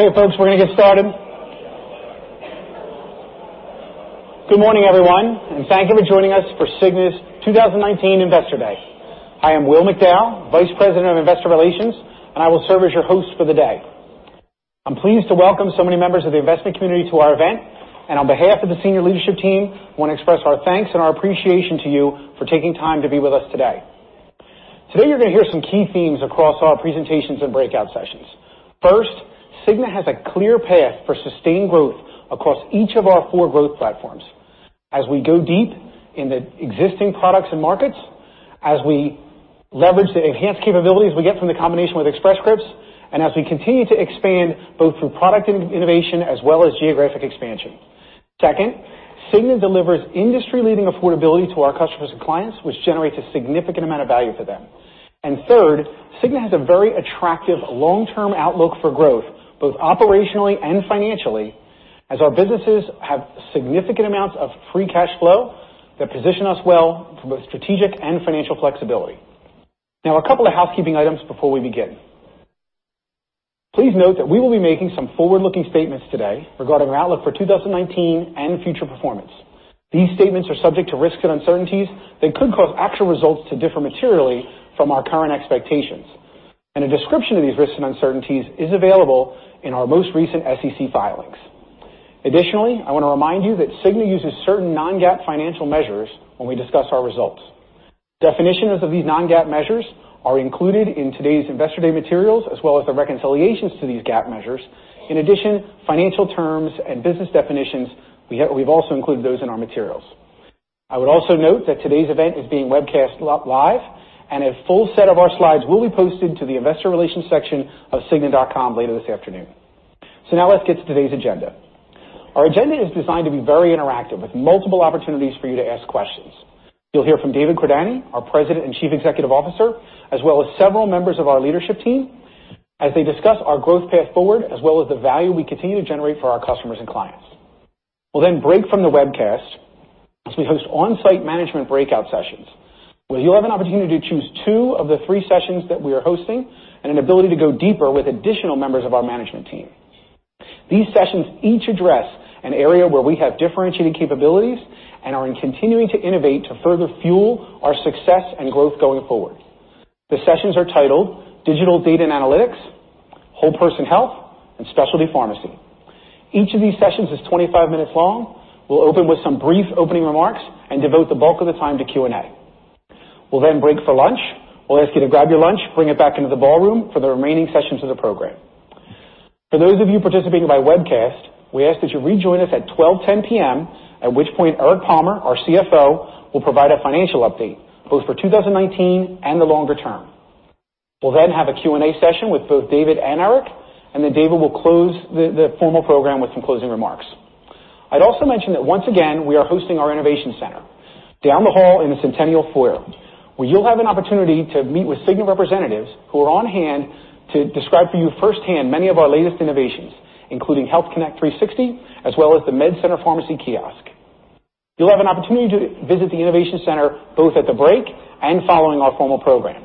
Okay, folks, we're going to get started. Good morning, everyone, and thank you for joining us for Cigna's 2019 Investor Day. I am Will McDowell, Vice President of Investor Relations, and I will serve as your host for the day. I'm pleased to welcome so many members of the investment community to our event. We want to express our thanks and our appreciation to you for taking time to be with us today. Today, you're going to hear some key themes across all presentations and breakout sessions. First, Cigna has a clear path for sustained growth across each of our four growth platforms. As we go deep in the existing products and markets, as we leverage the enhanced capabilities we get from the combination with Express Scripts, as we continue to expand both through product innovation as well as geographic expansion. Second, Cigna delivers industry-leading affordability to our customers and clients, which generates a significant amount of value for them. Third, Cigna has a very attractive long-term outlook for growth, both operationally and financially, as our businesses have significant amounts of free cash flow that position us well for both strategic and financial flexibility. Now, a couple of housekeeping items before we begin. Please note that we will be making some forward-looking statements today regarding our outlook for 2019 and future performance. These statements are subject to risks and uncertainties that could cause actual results to differ materially from our current expectations. A description of these risks and uncertainties is available in our most recent SEC filings. Additionally, I want to remind you that Cigna uses certain non-GAAP financial measures when we discuss our results. Definitions of these non-GAAP measures are included in today's Investor Day materials, as well as the reconciliations to these GAAP measures. In addition, financial terms and business definitions, we've also included those in our materials. I would also note that today's event is being webcast live, a full set of our slides will be posted to the investor relations section of cigna.com later this afternoon. Now let's get to today's agenda. Our agenda is designed to be very interactive, with multiple opportunities for you to ask questions. You'll hear from David Cordani, our President and Chief Executive Officer, as well as several members of our leadership team, as they discuss our growth path forward, as well as the value we continue to generate for our customers and clients. We'll then break from the webcast as we host on-site management breakout sessions, where you'll have an opportunity to choose two of the three sessions that we are hosting and an ability to go deeper with additional members of our management team. These sessions each address an area where we have differentiating capabilities and are in continuing to innovate to further fuel our success and growth going forward. The sessions are titled Digital Data and Analytics, Whole Person Health, and Specialty Pharmacy. Each of these sessions is 25 minutes long. We'll open with some brief opening remarks and devote the bulk of the time to Q&A. We'll then break for lunch. We'll ask you to grab your lunch, bring it back into the ballroom for the remaining sessions of the program. For those of you participating by webcast, we ask that you rejoin us at 12:10 P.M., at which point Eric Palmer, our CFO, will provide a financial update, both for 2019 and the longer term. We'll then have a Q&A session with both David and Eric, and then David will close the formal program with some closing remarks. I'd also mention that once again, we are hosting our Innovation Center down the hall in the Centennial Foyer, where you'll have an opportunity to meet with Cigna representatives who are on hand to describe for you firsthand many of our latest innovations, including Health Connect 360, as well as the Med Center Pharmacy Kiosk. You'll have an opportunity to visit the Innovation Center both at the break and following our formal program.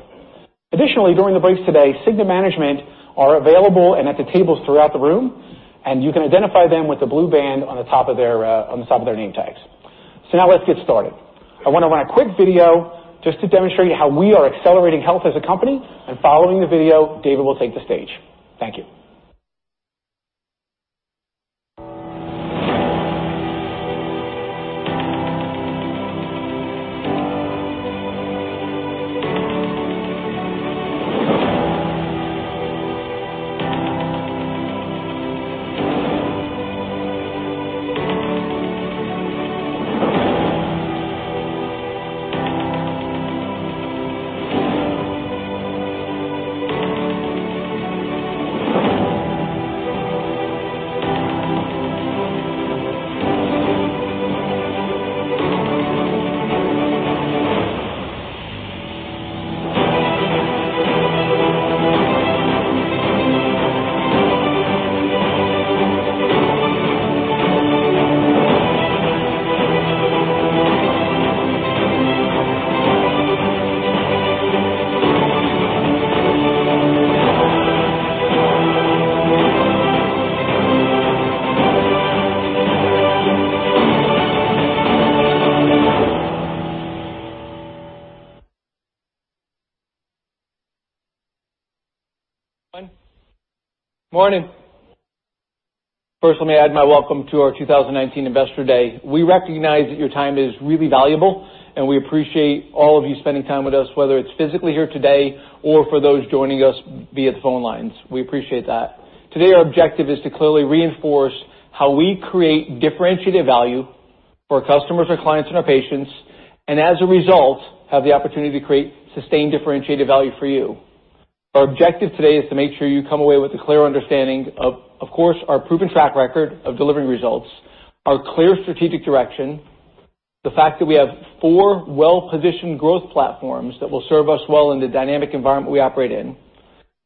Additionally, during the breaks today, Cigna management are available and at the tables throughout the room, and you can identify them with the blue band on the top of their name tags. Now let's get started. I want to run a quick video just to demonstrate how we are accelerating health as a company, and following the video, David will take the stage. Thank you. Morning. First, let me add my welcome to our 2019 Investor Day. We recognize that your time is really valuable, and we appreciate all of you spending time with us, whether it's physically here today or for those joining us via the phone lines. We appreciate that. Today, our objective is to clearly reinforce how we create differentiated value for our customers, our clients, and our patients, and as a result, have the opportunity to create sustained differentiated value for you. Our objective today is to make sure you come away with a clear understanding of course, our proven track record of delivering results, our clear strategic direction, the fact that we have four well-positioned growth platforms that will serve us well in the dynamic environment we operate in,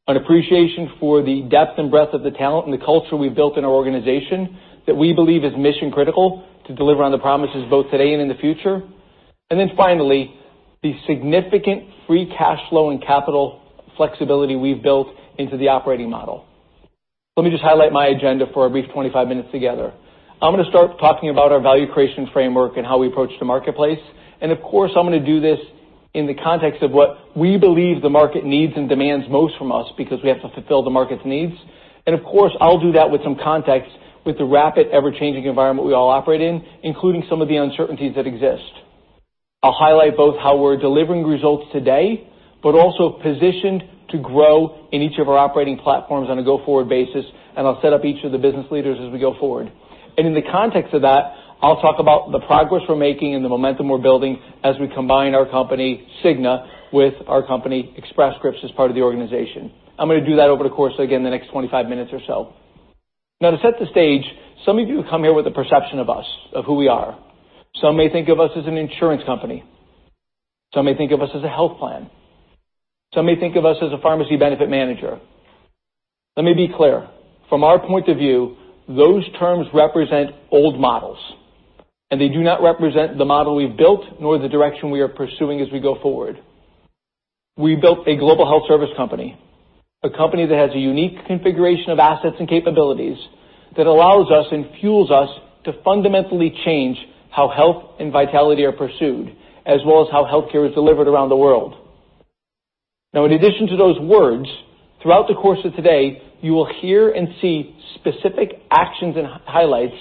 an appreciation for the depth and breadth of the talent and the culture we've built in our organization that we believe is mission-critical to deliver on the promises both today and in the future. Finally, the significant free cash flow and capital flexibility we've built into the operating model. Let me just highlight my agenda for our brief 25 minutes together. I'm going to start talking about our value creation framework and how we approach the marketplace. I'm going to do this in the context of what we believe the market needs and demands most from us because we have to fulfill the market's needs. Of course, I'll do that with some context, with the rapid, ever-changing environment we all operate in, including some of the uncertainties that exist. I'll highlight both how we're delivering results today, but also positioned to grow in each of our operating platforms on a go-forward basis. I'll set up each of the business leaders as we go forward. In the context of that, I'll talk about the progress we're making and the momentum we're building as we combine our company, Cigna, with our company, Express Scripts, as part of the organization. I'm going to do that over the course, again, the next 25 minutes or so. To set the stage, some of you come here with a perception of us, of who we are. Some may think of us as an insurance company. Some may think of us as a health plan. Some may think of us as a pharmacy benefit manager. Let me be clear. From our point of view, those terms represent old models. They do not represent the model we've built nor the direction we are pursuing as we go forward. We built a global health service company, a company that has a unique configuration of assets and capabilities that allows us and fuels us to fundamentally change how health and vitality are pursued, as well as how healthcare is delivered around the world. In addition to those words, throughout the course of today, you will hear and see specific actions and highlights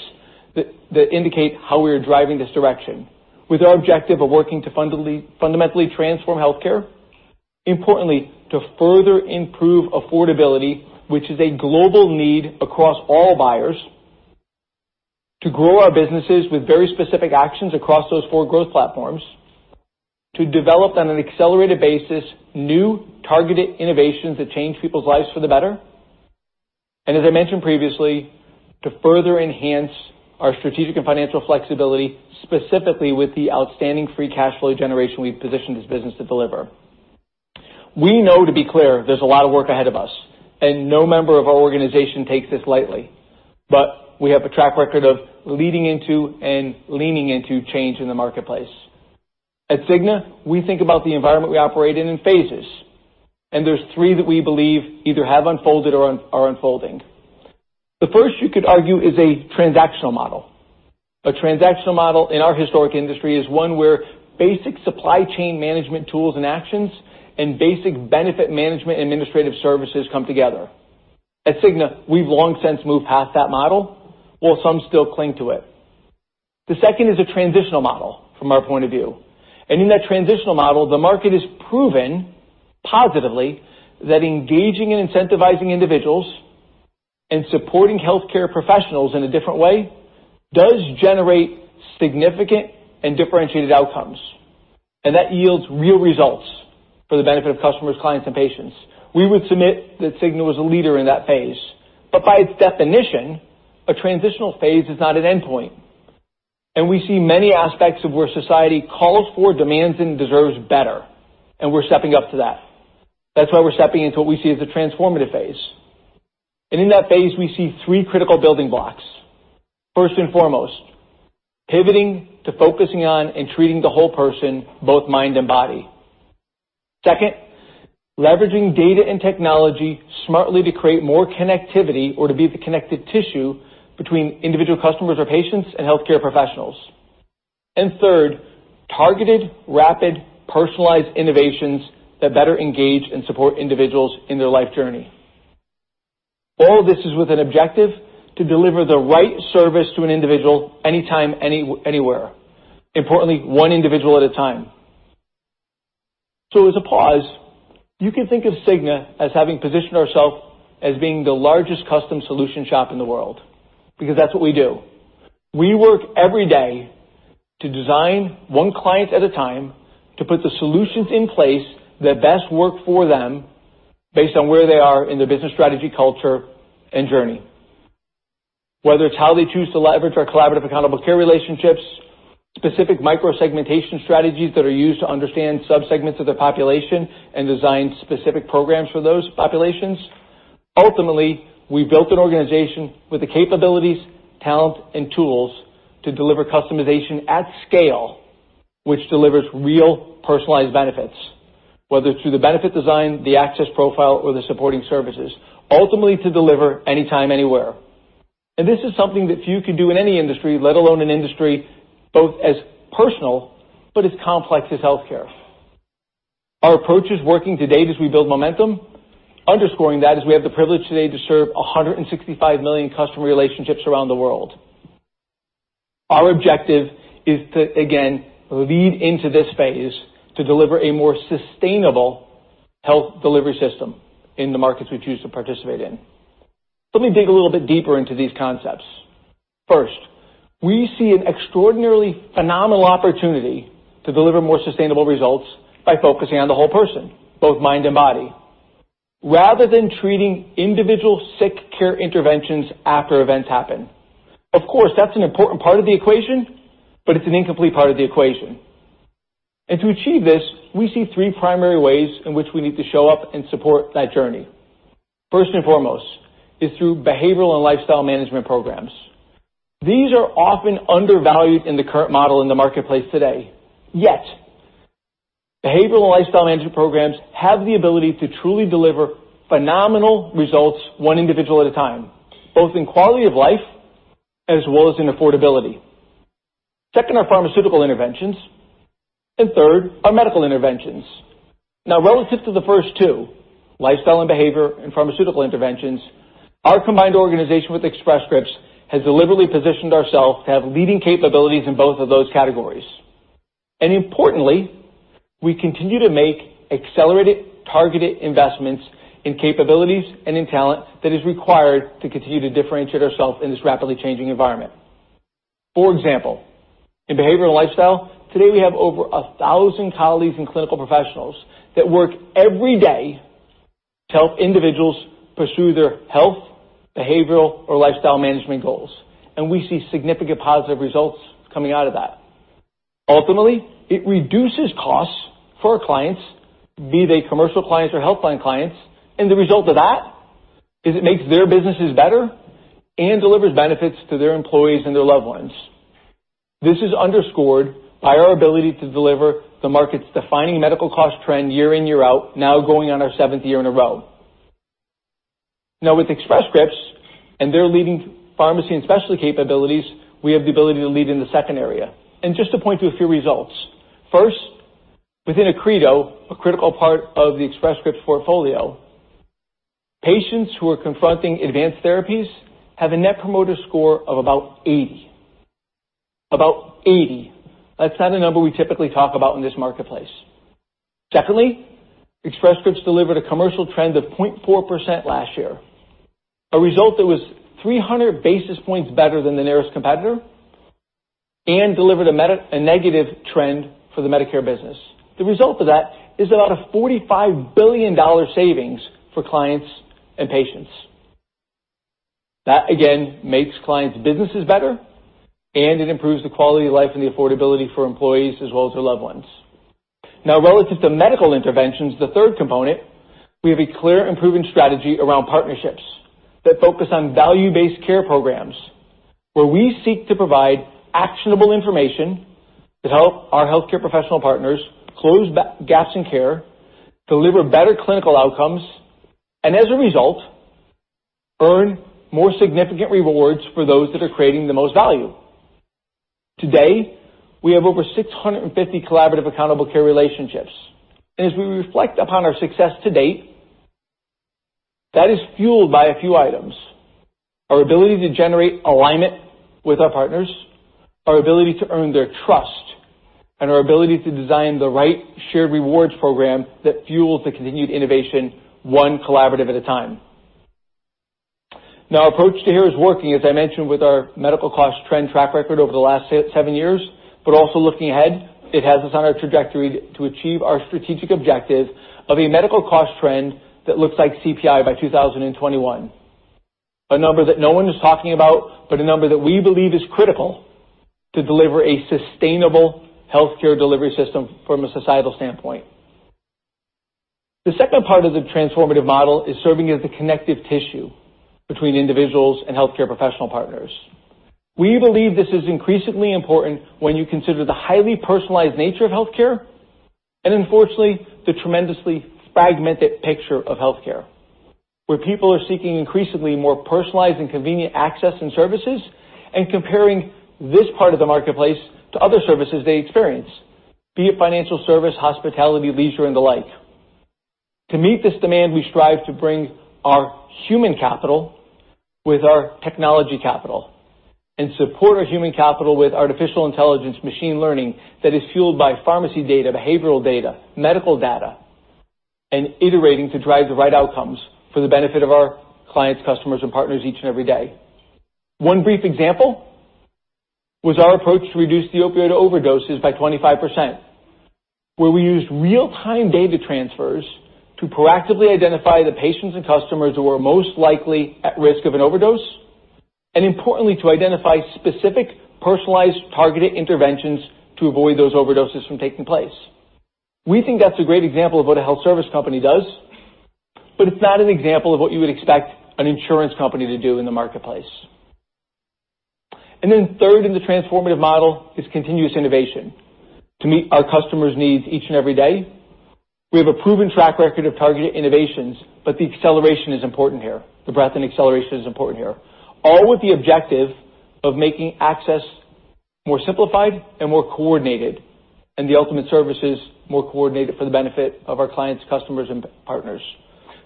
that indicate how we are driving this direction with our objective of working to fundamentally transform healthcare, importantly, to further improve affordability, which is a global need across all buyers, to grow our businesses with very specific actions across those four growth platforms, to develop on an accelerated basis new targeted innovations that change people's lives for the better. As I mentioned previously, to further enhance our strategic and financial flexibility, specifically with the outstanding free cash flow generation we've positioned this business to deliver. We know, to be clear, there's a lot of work ahead of us. No member of our organization takes this lightly. We have a track record of leading into and leaning into change in the marketplace. At Cigna, we think about the environment we operate in in phases, and there's three that we believe either have unfolded or are unfolding. The first you could argue is a transactional model. A transactional model in our historic industry is one where basic supply chain management tools and actions and basic benefit management administrative services come together. At Cigna, we've long since moved past that model, while some still cling to it. The second is a transitional model from our point of view. In that transitional model, the market has proven positively that engaging and incentivizing individuals and supporting healthcare professionals in a different way does generate significant and differentiated outcomes. That yields real results for the benefit of customers, clients, and patients. We would submit that Cigna was a leader in that phase, but by its definition, a transitional phase is not an endpoint. We see many aspects of where society calls for, demands, and deserves better, and we're stepping up to that. That's why we're stepping into what we see as a transformative phase. In that phase, we see three critical building blocks. First and foremost, pivoting to focusing on and treating the whole person, both mind and body. Second, leveraging data and technology smartly to create more connectivity or to be the connected tissue between individual customers or patients and healthcare professionals. Third, targeted, rapid, personalized innovations that better engage and support individuals in their life journey. All of this is with an objective to deliver the right service to an individual anytime, anywhere. Importantly, one individual at a time. As a pause, you can think of Cigna as having positioned ourselves as being the largest custom solution shop in the world, because that's what we do. We work every day to design one client at a time to put the solutions in place that best work for them based on where they are in their business strategy, culture, and journey. Whether it's how they choose to leverage our collaborative accountable care relationships, specific microsegmentation strategies that are used to understand subsegments of the population and design specific programs for those populations. Ultimately, we've built an organization with the capabilities, talent, and tools to deliver customization at scale, which delivers real personalized benefits, whether through the benefit design, the access profile, or the supporting services, ultimately to deliver anytime, anywhere. This is something that few can do in any industry, let alone an industry both as personal but as complex as healthcare. Our approach is working to date as we build momentum. Underscoring that is we have the privilege today to serve 165 million customer relationships around the world. Our objective is to, again, lead into this phase to deliver a more sustainable health delivery system in the markets we choose to participate in. Let me dig a little bit deeper into these concepts. First, we see an extraordinarily phenomenal opportunity to deliver more sustainable results by focusing on the whole person, both mind and body, rather than treating individual sick care interventions after events happen. Of course, that's an important part of the equation, but it's an incomplete part of the equation. To achieve this, we see three primary ways in which we need to show up and support that journey. First and foremost is through behavioral and lifestyle management programs. These are often undervalued in the current model in the marketplace today. Yet behavioral and lifestyle management programs have the ability to truly deliver phenomenal results, one individual at a time, both in quality of life as well as in affordability. Second are pharmaceutical interventions, and third are medical interventions. Relative to the first two, lifestyle and behavior and pharmaceutical interventions, our combined organization with Express Scripts has deliberately positioned ourselves to have leading capabilities in both of those categories. Importantly, we continue to make accelerated, targeted investments in capabilities and in talent that is required to continue to differentiate ourselves in this rapidly changing environment. For example, in behavioral and lifestyle, today we have over 1,000 colleagues and clinical professionals that work every day to help individuals pursue their health, behavioral, or lifestyle management goals, and we see significant positive results coming out of that. Ultimately, it reduces costs for our clients, be they commercial clients or health plan clients, and the result of that is it makes their businesses better and delivers benefits to their employees and their loved ones. This is underscored by our ability to deliver the market's defining medical cost trend year in, year out, now going on our seventh year in a row. Now with Express Scripts and their leading pharmacy and specialty capabilities, we have the ability to lead in the second area. Just to point to a few results. First, within Accredo, a critical part of the Express Scripts portfolio, patients who are confronting advanced therapies have a Net Promoter Score of about 80. About 80. That's not a number we typically talk about in this marketplace. Secondly, Express Scripts delivered a commercial trend of 0.4% last year, a result that was 300 basis points better than the nearest competitor and delivered a negative trend for the Medicare business. The result of that is about a $45 billion savings for clients and patients. That, again, makes clients' businesses better, and it improves the quality of life and the affordability for employees as well as their loved ones. Now relative to medical interventions, the third component, we have a clear and proven strategy around partnerships that focus on value-based care programs, where we seek to provide actionable information to help our healthcare professional partners close gaps in care, deliver better clinical outcomes, and as a result, earn more significant rewards for those that are creating the most value. Today, we have over 650 collaborative accountable care relationships. As we reflect upon our success to date, that is fueled by a few items: our ability to generate alignment with our partners, our ability to earn their trust, and our ability to design the right shared rewards program that fuels the continued innovation, one collaborative at a time. Now, our approach to here is working, as I mentioned, with our medical cost trend track record over the last seven years. Also looking ahead, it has us on our trajectory to achieve our strategic objective of a medical cost trend that looks like CPI by 2021. A number that no one is talking about, but a number that we believe is critical to deliver a sustainable healthcare delivery system from a societal standpoint. The second part of the transformative model is serving as the connective tissue between individuals and healthcare professional partners. We believe this is increasingly important when you consider the highly personalized nature of healthcare, and unfortunately, the tremendously fragmented picture of healthcare, where people are seeking increasingly more personalized and convenient access and services and comparing this part of the marketplace to other services they experience, be it financial service, hospitality, leisure, and the like. To meet this demand, we strive to bring our human capital with our technology capital and support our human capital with artificial intelligence machine learning that is fueled by pharmacy data, behavioral data, medical data, and iterating to drive the right outcomes for the benefit of our clients, customers, and partners each and every day. One brief example was our approach to reduce the opioid overdoses by 25%, where we used real-time data transfers to proactively identify the patients and customers who are most likely at risk of an overdose, and importantly, to identify specific, personalized, targeted interventions to avoid those overdoses from taking place. We think that's a great example of what a health service company does, but it's not an example of what you would expect an insurance company to do in the marketplace. Third in the transformative model is continuous innovation. To meet our customers' needs each and every day, we have a proven track record of targeted innovations, but the acceleration is important here. The breadth and acceleration is important here. All with the objective of making access more simplified and more coordinated, and the ultimate services more coordinated for the benefit of our clients, customers, and partners.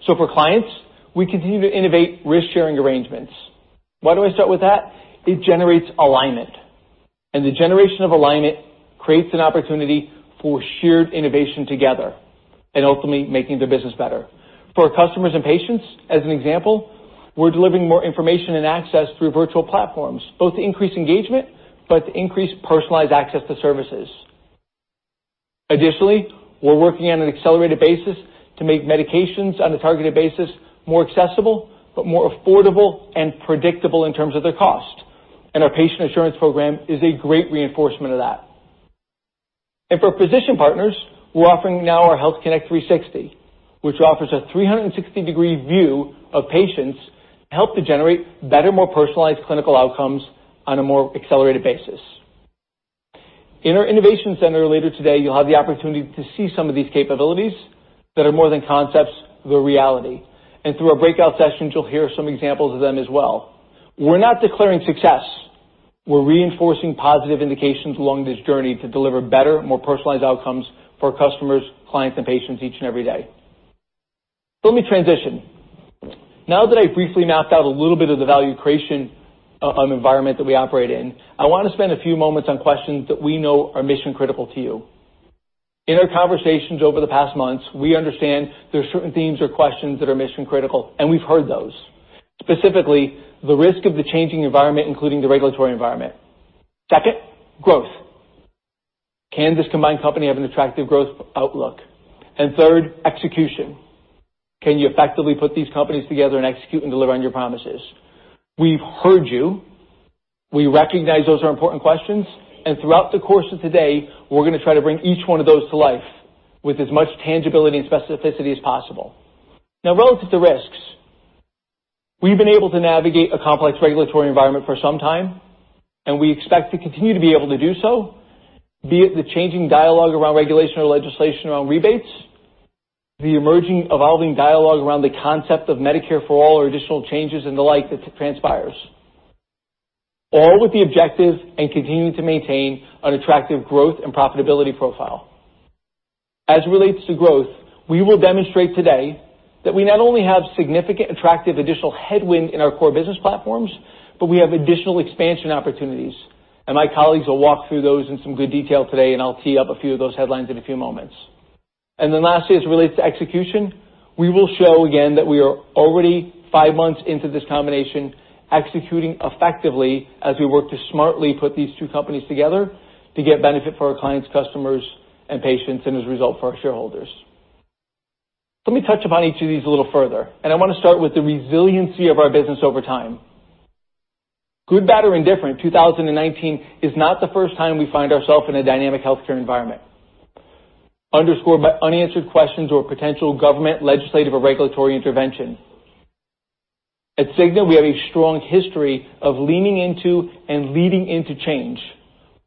For clients, we continue to innovate risk-sharing arrangements. Why do I start with that? It generates alignment, and the generation of alignment creates an opportunity for shared innovation together and ultimately making their business better. For our customers and patients, as an example, we're delivering more information and access through virtual platforms, both to increase engagement, but to increase personalized access to services. Additionally, we're working on an accelerated basis to make medications on a targeted basis, more accessible but more affordable and predictable in terms of their cost. Our Patient Assurance Program is a great reinforcement of that. For physician partners, we're offering now our HealthConnect 360, which offers a 360-degree view of patients to help to generate better, more personalized clinical outcomes on a more accelerated basis. In our innovation center later today, you'll have the opportunity to see some of these capabilities that are more than concepts, they're reality. Through our breakout sessions, you'll hear some examples of them as well. We're not declaring success. We're reinforcing positive indications along this journey to deliver better, more personalized outcomes for our customers, clients, and patients each and every day. Let me transition. Now that I've briefly mapped out a little bit of the value creation environment that we operate in, I want to spend a few moments on questions that we know are mission-critical to you. In our conversations over the past months, we understand there are certain themes or questions that are mission-critical, and we've heard those. Specifically, the risk of the changing environment, including the regulatory environment. Second, growth. Can this combined company have an attractive growth outlook? Third, execution. Can you effectively put these companies together and execute and deliver on your promises? We've heard you. We recognize those are important questions. Throughout the course of today, we're going to try to bring each one of those to life with as much tangibility and specificity as possible. Now, relative to risks, we've been able to navigate a complex regulatory environment for some time, and we expect to continue to be able to do so, be it the changing dialogue around regulation or legislation around rebates, the emerging evolving dialogue around the concept of Medicare for all or additional changes and the like that transpires. All with the objective and continuing to maintain an attractive growth and profitability profile. As it relates to growth, we will demonstrate today that we not only have significant attractive additional headwind in our core business platforms, but we have additional expansion opportunities. My colleagues will walk through those in some good detail today, and I'll tee up a few of those headlines in a few moments. Lastly, as it relates to execution, we will show again that we are already five months into this combination, executing effectively as we work to smartly put these two companies together to get benefit for our clients, customers, and patients, and as a result, for our shareholders. Let me touch upon each of these a little further, and I want to start with the resiliency of our business over time. Good, bad, or indifferent, 2019 is not the first time we find ourselves in a dynamic healthcare environment underscored by unanswered questions or potential government legislative or regulatory intervention. At Cigna, we have a strong history of leaning into and leading into change,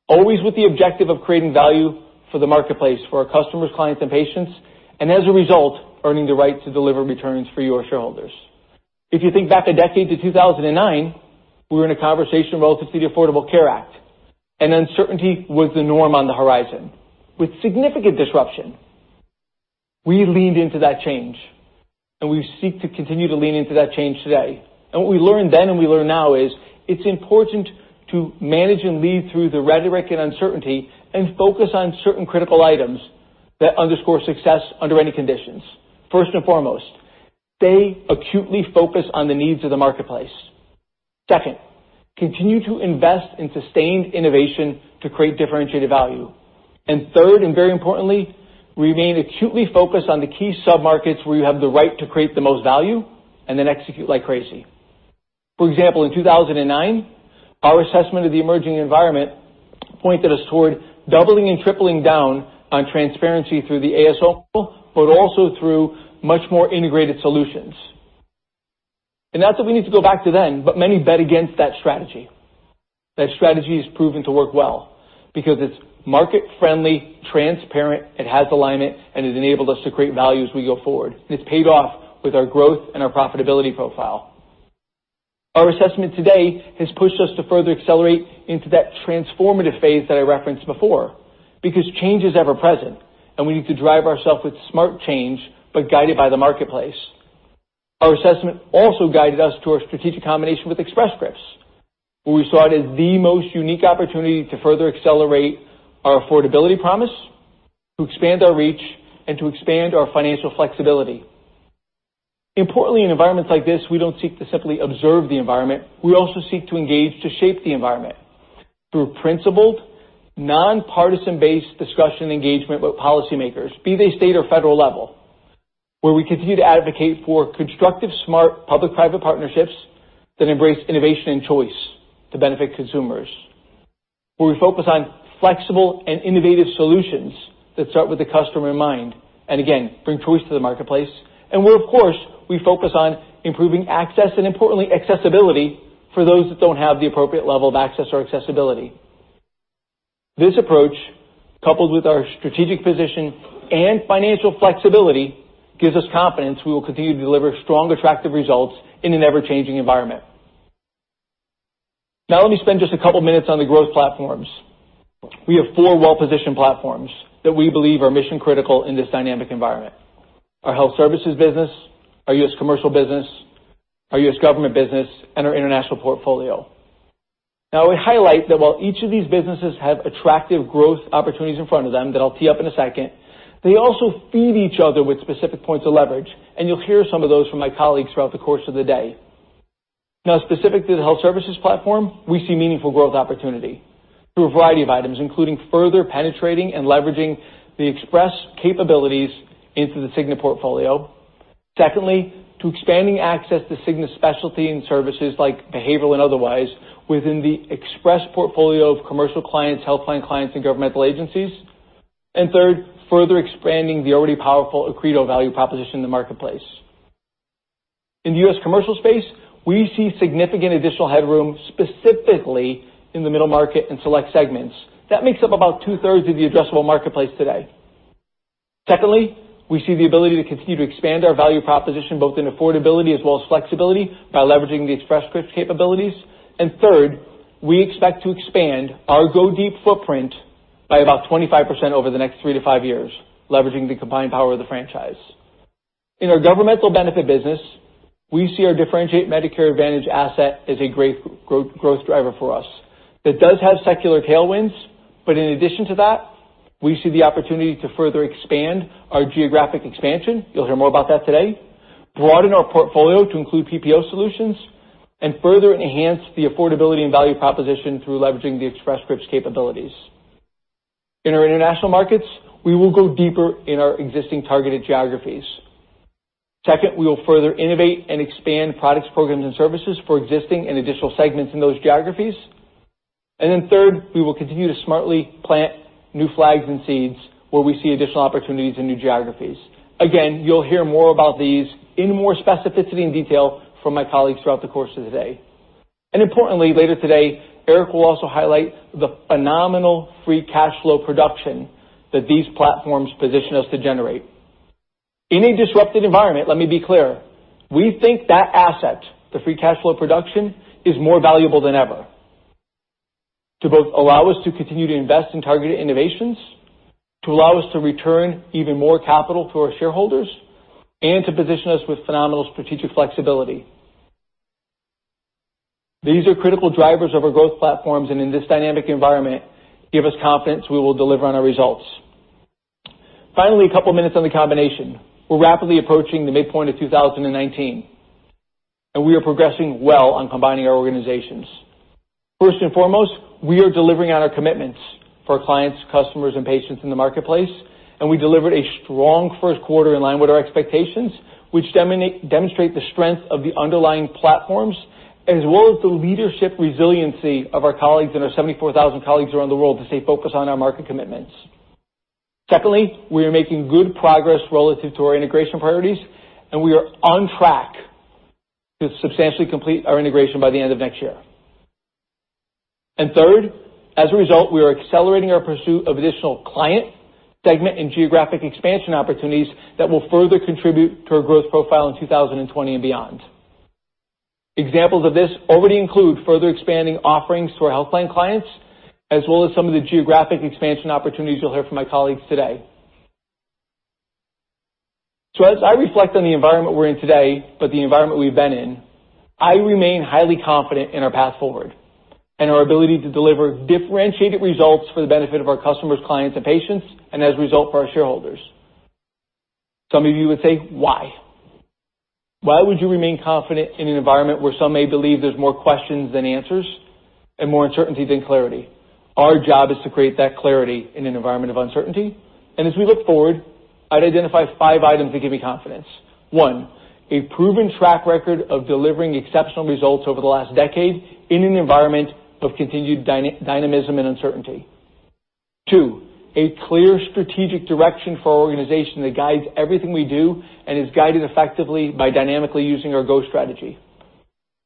always with the objective of creating value for the marketplace, for our customers, clients, and patients, and as a result, earning the right to deliver returns for your shareholders. If you think back a decade to 2009, we were in a conversation relative to the Affordable Care Act, uncertainty was the norm on the horizon. With significant disruption, we leaned into that change, we seek to continue to lean into that change today. What we learned then and we learn now is it's important to manage and lead through the rhetoric and uncertainty and focus on certain critical items that underscore success under any conditions. First and foremost, stay acutely focused on the needs of the marketplace. Second, continue to invest in sustained innovation to create differentiated value. Third, and very importantly, remain acutely focused on the key submarkets where you have the right to create the most value, then execute like crazy. For example, in 2009, our assessment of the emerging environment pointed us toward doubling and tripling down on transparency through the ASO, but also through much more integrated solutions. That's what we need to go back to then, but many bet against that strategy. That strategy has proven to work well because it's market-friendly, transparent, it has alignment, and it enabled us to create value as we go forward. It's paid off with our growth and our profitability profile. Our assessment today has pushed us to further accelerate into that transformative phase that I referenced before, because change is ever present, and we need to drive ourself with smart change, but guided by the marketplace. Our assessment also guided us to our strategic combination with Express Scripts, where we saw it as the most unique opportunity to further accelerate our affordability promise, to expand our reach, and to expand our financial flexibility. Importantly, in environments like this, we don't seek to simply observe the environment. We also seek to engage to shape the environment through principled, nonpartisan-based discussion engagement with policymakers, be they state or federal level, where we continue to advocate for constructive, smart public-private partnerships that embrace innovation and choice to benefit consumers. Where we focus on flexible and innovative solutions that start with the customer in mind, and again, bring choice to the marketplace. Where, of course, we focus on improving access and importantly, accessibility for those that don't have the appropriate level of access or accessibility. This approach, coupled with our strategic position and financial flexibility, gives us confidence we will continue to deliver strong, attractive results in an ever-changing environment. Let me spend just a couple of minutes on the growth platforms. We have four well-positioned platforms that we believe are mission-critical in this dynamic environment: our health services business, our U.S. Commercial business, our U.S. Government business, and our international portfolio. I would highlight that while each of these businesses have attractive growth opportunities in front of them that I'll tee up in a second, they also feed each other with specific points of leverage, and you'll hear some of those from my colleagues throughout the course of the day. Specific to the health services platform, we see meaningful growth opportunity through a variety of items, including further penetrating and leveraging the Express capabilities into the Cigna portfolio. Secondly, to expanding access to Cigna Specialty and services like behavioral and otherwise within the Express Scripts portfolio of commercial clients, health plan clients, and governmental agencies. Third, further expanding the already powerful Accredo value proposition in the marketplace. In the U.S. Commercial space, we see significant additional headroom, specifically in the middle market and select segments. That makes up about two-thirds of the addressable marketplace today. Secondly, we see the ability to continue to expand our value proposition, both in affordability as well as flexibility, by leveraging the Express Scripts capabilities. Third, we expect to expand our Go Deep footprint by about 25% over the next three to five years, leveraging the combined power of the franchise. In our Governmental benefit business, we see our differentiate Medicare Advantage asset as a great growth driver for us. That does have secular tailwinds, but in addition to that, we see the opportunity to further expand our geographic expansion, you'll hear more about that today, broaden our portfolio to include PPO solutions, and further enhance the affordability and value proposition through leveraging the Express Scripts capabilities. In our international markets, we will go deeper in our existing targeted geographies. Second, we will further innovate and expand products, programs, and services for existing and additional segments in those geographies. Third, we will continue to smartly plant new flags and seeds where we see additional opportunities in new geographies. You'll hear more about these in more specificity and detail from my colleagues throughout the course of the day. Importantly, later today, Eric will also highlight the phenomenal free cash flow production that these platforms position us to generate. In a disrupted environment, let me be clear, we think that asset, the free cash flow production, is more valuable than ever to both allow us to continue to invest in targeted innovations, to allow us to return even more capital to our shareholders, and to position us with phenomenal strategic flexibility. These are critical drivers of our growth platforms, and in this dynamic environment, give us confidence we will deliver on our results. Finally, a couple of minutes on the combination. We're rapidly approaching the midpoint of 2019, we are progressing well on combining our organizations. First and foremost, we are delivering on our commitments for clients, customers, and patients in the marketplace, and we delivered a strong first quarter in line with our expectations, which demonstrate the strength of the underlying platforms, as well as the leadership resiliency of our colleagues and our 74,000 colleagues around the world to stay focused on our market commitments. Secondly, we are making good progress relative to our integration priorities, and we are on track to substantially complete our integration by the end of next year. Third, as a result, we are accelerating our pursuit of additional client segment and geographic expansion opportunities that will further contribute to our growth profile in 2020 and beyond. Examples of this already include further expanding offerings to our health plan clients, as well as some of the geographic expansion opportunities you'll hear from my colleagues today. As I reflect on the environment we're in today, but the environment we've been in, I remain highly confident in our path forward and our ability to deliver differentiated results for the benefit of our customers, clients, and patients, and as a result, for our shareholders. Some of you would say, "Why? Why would you remain confident in an environment where some may believe there's more questions than answers and more uncertainty than clarity?" Our job is to create that clarity in an environment of uncertainty. As we look forward, I'd identify five items that give me confidence. One, a proven track record of delivering exceptional results over the last decade in an environment of continued dynamism and uncertainty. Two, a clear strategic direction for our organization that guides everything we do and is guided effectively by dynamically using our GO strategy.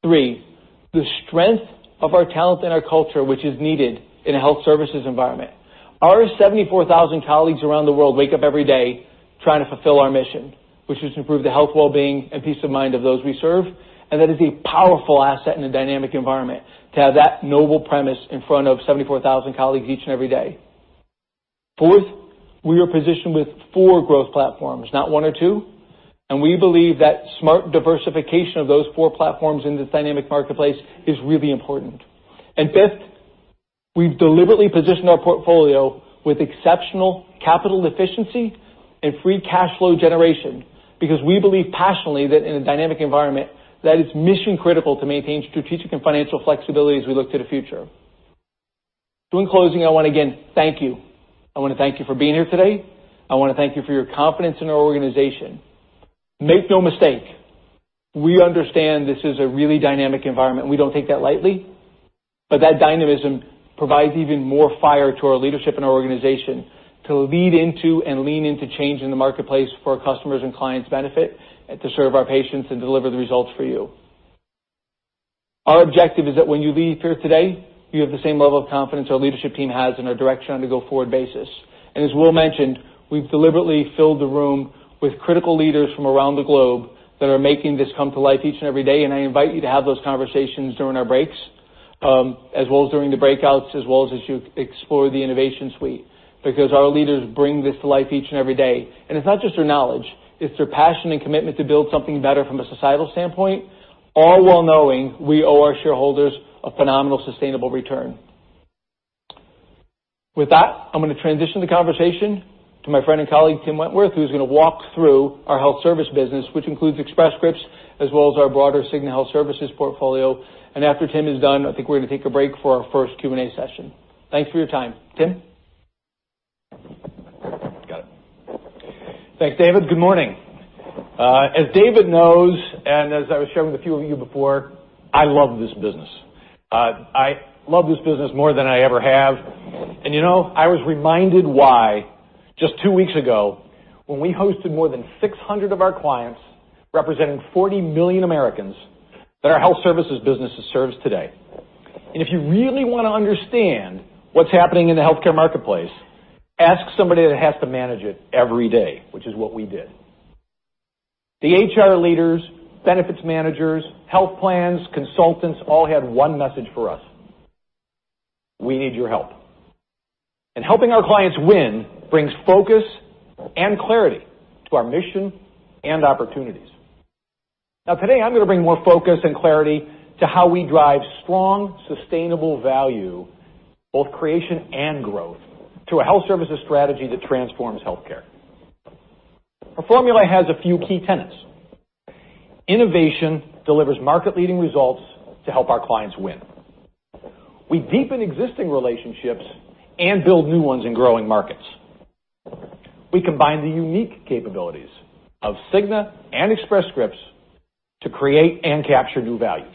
Three, the strength of our talent and our culture, which is needed in a health services environment. Our 74,000 colleagues around the world wake up every day trying to fulfill our mission, which is to improve the health, wellbeing, and peace of mind of those we serve, and that is a powerful asset in a dynamic environment to have that noble premise in front of 74,000 colleagues each and every day. Fourth, we are positioned with four growth platforms, not one or two, and we believe that smart diversification of those four platforms in this dynamic marketplace is really important. Fifth, we've deliberately positioned our portfolio with exceptional capital efficiency and free cash flow generation because we believe passionately that in a dynamic environment, that is mission-critical to maintain strategic and financial flexibility as we look to the future. In closing, I want to again thank you. I want to thank you for being here today. I want to thank you for your confidence in our organization. Make no mistake, we understand this is a really dynamic environment, and we don't take that lightly, but that dynamism provides even more fire to our leadership and our organization to lead into and lean into change in the marketplace for our customers' and clients' benefit, and to serve our patients and deliver the results for you. Our objective is that when you leave here today, you have the same level of confidence our leadership team has in our direction on a go-forward basis. As Will mentioned, we've deliberately filled the room with critical leaders from around the globe that are making this come to life each and every day. I invite you to have those conversations during our breaks, as well as during the breakouts, as well as you explore the innovation suite. Our leaders bring this to life each and every day. It's not just their knowledge, it's their passion and commitment to build something better from a societal standpoint, all well knowing we owe our shareholders a phenomenal sustainable return. I'm going to transition the conversation to my friend and colleague, Tim Wentworth, who's going to walk through our health service business, which includes Express Scripts, as well as our broader Cigna Health Services portfolio. After Tim is done, I think we're going to take a break for our first Q&A session. Thanks for your time. Tim? Got it. Thanks, David. Good morning. As David knows, as I was sharing with a few of you before, I love this business. I love this business more than I ever have. I was reminded why just two weeks ago when we hosted more than 600 of our clients, representing 40 million Americans that our health services business serves today. If you really want to understand what's happening in the healthcare marketplace, ask somebody that has to manage it every day, which is what we did. The HR leaders, benefits managers, health plans, consultants, all had one message for us, "We need your help." Helping our clients win brings focus and clarity to our mission and opportunities. Today, I'm going to bring more focus and clarity to how we drive strong, sustainable value, both creation and growth, through a health services strategy that transforms healthcare. Our formula has a few key tenets. Innovation delivers market-leading results to help our clients win. We deepen existing relationships and build new ones in growing markets. We combine the unique capabilities of Cigna and Express Scripts to create and capture new value.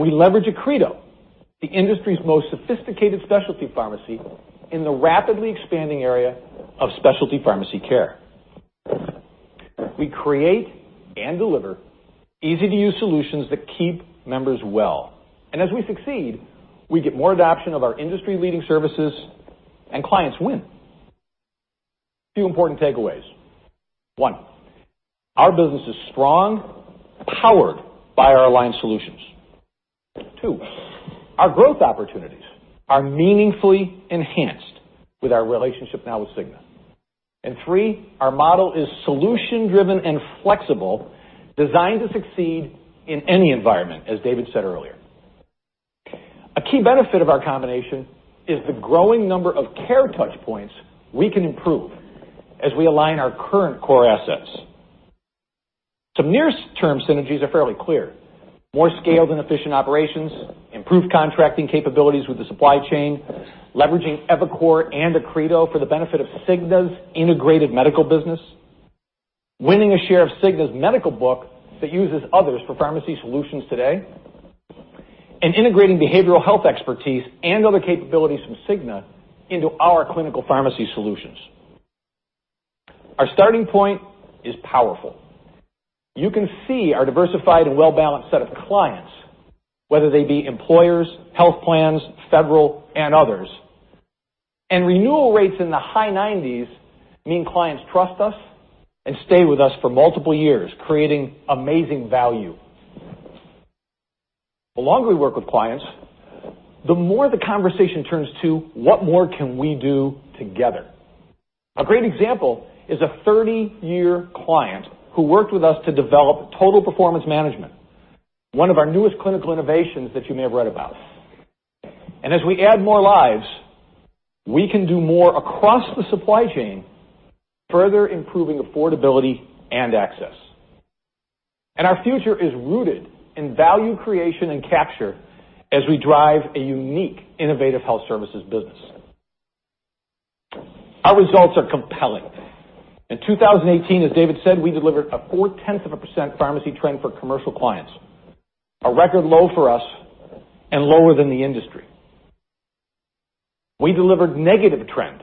We leverage Accredo, the industry's most sophisticated specialty pharmacy, in the rapidly expanding area of specialty pharmacy care. We create and deliver easy-to-use solutions that keep members well. As we succeed, we get more adoption of our industry-leading services, clients win. A few important takeaways. One, our business is strong, powered by our aligned solutions. Two, our growth opportunities are meaningfully enhanced with our relationship now with Cigna. Three, our model is solution-driven and flexible, designed to succeed in any environment, as David said earlier. A key benefit of our combination is the growing number of care touchpoints we can improve as we align our current core assets. Some near-term synergies are fairly clear. More scaled and efficient operations, improved contracting capabilities with the supply chain, leveraging eviCore and Accredo for the benefit of Cigna's Integrated Medical business, winning a share of Cigna's medical book that uses others for pharmacy solutions today, and integrating behavioral health expertise and other capabilities from Cigna into our clinical pharmacy solutions. Our starting point is powerful. You can see our diversified and well-balanced set of clients, whether they be employers, health plans, federal, and others. Renewal rates in the high 90s mean clients trust us and stay with us for multiple years, creating amazing value. The longer we work with clients, the more the conversation turns to what more can we do together. A great example is a 30-year client who worked with us to develop Total Performance Management, one of our newest clinical innovations that you may have read about. As we add more lives, we can do more across the supply chain, further improving affordability and access. Our future is rooted in value creation and capture as we drive a unique innovative health services business. Our results are compelling. In 2018, as David said, we delivered a 0.4% pharmacy trend for commercial clients, a record low for us and lower than the industry. We delivered negative trend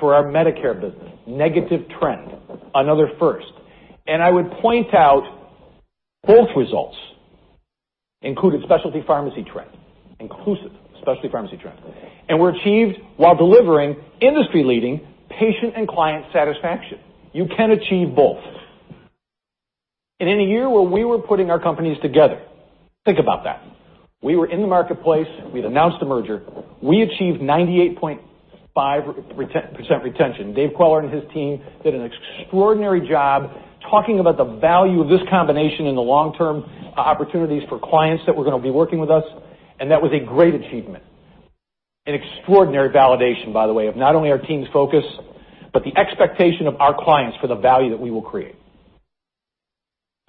for our Medicare business. Negative trend, another first. I would point out both results included specialty pharmacy trend, and were achieved while delivering industry-leading patient and client satisfaction. You can achieve both. In a year where we were putting our companies together, think about that. We were in the marketplace. We'd announced a merger. We achieved 98.5% retention. Dave Queller and his team did an extraordinary job talking about the value of this combination in the long term, opportunities for clients that were going to be working with us, and that was a great achievement. An extraordinary validation, by the way, of not only our team's focus, but the expectation of our clients for the value that we will create.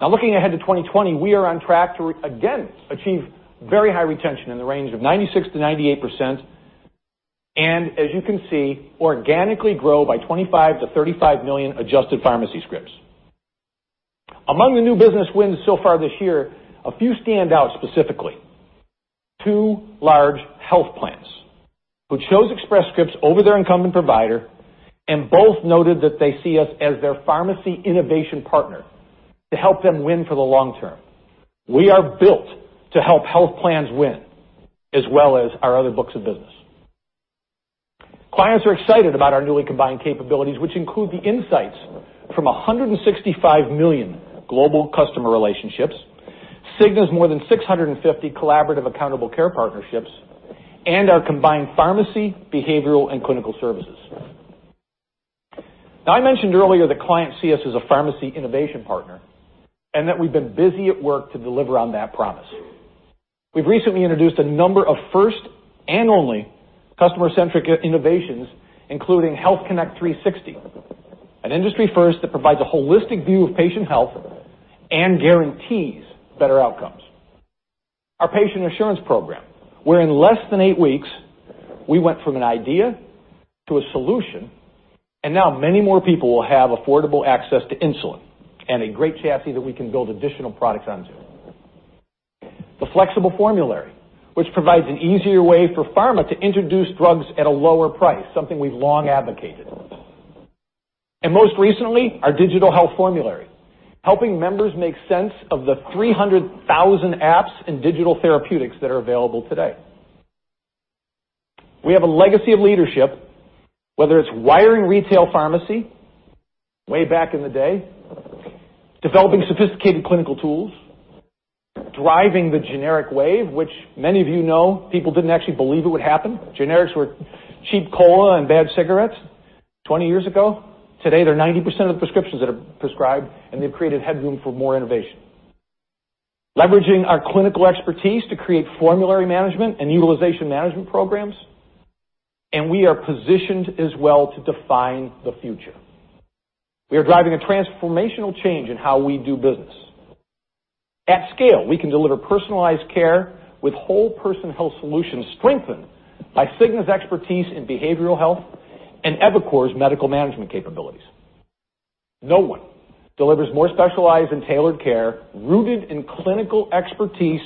Looking ahead to 2020, we are on track to, again, achieve very high retention in the range of 96%-98%, and as you can see, organically grow by 25 million-35 million adjusted pharmacy scripts. Among the new business wins so far this year, a few stand out specifically. Two large health plans, which chose Express Scripts over their incumbent provider, and both noted that they see us as their pharmacy innovation partner to help them win for the long term. We are built to help health plans win, as well as our other books of business. Clients are excited about our newly combined capabilities, which include the insights from 165 million global customer relationships, Cigna's more than 650 collaborative accountable care partnerships, and our combined pharmacy, behavioral, and clinical services. I mentioned earlier that clients see us as a pharmacy innovation partner and that we've been busy at work to deliver on that promise. We've recently introduced a number of first and only customer-centric innovations, including Health Connect 360, an industry first that provides a holistic view of patient health and guarantees better outcomes. Our Patient Assurance Program, where in less than eight weeks, we went from an idea to a solution, and now many more people will have affordable access to insulin and a great chassis that we can build additional products onto. The flexible formulary, which provides an easier way for pharma to introduce drugs at a lower price, something we've long advocated. Most recently, our Digital Health Formulary, helping members make sense of the 300,000 apps and digital therapeutics that are available today. We have a legacy of leadership, whether it's wiring retail pharmacy way back in the day, developing sophisticated clinical tools, driving the generic wave, which many of you know, people didn't actually believe it would happen. Generics were cheap cola and bad cigarettes 20 years ago. Today, they're 90% of the prescriptions that are prescribed, and they've created headroom for more innovation. Leveraging our clinical expertise to create formulary management and utilization management programs. We are positioned as well to define the future. We are driving a transformational change in how we do business. At scale, we can deliver personalized care with whole person health solutions strengthened by Cigna's expertise in behavioral health and eviCore's medical management capabilities. No one delivers more specialized and tailored care rooted in clinical expertise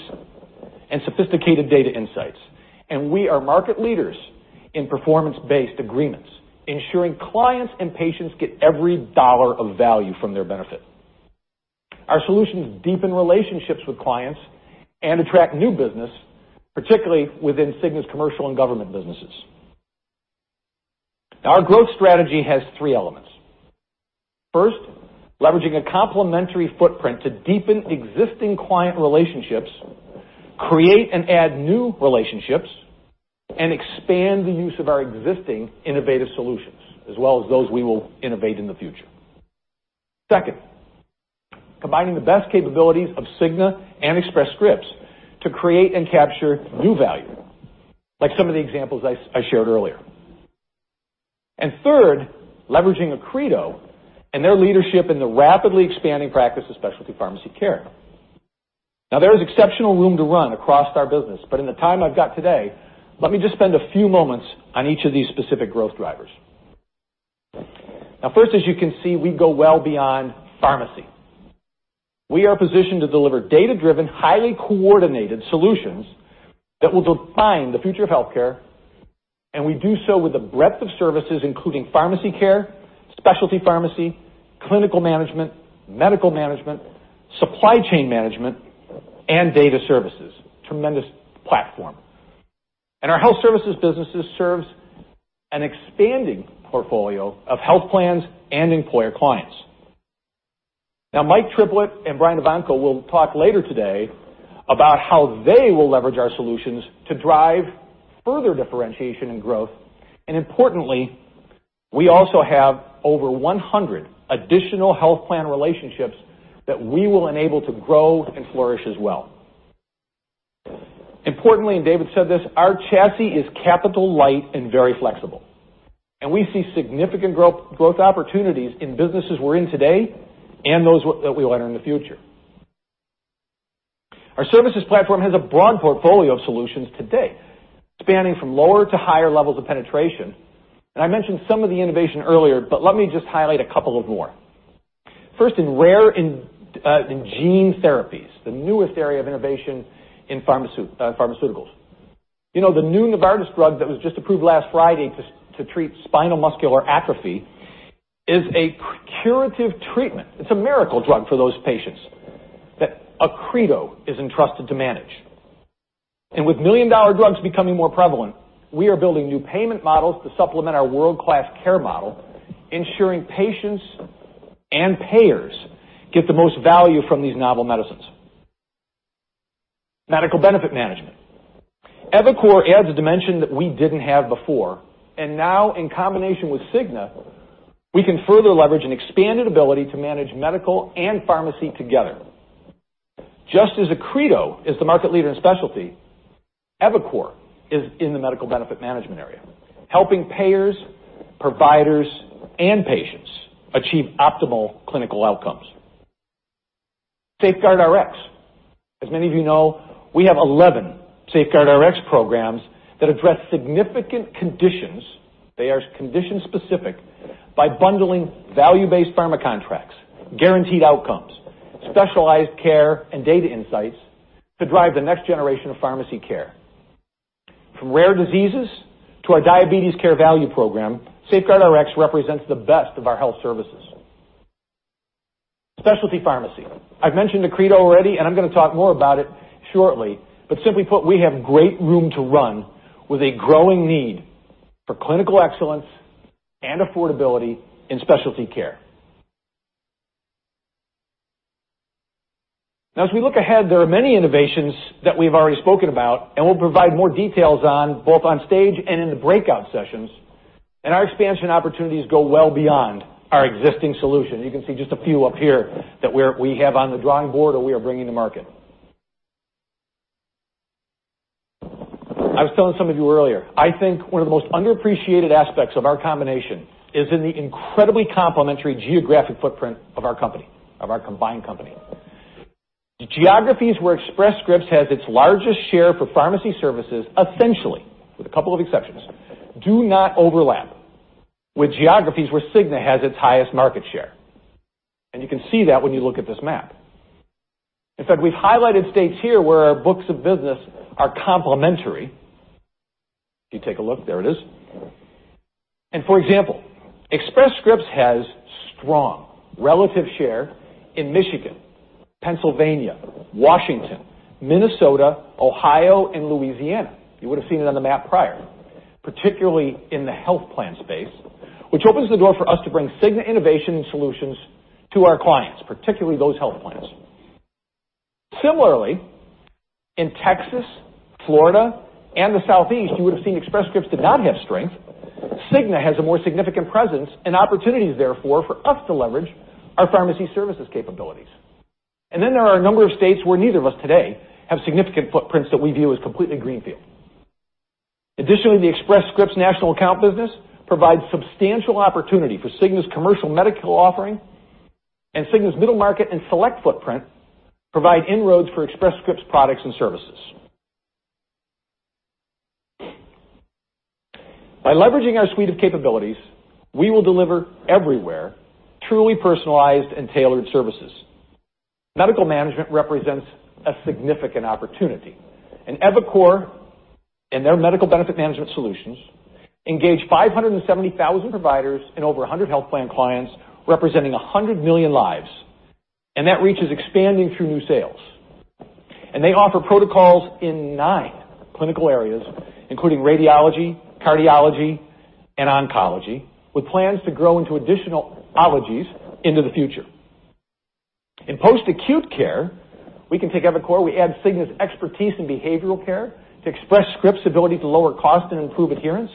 and sophisticated data insights. We are market leaders in performance-based agreements, ensuring clients and patients get every dollar of value from their benefit. Our solutions deepen relationships with clients and attract new business, particularly within Cigna's commercial and government businesses. Our growth strategy has three elements. First, leveraging a complementary footprint to deepen existing client relationships, create and add new relationships, and expand the use of our existing innovative solutions, as well as those we will innovate in the future. Second, combining the best capabilities of Cigna and Express Scripts to create and capture new value, like some of the examples I shared earlier. Third, leveraging Accredo and their leadership in the rapidly expanding practice of specialty pharmacy care. There is exceptional room to run across our business, but in the time I've got today, let me just spend a few moments on each of these specific growth drivers. First, as you can see, we go well beyond pharmacy. We are positioned to deliver data-driven, highly coordinated solutions that will define the future of healthcare, and we do so with a breadth of services, including pharmacy care, specialty pharmacy, clinical management, medical management, supply chain management, and data services. Tremendous platform. Our health services businesses serves an expanding portfolio of health plans and employer clients. Mike Triplett and Brian Evanko will talk later today about how they will leverage our solutions to drive further differentiation and growth. Importantly, we also have over 100 additional health plan relationships that we will enable to grow and flourish as well. Importantly, David said this, our chassis is capital light and very flexible, and we see significant growth opportunities in businesses we're in today and those that we will enter in the future. Our services platform has a broad portfolio of solutions today, spanning from lower to higher levels of penetration. I mentioned some of the innovation earlier, but let me just highlight a couple of more. First, in rare gene therapies, the newest area of innovation in pharmaceuticals. The new Novartis drug that was just approved last Friday to treat spinal muscular atrophy is a curative treatment. It's a miracle drug for those patients that Accredo is entrusted to manage. With million-dollar drugs becoming more prevalent, we are building new payment models to supplement our world-class care model, ensuring patients and payers get the most value from these novel medicines. Medical benefit management. eviCore adds a dimension that we didn't have before, now in combination with Cigna, we can further leverage an expanded ability to manage medical and pharmacy together. Just as Accredo is the market leader in specialty, eviCore is in the medical benefit management area, helping payers, providers, and patients achieve optimal clinical outcomes. SafeGuardRx. As many of you know, we have 11 SafeGuardRx programs that address significant conditions, they are condition-specific, by bundling value-based pharma contracts, guaranteed outcomes, specialized care, and data insights to drive the next generation of pharmacy care. From rare diseases to our diabetes care value program, SafeGuardRx represents the best of our health services. Specialty pharmacy. I've mentioned Accredo already, I'm going to talk more about it shortly, but simply put, we have great room to run with a growing need for clinical excellence and affordability in specialty care. As we look ahead, there are many innovations that we've already spoken about will provide more details on both on stage and in the breakout sessions. Our expansion opportunities go well beyond our existing solution. You can see just a few up here that we have on the drawing board or we are bringing to market. I was telling some of you earlier, I think one of the most underappreciated aspects of our combination is in the incredibly complementary geographic footprint of our combined company. The geographies where Express Scripts has its largest share for pharmacy services, essentially, with a couple of exceptions, do not overlap with geographies where Cigna has its highest market share. You can see that when you look at this map. In fact, we've highlighted states here where our books of business are complementary. If you take a look, there it is. For example, Express Scripts has strong relative share in Michigan, Pennsylvania, Washington, Minnesota, Ohio, and Louisiana. You would've seen it on the map prior, particularly in the health plan space, which opens the door for us to bring Cigna innovation and solutions to our clients, particularly those health plans. Similarly, in Texas, Florida, and the Southeast, you would've seen Express Scripts did not have strength. Cigna has a more significant presence and opportunities therefore for us to leverage our pharmacy services capabilities. There are a number of states where neither of us today have significant footprints that we view as completely greenfield. Additionally, the Express Scripts national account business provides substantial opportunity for Cigna's commercial medical offering, Cigna's middle market and select footprint provide inroads for Express Scripts products and services. By leveraging our suite of capabilities, we will deliver everywhere truly personalized and tailored services. Medical management represents a significant opportunity, eviCore, and their medical benefit management solutions, engage 570,000 providers and over 100 health plan clients representing 100 million lives. That reach is expanding through new sales. They offer protocols in nine clinical areas, including radiology, cardiology, and oncology, with plans to grow into additional ologies into the future. In post-acute care, we can take eviCore, we add Cigna's expertise in behavioral care to Express Scripts' ability to lower cost and improve adherence,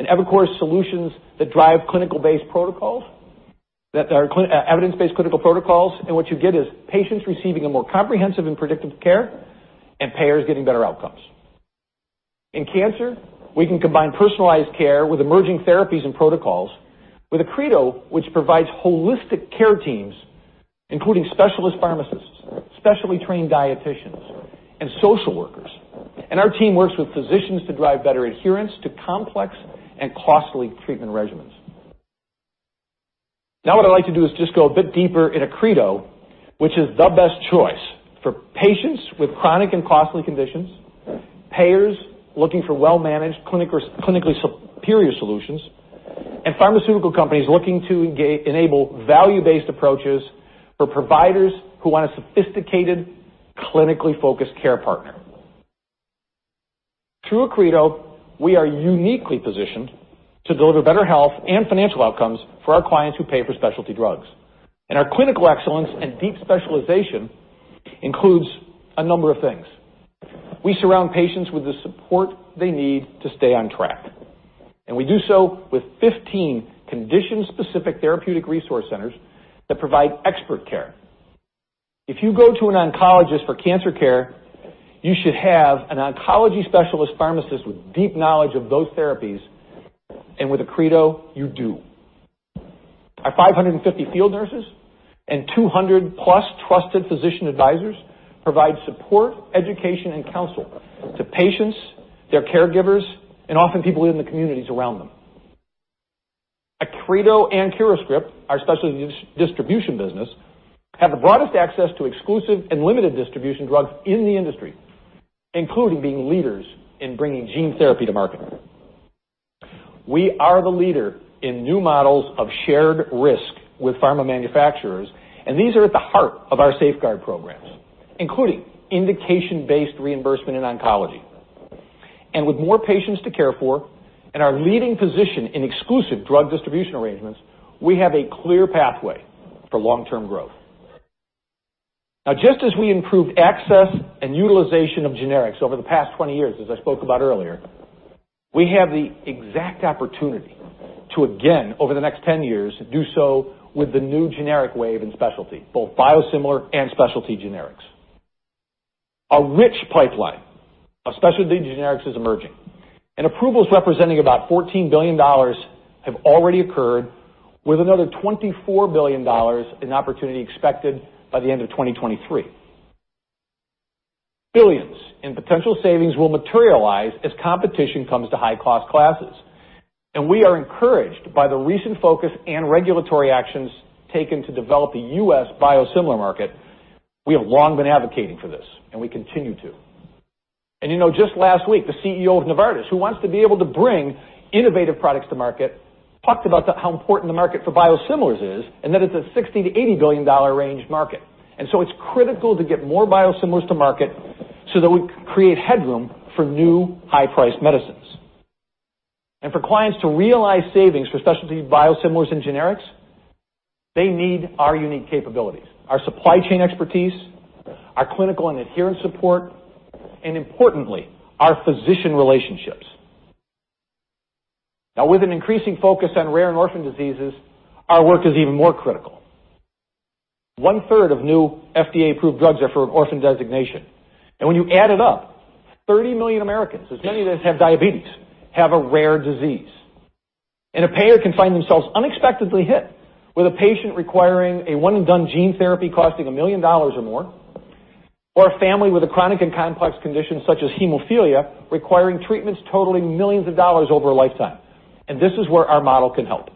eviCore's solutions that drive evidence-based clinical protocols. What you get is patients receiving a more comprehensive and predictive care, and payers getting better outcomes. In cancer, we can combine personalized care with emerging therapies and protocols with Accredo, which provides holistic care teams, including specialist pharmacists, specially trained dieticians, and social workers. Our team works with physicians to drive better adherence to complex and costly treatment regimens. Now what I'd like to do is just go a bit deeper in Accredo, which is the best choice for patients with chronic and costly conditions, payers looking for well-managed, clinically superior solutions, and pharmaceutical companies looking to enable value-based approaches for providers who want a sophisticated, clinically focused care partner. Through Accredo, we are uniquely positioned to deliver better health and financial outcomes for our clients who pay for specialty drugs. Our clinical excellence and deep specialization includes a number of things. We surround patients with the support they need to stay on track, and we do so with 15 condition-specific therapeutic resource centers that provide expert care. If you go to an oncologist for cancer care, you should have an oncology specialist pharmacist with deep knowledge of those therapies, and with Accredo, you do. Our 550 field nurses and 200-plus trusted physician advisors provide support, education, and counsel to patients, their caregivers, and often people in the communities around them. Accredo and CuraScript, our specialty distribution business, have the broadest access to exclusive and limited distribution drugs in the industry, including being leaders in bringing gene therapy to market. We are the leader in new models of shared risk with pharma manufacturers, and these are at the heart of our safeguard programs, including indication-based reimbursement in oncology. With more patients to care for and our leading position in exclusive drug distribution arrangements, we have a clear pathway for long-term growth. Now, just as we improved access and utilization of generics over the past 20 years, as I spoke about earlier, we have the exact opportunity to, again, over the next 10 years, do so with the new generic wave in specialty, both biosimilar and specialty generics. A rich pipeline of specialty generics is emerging, and approvals representing about $14 billion have already occurred with another $24 billion in opportunity expected by the end of 2023. Billions in potential savings will materialize as competition comes to high-cost classes, and we are encouraged by the recent focus and regulatory actions taken to develop a U.S. biosimilar market. We have long been advocating for this, we continue to. Just last week, the CEO of Novartis, who wants to be able to bring innovative products to market, talked about how important the market for biosimilars is, that it's a $60 billion-$80 billion range market. It's critical to get more biosimilars to market so that we create headroom for new high-priced medicines. For clients to realize savings for specialty biosimilars and generics, they need our unique capabilities, our supply chain expertise, our clinical and adherence support, importantly, our physician relationships. Now with an increasing focus on rare and orphan diseases, our work is even more critical. One third of new FDA-approved drugs are for an orphan designation. When you add it up, 30 million Americans, as many as have diabetes, have a rare disease. A payer can find themselves unexpectedly hit with a patient requiring a one-and-done gene therapy costing $1 million or more, or a family with a chronic and complex condition, such as hemophilia, requiring treatments totaling millions of dollars over a lifetime. This is where our model can help.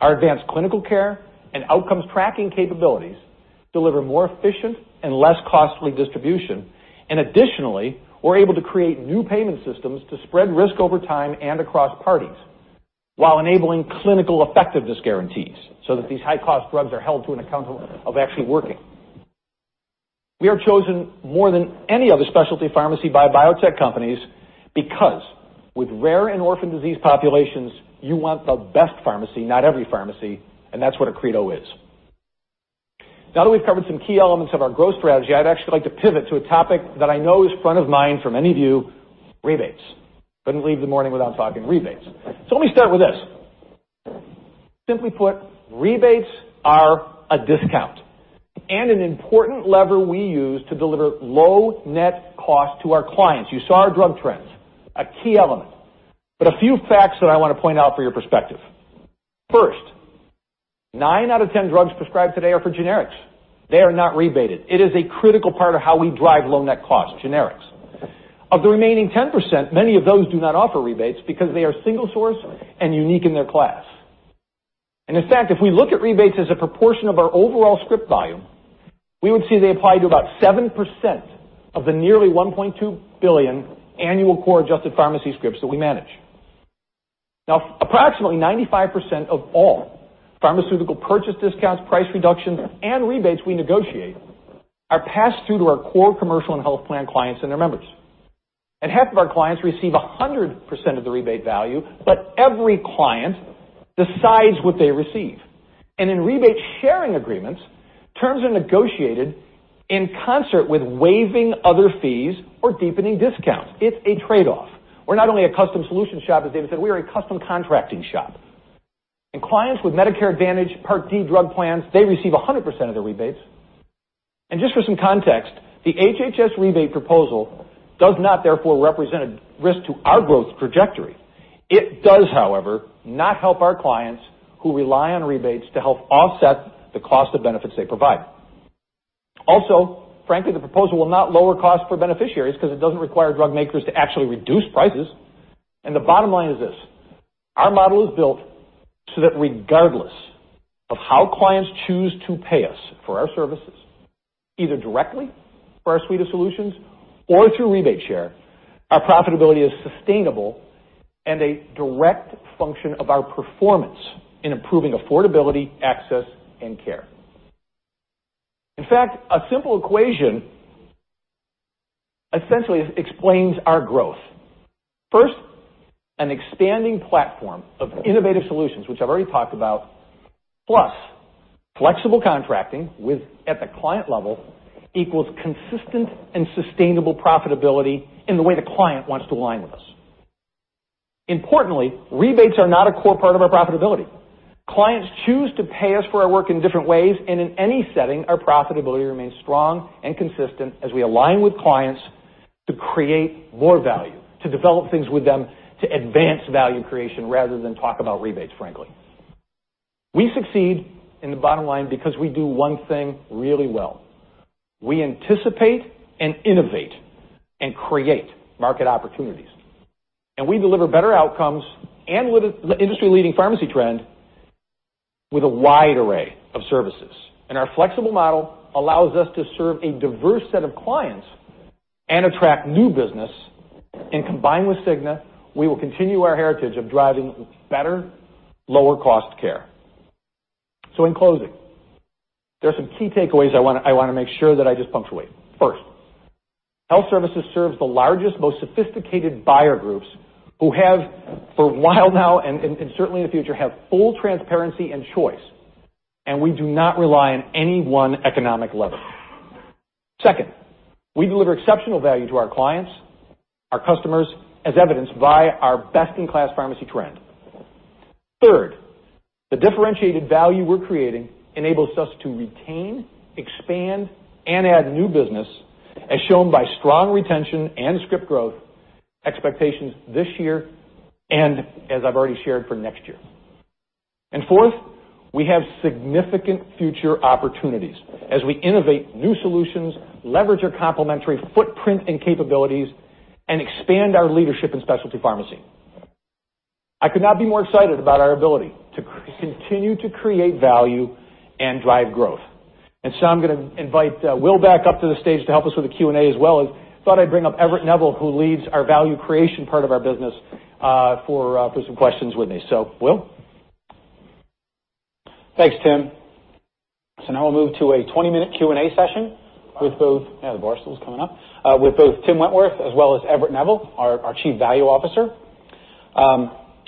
Our advanced clinical care and outcomes tracking capabilities deliver more efficient and less costly distribution. Additionally, we're able to create new payment systems to spread risk over time and across parties while enabling clinical effectiveness guarantees so that these high-cost drugs are held to an account of actually working. We are chosen more than any other specialty pharmacy by biotech companies because with rare and orphan disease populations, you want the best pharmacy, not every pharmacy, that's what Accredo is. Now that we've covered some key elements of our growth strategy, I'd actually like to pivot to a topic that I know is front of mind for many of you, rebates. Couldn't leave the morning without talking rebates. Let me start with this. Simply put, rebates are a discount and an important lever we use to deliver low net cost to our clients. You saw our drug trends, a key element. A few facts that I want to point out for your perspective. First, nine out of 10 drugs prescribed today are for generics. They are not rebated. It is a critical part of how we drive low net cost, generics. Of the remaining 10%, many of those do not offer rebates because they are single source and unique in their class. In fact, if we look at rebates as a proportion of our overall script volume, we would see they apply to about 7% of the nearly 1.2 billion annual core-adjusted pharmacy scripts that we manage. Approximately 95% of all pharmaceutical purchase discounts, price reductions, and rebates we negotiate are passed through to our core commercial and health plan clients and their members. Half of our clients receive 100% of the rebate value, but every client decides what they receive. In rebate sharing agreements, terms are negotiated in concert with waiving other fees or deepening discounts. It's a trade-off. We're not only a custom solution shop, as David said, we are a custom contracting shop. Clients with Medicare Advantage Part D drug plans, they receive 100% of their rebates. Just for some context, the HHS rebate proposal does not therefore represent a risk to our growth trajectory. It does, however, not help our clients who rely on rebates to help offset the cost of benefits they provide. Also, frankly, the proposal will not lower costs for beneficiaries because it doesn't require drug makers to actually reduce prices. The bottom line is this, our model is built so that regardless of how clients choose to pay us for our services, either directly for our suite of solutions or through rebate share, our profitability is sustainable and a direct function of our performance in improving affordability, access, and care. In fact, a simple equation essentially explains our growth. First, an expanding platform of innovative solutions, which I've already talked about, plus flexible contracting at the client level equals consistent and sustainable profitability in the way the client wants to align with us. Importantly, rebates are not a core part of our profitability. Clients choose to pay us for our work in different ways, and in any setting, our profitability remains strong and consistent as we align with clients to create more value, to develop things with them, to advance value creation rather than talk about rebates, frankly. We succeed in the bottom line because we do one thing really well. We anticipate and innovate and create market opportunities. We deliver better outcomes and with industry-leading pharmacy trend with a wide array of services. Our flexible model allows us to serve a diverse set of clients and attract new business. Combined with Cigna, we will continue our heritage of driving better, lower-cost care. In closing, there are some key takeaways I want to make sure that I just punctuate. First, Health Services serves the largest, most sophisticated buyer groups who have, for a while now and certainly in the future, have full transparency and choice, and we do not rely on any one economic lever. Second, we deliver exceptional value to our clients, our customers, as evidenced by our best-in-class pharmacy trend. Third, the differentiated value we're creating enables us to retain, expand, and add new business, as shown by strong retention and script growth expectations this year and, as I've already shared, for next year. Fourth, we have significant future opportunities as we innovate new solutions, leverage our complementary footprint and capabilities, and expand our leadership in specialty pharmacy. I could not be more excited about our ability to continue to create value and drive growth. I'm going to invite Will back up to the stage to help us with the Q&A as well. I thought I'd bring up Everett Neville, who leads our value creation part of our business, for some questions with me. Will? Thanks, Tim. Now we'll move to a 20-minute Q&A session with both Tim Wentworth as well as Everett Neville, our Chief Value Officer.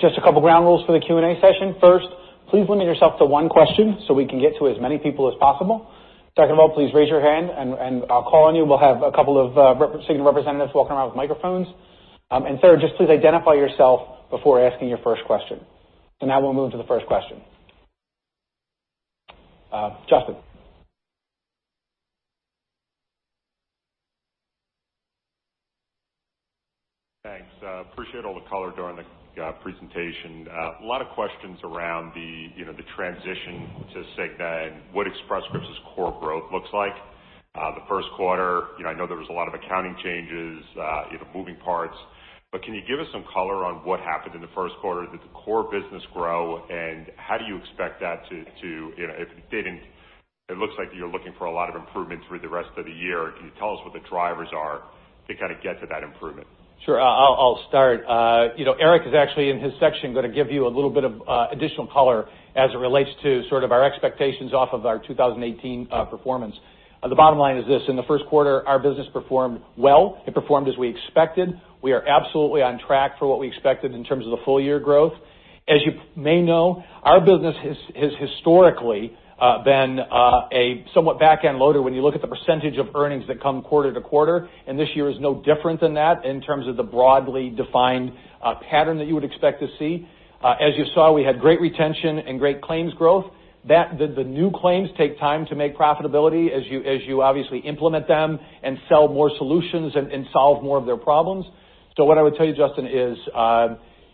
Just a couple ground rules for the Q&A session. First, please limit yourself to one question so we can get to as many people as possible. Second of all, please raise your hand, and I'll call on you. We'll have a couple of Cigna representatives walking around with microphones. Third, just please identify yourself before asking your first question. Now we'll move to the first question. Justin. Thanks. Appreciate all the color during the presentation. A lot of questions around the transition to Cigna and what Express Scripts' core growth looks like. The first quarter, I know there was a lot of accounting changes, moving parts. Can you give us some color on what happened in the first quarter? Did the core business grow? It looks like you're looking for a lot of improvement through the rest of the year. Can you tell us what the drivers are to kind of get to that improvement? Sure. I'll start. Eric is actually, in his section, going to give you a little bit of additional color as it relates to sort of our expectations off of our 2018 performance. The bottom line is this: in the first quarter, our business performed well. It performed as we expected. We are absolutely on track for what we expected in terms of the full-year growth. As you may know, our business has historically been somewhat back-end loaded when you look at the percentage of earnings that come quarter to quarter, and this year is no different than that in terms of the broadly defined pattern that you would expect to see. As you saw, we had great retention and great claims growth. The new claims take time to make profitability as you obviously implement them and sell more solutions and solve more of their problems. What I would tell you, Justin, is,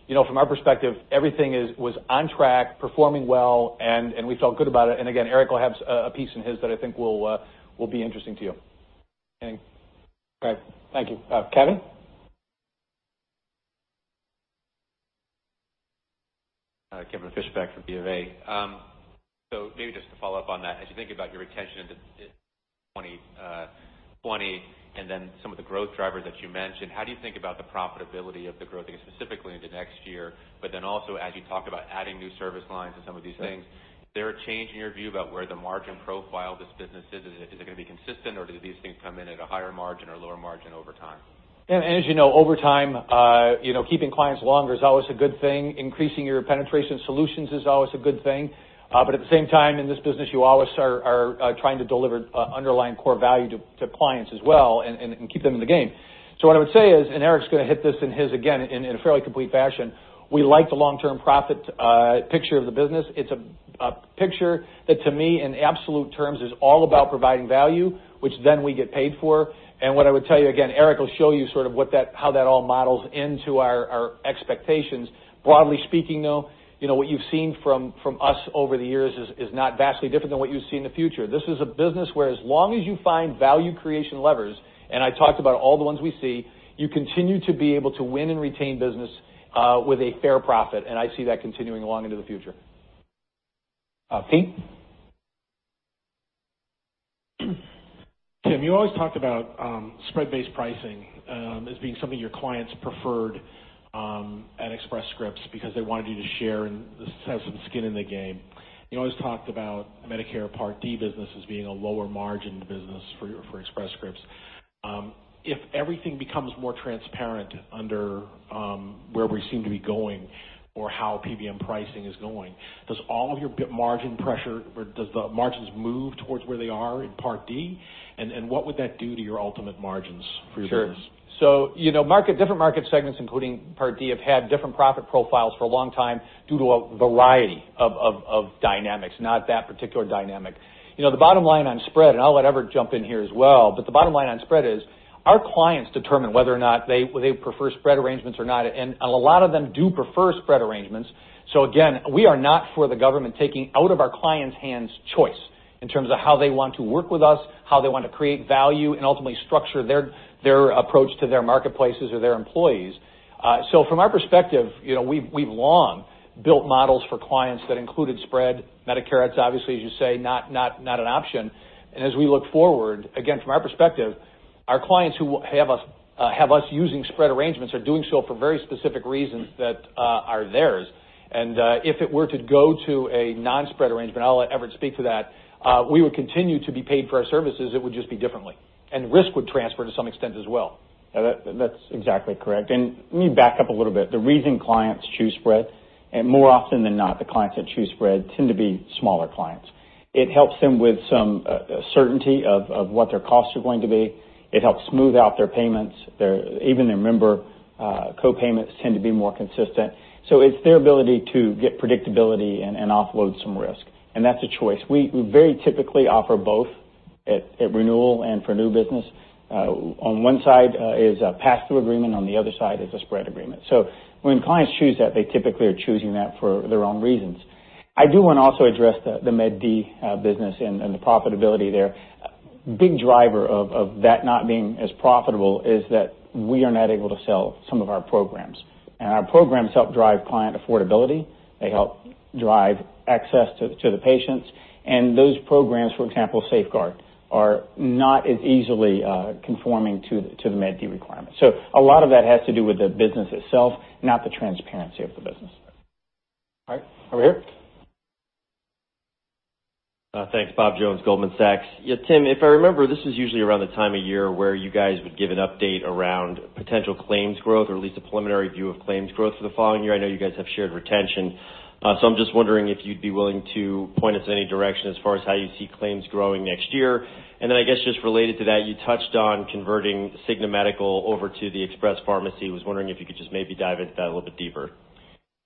from our perspective, everything was on track, performing well, and we felt good about it. Again, Eric will have a piece in his that I think will be interesting to you. Okay. Thank you. Kevin? Kevin Fischbeck from BofA. Maybe just to follow up on that, as you think about your retention into 2020 and then some of the growth drivers that you mentioned, how do you think about the profitability of the growth, specifically into next year, but then also, as you talk about adding new service lines and some of these things, is there a change in your view about where the margin profile of this business is? Is it going to be consistent, or do these things come in at a higher margin or lower margin over time? As you know, over time, keeping clients longer is always a good thing. Increasing your penetration solutions is always a good thing. At the same time, in this business, you always are trying to deliver underlying core value to clients as well and keep them in the game. What I would say is, and Eric's going to hit this in his, again, in a fairly complete fashion, we like the long-term profit picture of the business. It's a picture that, to me, in absolute terms, is all about providing value, which then we get paid for. What I would tell you, again, Eric will show you sort of how that all models into our expectations. Broadly speaking, though, what you've seen from us over the years is not vastly different than what you see in the future. This is a business where as long as you find value creation levers, and I talked about all the ones we see, you continue to be able to win and retain business with a fair profit, and I see that continuing along into the future. Pete? Tim, you always talked about spread-based pricing as being something your clients preferred at Express Scripts because they wanted you to share and have some skin in the game. You always talked about Medicare Part D business as being a lower margin business for Express Scripts. If everything becomes more transparent under where we seem to be going or how PBM pricing is going, does all of your EBIT margin pressure, or does the margins move towards where they are in Part D, and what would that do to your ultimate margins for your business? Sure. Different market segments, including Part D, have had different profit profiles for a long time due to a variety of dynamics, not that particular dynamic. The bottom line on spread, and I'll let Everett jump in here as well, the bottom line on spread is our clients determine whether or not they prefer spread arrangements or not, and a lot of them do prefer spread arrangements. Again, we are not for the government taking out of our clients' hands choice in terms of how they want to work with us, how they want to create value, and ultimately structure their approach to their marketplaces or their employees. From our perspective, we've long built models for clients that included spread. Medicare, it's obviously, as you say, not an option. As we look forward, again, from our perspective, our clients who have us using spread arrangements are doing so for very specific reasons that are theirs. If it were to go to a non-spread arrangement, I'll let Everett speak to that, we would continue to be paid for our services, it would just be differently. Risk would transfer to some extent as well. That's exactly correct. Let me back up a little bit. The reason clients choose spread, and more often than not, the clients that choose spread tend to be smaller clients. It helps them with some certainty of what their costs are going to be. It helps smooth out their payments. Even their member co-payments tend to be more consistent. It's their ability to get predictability and offload some risk, and that's a choice. We very typically offer both at renewal and for new business. On one side is a pass-through agreement, on the other side is a spread agreement. When clients choose that, they typically are choosing that for their own reasons. I do want to also address the Med D business and the profitability there. Big driver of that not being as profitable is that we are not able to sell some of our programs. Our programs help drive client affordability. They help drive access to the patients. Those programs, for example, Safeguard, are not as easily conforming to the Med D requirements. A lot of that has to do with the business itself, not the transparency of the business. All right. Over here. Thanks. Bob Jones, Goldman Sachs. Tim, if I remember, this is usually around the time of year where you guys would give an update around potential claims growth or at least a preliminary view of claims growth for the following year. I know you guys have shared retention. I'm just wondering if you'd be willing to point us in any direction as far as how you see claims growing next year. Then, I guess, just related to that, you touched on converting Cigna Medical over to the Express Pharmacy. Was wondering if you could just maybe dive into that a little bit deeper.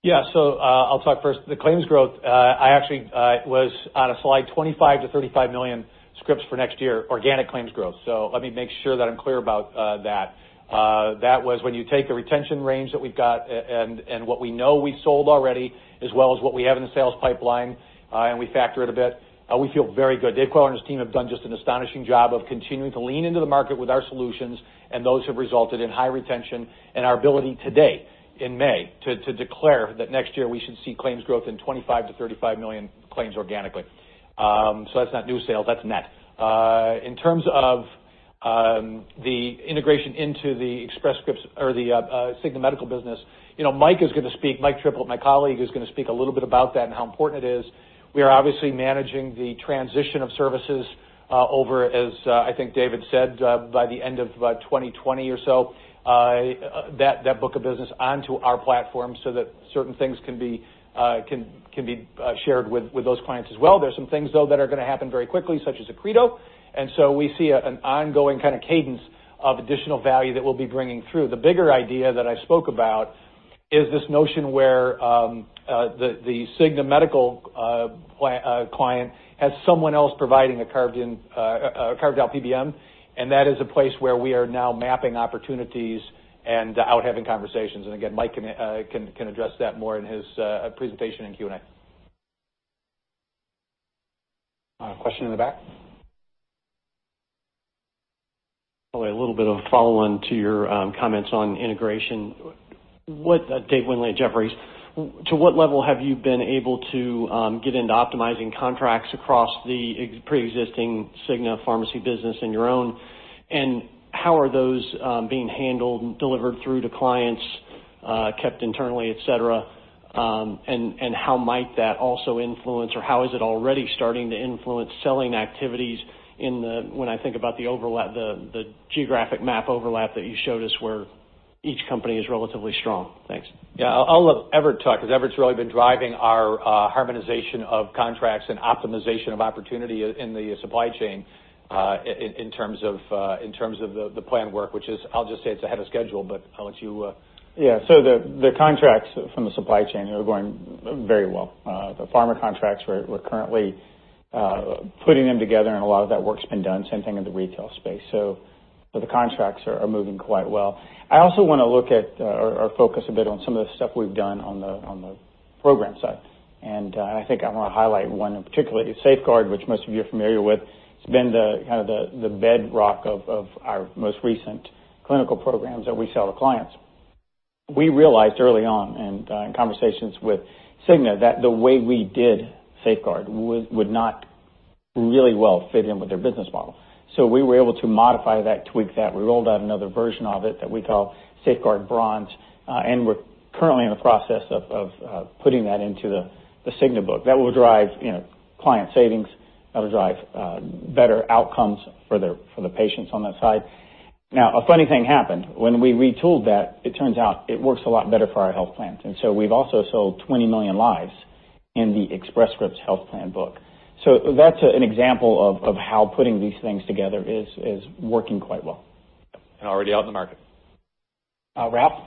Yeah. I'll talk first. The claims growth, I actually was on a slide, 25 million-35 million scripts for next year, organic claims growth. Let me make sure that I'm clear about that. That was when you take the retention range that we've got and what we know we sold already, as well as what we have in the sales pipeline, and we factor it a bit. We feel very good. Dave Kowal and his team have done just an astonishing job of continuing to lean into the market with our solutions, and those have resulted in high retention and our ability today, in May, to declare that next year we should see claims growth in 25 million-35 million claims organically. That's not new sales, that's net. In terms of the integration into the Express Scripts or the Cigna Medical business, Mike is going to speak. Mike Triplett, my colleague, is going to speak a little bit about that and how important it is. We are obviously managing the transition of services over, as I think David said, by the end of 2020 or so. That book of business onto our platform so that certain things can be shared with those clients as well. There's some things, though, that are going to happen very quickly, such as Accredo. We see an ongoing kind of cadence of additional value that we'll be bringing through. The bigger idea that I spoke about is this notion where the Cigna Medical client has someone else providing a carved-out PBM, and that is a place where we are now mapping opportunities and out having conversations. Again, Mike can address that more in his presentation in Q&A. Question in the back? A little bit of a follow-on to your comments on integration. David Windley at Jefferies. To what level have you been able to get into optimizing contracts across the preexisting Cigna pharmacy business and your own, and how are those being handled and delivered through to clients, kept internally, et cetera? How might that also influence, or how is it already starting to influence selling activities in the, when I think about the geographic map overlap that you showed us where each company is relatively strong? Thanks. Yeah. I'll let Everett talk, because Everett's really been driving our harmonization of contracts and optimization of opportunity in the supply chain, in terms of the plan work, which is, I'll just say it's ahead of schedule, but I'll let you Yeah. The contracts from the supply chain are going very well. The pharma contracts, we're currently putting them together, and a lot of that work's been done, same thing in the retail space. The contracts are moving quite well. I also want to look at or focus a bit on some of the stuff we've done on the program side. I think I want to highlight one in particular. Safeguard, which most of you are familiar with. It's been the bedrock of our most recent clinical programs that we sell to clients. We realized early on, in conversations with Cigna, that the way we did Safeguard would not really well fit in with their business model. We were able to modify that, tweak that. We rolled out another version of it that we call Safeguard Bronze, and we're currently in the process of putting that into the Cigna book. That will drive client savings. That'll drive better outcomes for the patients on that side. A funny thing happened. When we retooled that, it turns out it works a lot better for our health plans. We've also sold 20 million lives in the Express Scripts health plan book. That's an example of how putting these things together is working quite well. Already out in the market. Ralph?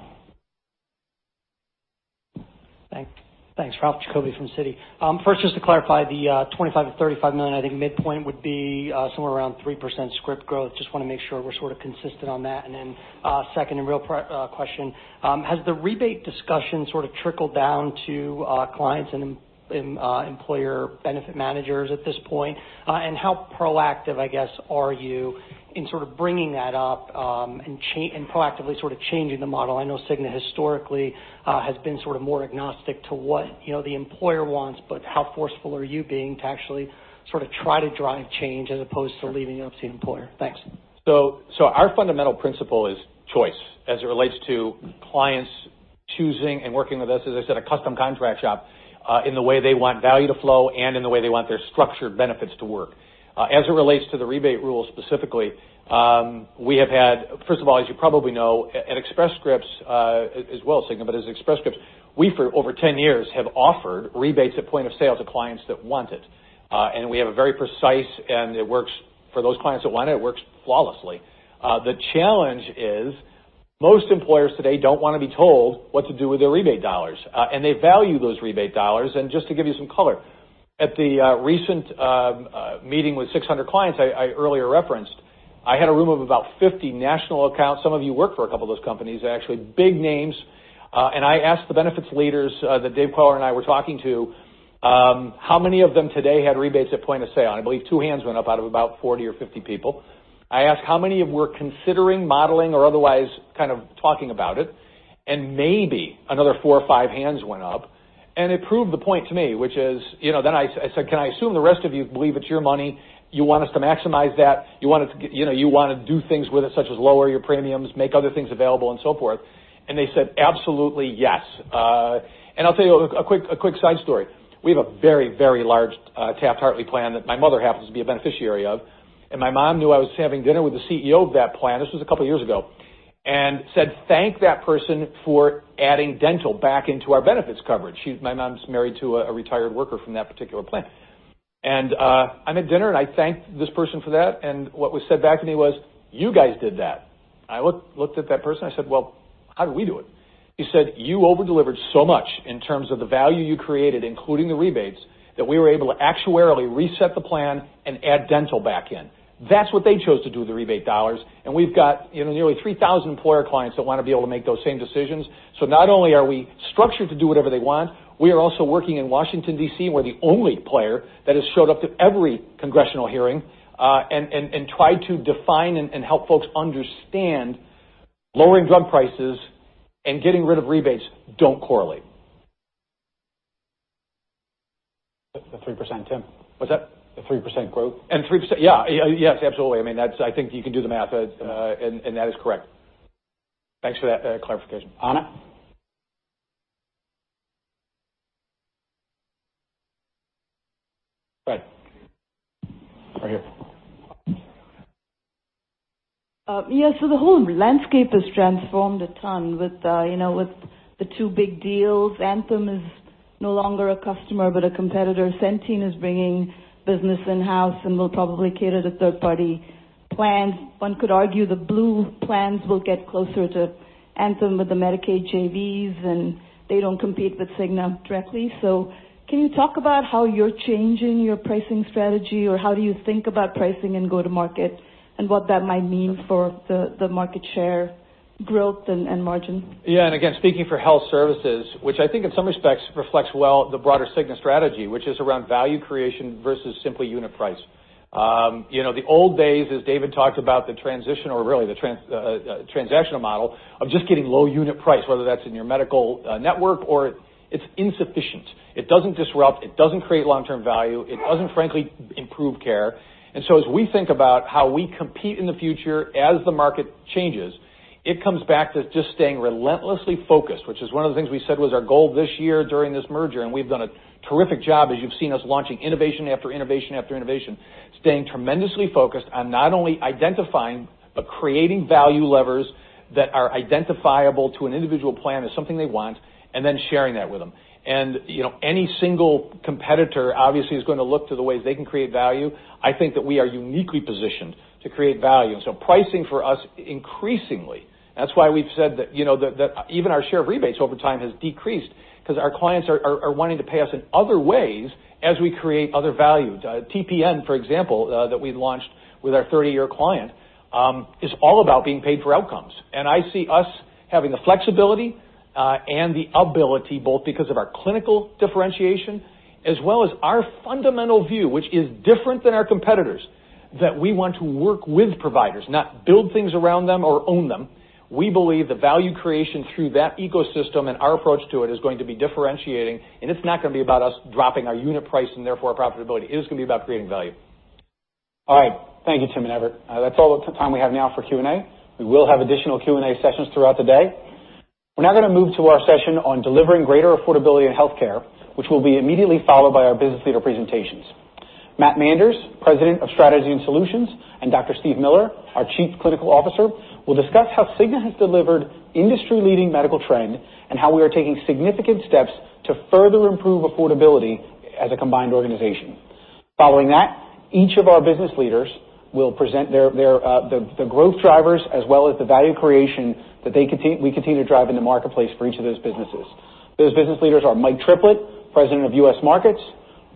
Thanks. Ralph Giacobbe from Citi. First, just to clarify the 25 million-35 million, I think midpoint would be somewhere around 3% script growth. Just want to make sure we're consistent on that. Second and real question, has the rebate discussion trickled down to clients and employer benefit managers at this point? How proactive, I guess, are you in bringing that up and proactively changing the model? I know Cigna historically has been more agnostic to what the employer wants, but how forceful are you being to actually try to drive change as opposed to leaving it up to the employer? Thanks. Our fundamental principle is choice, as it relates to clients choosing and working with us, as I said, a custom contract shop, in the way they want value to flow and in the way they want their structured benefits to work. As it relates to the rebate rules specifically, we have had, first of all, as you probably know, at Express Scripts, as well as Cigna, but as Express Scripts, we for over 10 years have offered rebates at point of sale to clients that want it. We have a very precise, and it works for those clients that want it works flawlessly. The challenge is most employers today don't want to be told what to do with their rebate dollars, and they value those rebate dollars. Just to give you some color, at the recent meeting with 600 clients I earlier referenced, I had a room of about 50 national accounts. Some of you work for a couple of those companies, actually. Big names. I asked the benefits leaders that Dave Kowal and I were talking to, how many of them today had rebates at point of sale. I believe two hands went up out of about 40 or 50 people. I asked how many were considering modeling or otherwise talking about it, maybe another four or five hands went up, and it proved the point to me, which is, I said, "Can I assume the rest of you believe it's your money? You want us to maximize that. You want to do things with it, such as lower your premiums, make other things available, and so forth." They said, "Absolutely, yes." I'll tell you a quick side story. We have a very, very large Taft-Hartley plan that my mother happens to be a beneficiary of. My mom knew I was having dinner with the CEO of that plan, this was a couple of years ago, and said, "Thank that person for adding dental back into our benefits coverage." My mom's married to a retired worker from that particular plan. I'm at dinner, and I thanked this person for that, and what was said back to me was, "You guys did that." I looked at that person, I said, "Well, how did we do it?" He said, "You over-delivered so much in terms of the value you created, including the rebates, that we were able to actuarially reset the plan and add dental back in." That's what they chose to do with the rebate dollars, and we've got nearly 3,000 employer clients that want to be able to make those same decisions. Not only are we structured to do whatever they want, we are also working in Washington, D.C., we're the only player that has showed up to every congressional hearing, tried to define and help folks understand lowering drug prices and getting rid of rebates don't correlate. The 3%, Tim. What's that? The 3% growth. 3% Yeah. Yes, absolutely. I think you can do the math, and that is correct. Thanks for that clarification. Ana? Go ahead. Right here. The whole landscape has transformed a ton, with the two big deals. Anthem is no longer a customer, but a competitor. Centene is bringing business in-house and will probably cater to third-party plans. One could argue the Blue plans will get closer to Anthem with the Medicaid JVs, and they don't compete with Cigna directly. Can you talk about how you're changing your pricing strategy, or how do you think about pricing and go to market, and what that might mean for the market share growth and margin? Yeah. Again, speaking for health services, which I think in some respects reflects well the broader Cigna strategy, which is around value creation versus simply unit price. The old days, as David talked about, the transition or really the transactional model of just getting low unit price, whether that's in your medical network or. It's insufficient. It doesn't disrupt, it doesn't create long-term value, it doesn't frankly improve care. As we think about how we compete in the future as the market changes, it comes back to just staying relentlessly focused, which is one of the things we said was our goal this year during this merger, and we've done a terrific job, as you've seen us launching innovation after innovation after innovation. Staying tremendously focused on not only identifying, but creating value levers that are identifiable to an individual plan as something they want, and then sharing that with them. Any single competitor obviously is going to look to the ways they can create value. I think that we are uniquely positioned to create value. Pricing for us increasingly, that's why we've said that even our share of rebates over time has decreased, because our clients are wanting to pay us in other ways as we create other value. TPN, for example, that we launched with our 30-year client, is all about being paid for outcomes. I see us having the flexibility, and the ability, both because of our clinical differentiation as well as our fundamental view, which is different than our competitors, that we want to work with providers, not build things around them or own them. We believe the value creation through that ecosystem and our approach to it is going to be differentiating, and it's not going to be about us dropping our unit price and therefore our profitability. It is going to be about creating value. All right. Thank you, Tim and Everett. That's all the time we have now for Q&A. We will have additional Q&A sessions throughout the day. We're now going to move to our session on delivering greater affordability in healthcare, which will be immediately followed by our business leader presentations. Matthew Manders, President of Strategy and Solutions, and Dr. Steven Miller, our Chief Clinical Officer, will discuss how Cigna has delivered industry-leading medical trend, and how we are taking significant steps to further improve affordability as a combined organization. Following that, each of our business leaders will present the growth drivers as well as the value creation that we continue to drive in the marketplace for each of those businesses. Those business leaders are Mike Triplett, President of U.S. Markets,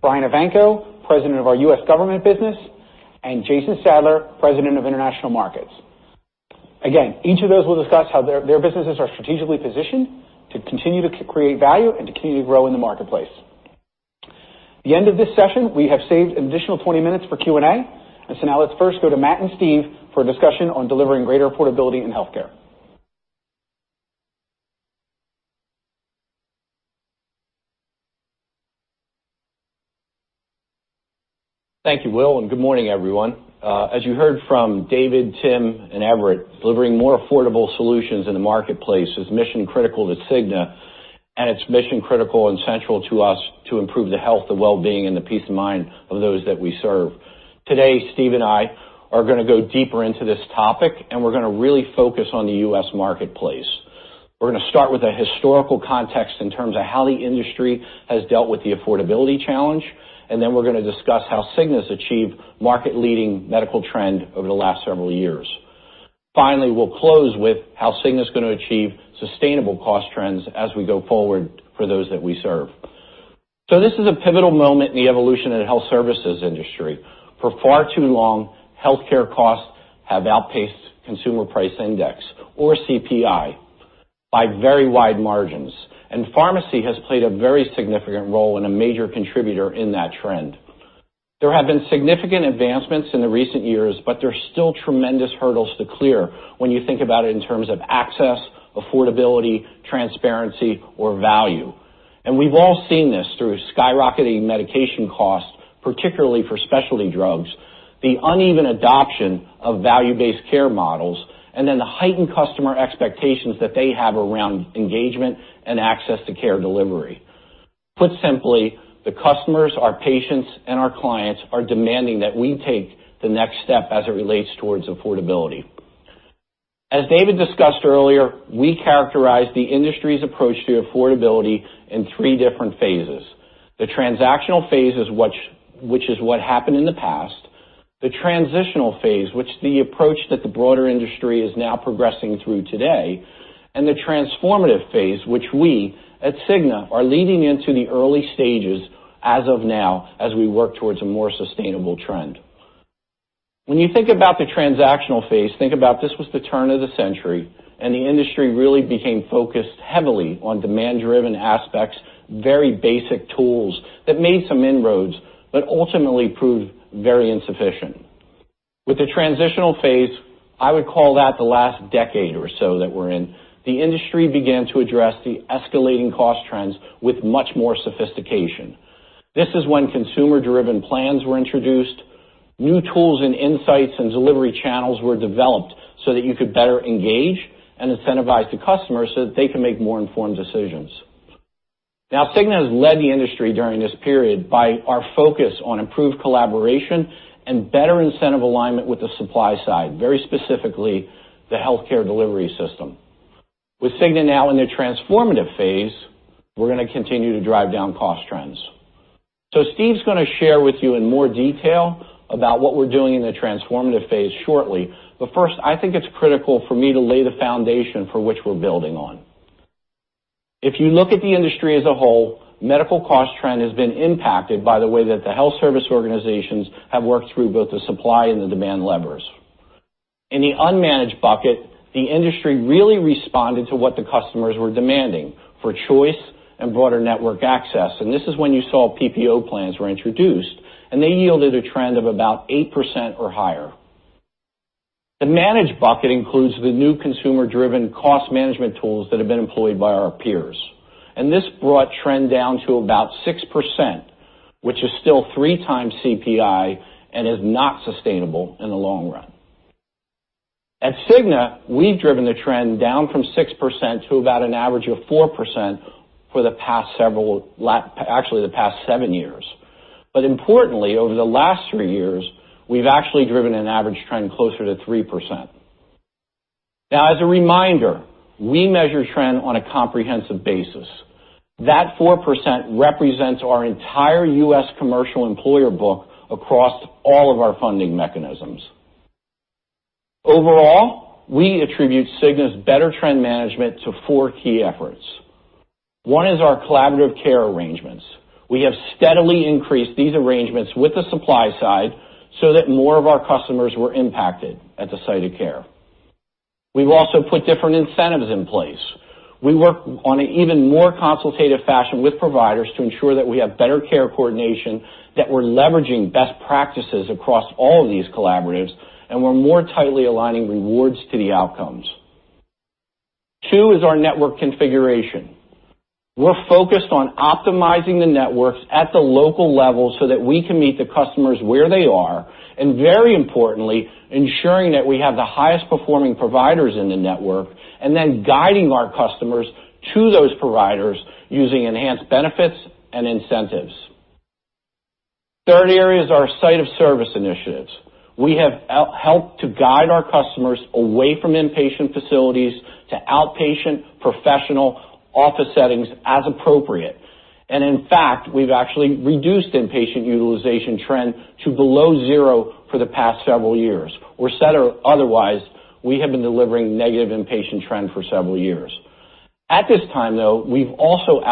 Brian Evanko, President of our U.S. Government business, and Jason Sadler, President of International Markets. Again, each of those will discuss how their businesses are strategically positioned to continue to create value and to continue to grow in the marketplace. At the end of this session, we have saved an additional 20 minutes for Q&A. Now let's first go to Matt and Steve for a discussion on delivering greater affordability in healthcare. Thank you, Will, and good morning, everyone. As you heard from David, Tim, and Everett, delivering more affordable solutions in the marketplace is mission-critical to Cigna, and it's mission-critical and central to us to improve the health, the wellbeing, and the peace of mind of those that we serve. Today, Steve and I are going to go deeper into this topic, and we're going to really focus on the U.S. marketplace. We're going to start with a historical context in terms of how the industry has dealt with the affordability challenge, and then we're going to discuss how Cigna's achieved market-leading medical trend over the last several years. Finally, we'll close with how Cigna's going to achieve sustainable cost trends as we go forward for those that we serve. This is a pivotal moment in the evolution of the health services industry. For far too long, healthcare costs have outpaced consumer price index, or CPI, by very wide margins, and pharmacy has played a very significant role and a major contributor in that trend. There have been significant advancements in the recent years, but there's still tremendous hurdles to clear when you think about it in terms of access, affordability, transparency, or value. We've all seen this through skyrocketing medication costs, particularly for specialty drugs, the uneven adoption of value-based care models, and then the heightened customer expectations that they have around engagement and access to care delivery. Put simply, the customers, our patients, and our clients are demanding that we take the next step as it relates towards affordability. As David discussed earlier, we characterize the industry's approach to affordability in three different phases. The transactional phase, which is what happened in the past, the transitional phase, which the approach that the broader industry is now progressing through today, and the transformative phase, which we at Cigna are leading into the early stages as of now, as we work towards a more sustainable trend. When you think about the transactional phase, think about this was the turn of the century, and the industry really became focused heavily on demand-driven aspects, very basic tools that made some inroads, but ultimately proved very insufficient. With the transitional phase, I would call that the last decade or so that we're in, the industry began to address the escalating cost trends with much more sophistication. This is when consumer-driven plans were introduced. New tools and insights and delivery channels were developed so that you could better engage and incentivize the customer so that they can make more informed decisions. Cigna has led the industry during this period by our focus on improved collaboration and better incentive alignment with the supply side, very specifically, the healthcare delivery system. With Cigna now in the transformative phase, we're going to continue to drive down cost trends. Steve's going to share with you in more detail about what we're doing in the transformative phase shortly. First, I think it's critical for me to lay the foundation for which we're building on. If you look at the industry as a whole, medical cost trend has been impacted by the way that the health service organizations have worked through both the supply and the demand levers. In the unmanaged bucket, the industry really responded to what the customers were demanding, for choice and broader network access. This is when you saw PPO plans were introduced, and they yielded a trend of about 8% or higher. The managed bucket includes the new consumer-driven cost management tools that have been employed by our peers, and this brought trend down to about 6%, which is still three times CPI and is not sustainable in the long run. At Cigna, we've driven the trend down from 6% to about an average of 4% for actually the past seven years. Importantly, over the last three years, we've actually driven an average trend closer to 3%. As a reminder, we measure trend on a comprehensive basis. That 4% represents our entire U.S. commercial employer book across all of our funding mechanisms. Overall, we attribute Cigna's better trend management to four key efforts. One is our collaborative care arrangements. We have steadily increased these arrangements with the supply side so that more of our customers were impacted at the site of care. We've also put different incentives in place. We work on an even more consultative fashion with providers to ensure that we have better care coordination, that we're leveraging best practices across all of these collaboratives, and we're more tightly aligning rewards to the outcomes. Two is our network configuration. We're focused on optimizing the networks at the local level that we can meet the customers where they are. Very importantly, ensuring that we have the highest performing providers in the network. Then guiding our customers to those providers using enhanced benefits and incentives. Third area is our site of service initiatives. We have helped to guide our customers away from inpatient facilities to outpatient professional office settings as appropriate. In fact, we've actually reduced inpatient utilization trend to below zero for the past several years. Said otherwise, we have been delivering negative inpatient trend for several years. At this time, though, we've also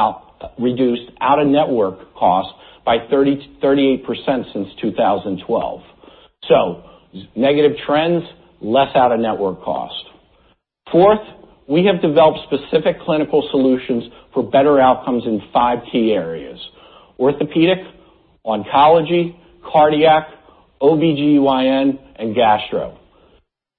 reduced out-of-network cost by 38% since 2012. Negative trends, less out-of-network cost. Fourth, we have developed specific clinical solutions for better outcomes in five key areas: orthopedic, oncology, cardiac, OBGYN, and gastro.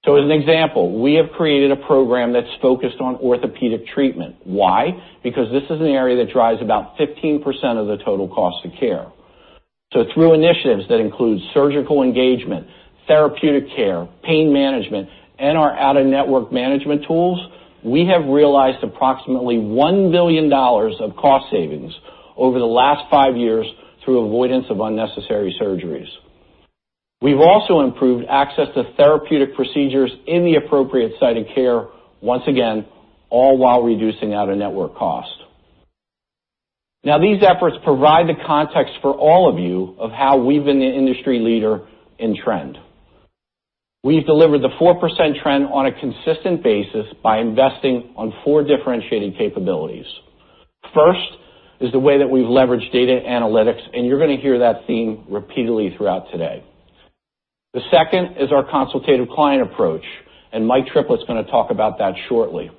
As an example, we have created a program that's focused on orthopedic treatment. Why? Because this is an area that drives about 15% of the total cost of care. Through initiatives that include surgical engagement, therapeutic care, pain management, and our out-of-network management tools, we have realized approximately $1 billion of cost savings over the last five years through avoidance of unnecessary surgeries. We've also improved access to therapeutic procedures in the appropriate site of care, once again, all while reducing out-of-network cost. These efforts provide the context for all of you of how we've been the industry leader in trend. We've delivered the 4% trend on a consistent basis by investing on four differentiating capabilities. First is the way that we leverage data analytics. You're going to hear that theme repeatedly throughout today. The second is our consultative client approach. Mike Triplett is going to talk about that shortly.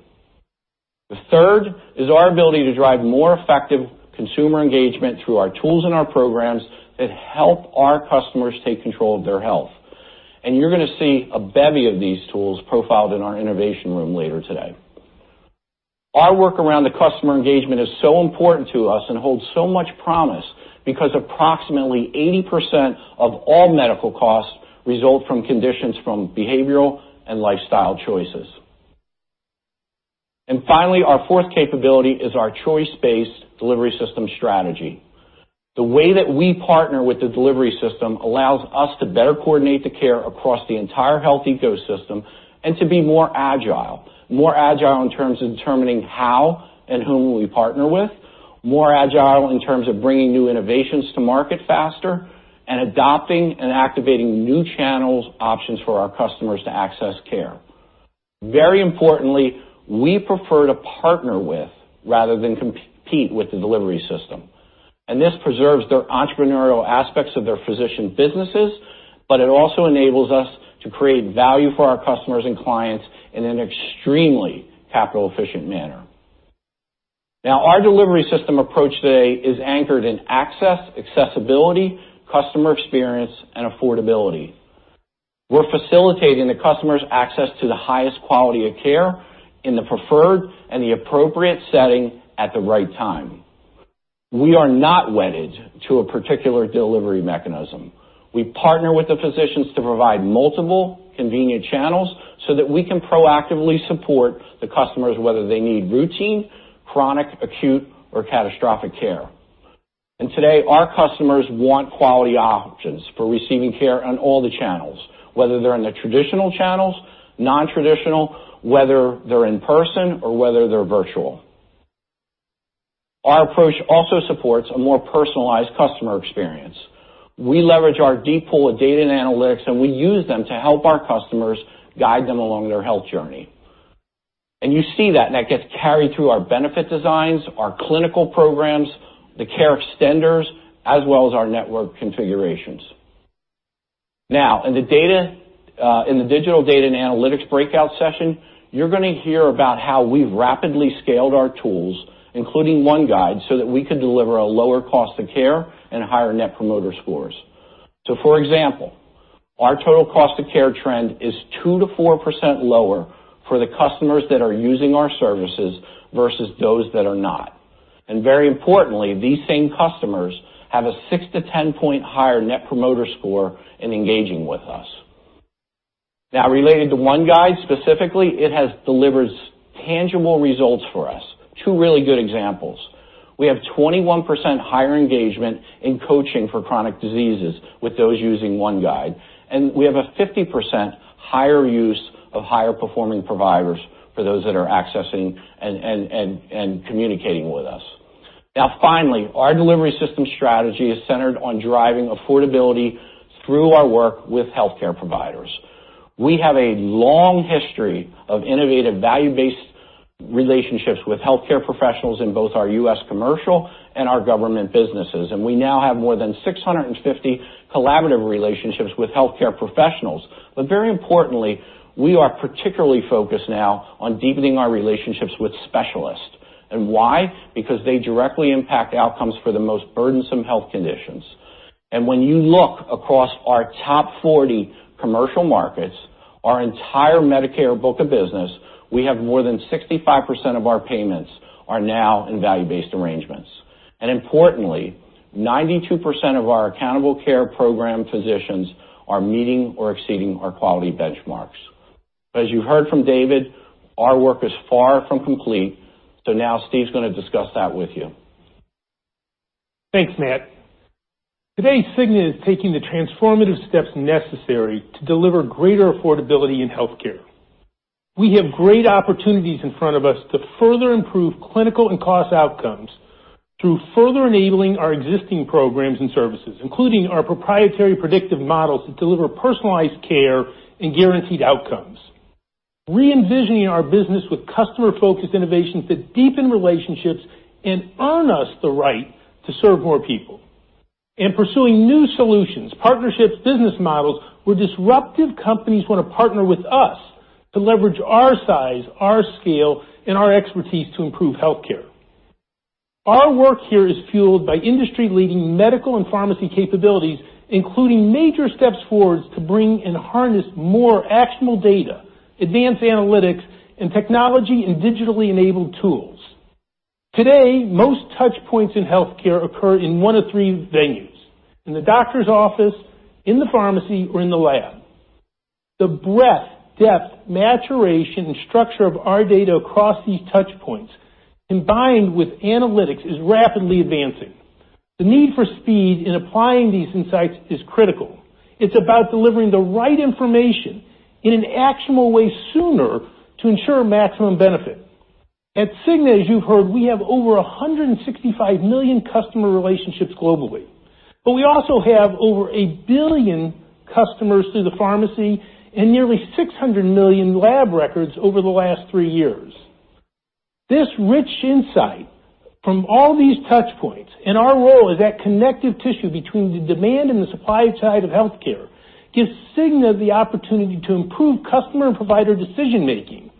The third is our ability to drive more effective consumer engagement through our tools and our programs that help our customers take control of their health. You're going to see a bevy of these tools profiled in our innovation room later today. Our work around the customer engagement is so important to us and holds so much promise because approximately 80% of all medical costs result from conditions from behavioral and lifestyle choices. Finally, our fourth capability is our choice-based delivery system strategy. The way that we partner with the delivery system allows us to better coordinate the care across the entire health ecosystem and to be more agile. More agile in terms of determining how and whom we partner with, more agile in terms of bringing new innovations to market faster. Adopting and activating new channels options for our customers to access care. Very importantly, we prefer to partner with, rather than compete with the delivery system. This preserves their entrepreneurial aspects of their physician businesses. It also enables us to create value for our customers and clients in an extremely capital-efficient manner. Our delivery system approach today is anchored in access, accessibility, customer experience, and affordability. We're facilitating the customer's access to the highest quality of care in the preferred and the appropriate setting at the right time. We are not wedded to a particular delivery mechanism. We partner with the physicians to provide multiple convenient channels so that we can proactively support the customers, whether they need routine, chronic, acute, or catastrophic care. Today, our customers want quality options for receiving care on all the channels, whether they're in the traditional channels, non-traditional, whether they're in person or whether they're virtual. Our approach also supports a more personalized customer experience. We leverage our deep pool of data and analytics, and we use them to help our customers guide them along their health journey. You see that, and that gets carried through our benefit designs, our clinical programs, the care extenders, as well as our network configurations. In the digital data and analytics breakout session, you're going to hear about how we've rapidly scaled our tools, including OneGuide, so that we could deliver a lower cost of care and higher Net Promoter Scores. For example, our total cost of care trend is 2%-4% lower for the customers that are using our services versus those that are not. Very importantly, these same customers have a six to 10 point higher Net Promoter Score in engaging with us. Related to OneGuide specifically, it has delivered tangible results for us. Two really good examples. We have 21% higher engagement in coaching for chronic diseases with those using OneGuide, and we have a 50% higher use of higher-performing providers for those that are accessing and communicating with us. Finally, our delivery system strategy is centered on driving affordability through our work with healthcare providers. We have a long history of innovative value-based relationships with healthcare professionals in both our U.S. Commercial and our government businesses, and we now have more than 650 collaborative relationships with healthcare professionals. Very importantly, we are particularly focused now on deepening our relationships with specialists. Why? Because they directly impact outcomes for the most burdensome health conditions. When you look across our top 40 commercial markets, our entire Medicare book of business, we have more than 65% of our payments are now in value-based arrangements. Importantly, 92% of our accountable care program physicians are meeting or exceeding our quality benchmarks. As you heard from David, our work is far from complete, so Steve's going to discuss that with you. Thanks, Matt. Today, Cigna is taking the transformative steps necessary to deliver greater affordability in healthcare. We have great opportunities in front of us to further improve clinical and cost outcomes through further enabling our existing programs and services, including our proprietary predictive models that deliver personalized care and guaranteed outcomes. Re-envisioning our business with customer-focused innovations that deepen relationships and earn us the right to serve more people. Pursuing new solutions, partnerships, business models where disruptive companies want to partner with us to leverage our size, our scale, and our expertise to improve healthcare. Our work here is fueled by industry-leading medical and pharmacy capabilities, including major steps forward to bring and harness more actionable data, advanced analytics, and technology and digitally enabled tools. Today, most touchpoints in healthcare occur in one of three venues: in the doctor's office, in the pharmacy, or in the lab. The breadth, depth, maturation, and structure of our data across these touchpoints, combined with analytics, is rapidly advancing. The need for speed in applying these insights is critical. It's about delivering the right information in an actionable way sooner to ensure maximum benefit. At Cigna, as you've heard, we have over 165 million customer relationships globally. But we also have over 1 billion customers through the pharmacy and nearly 600 million lab records over the last three years. This rich insight from all these touchpoints and our role as that connective tissue between the demand and the supply side of healthcare, gives Cigna the opportunity to improve customer and provider decision-making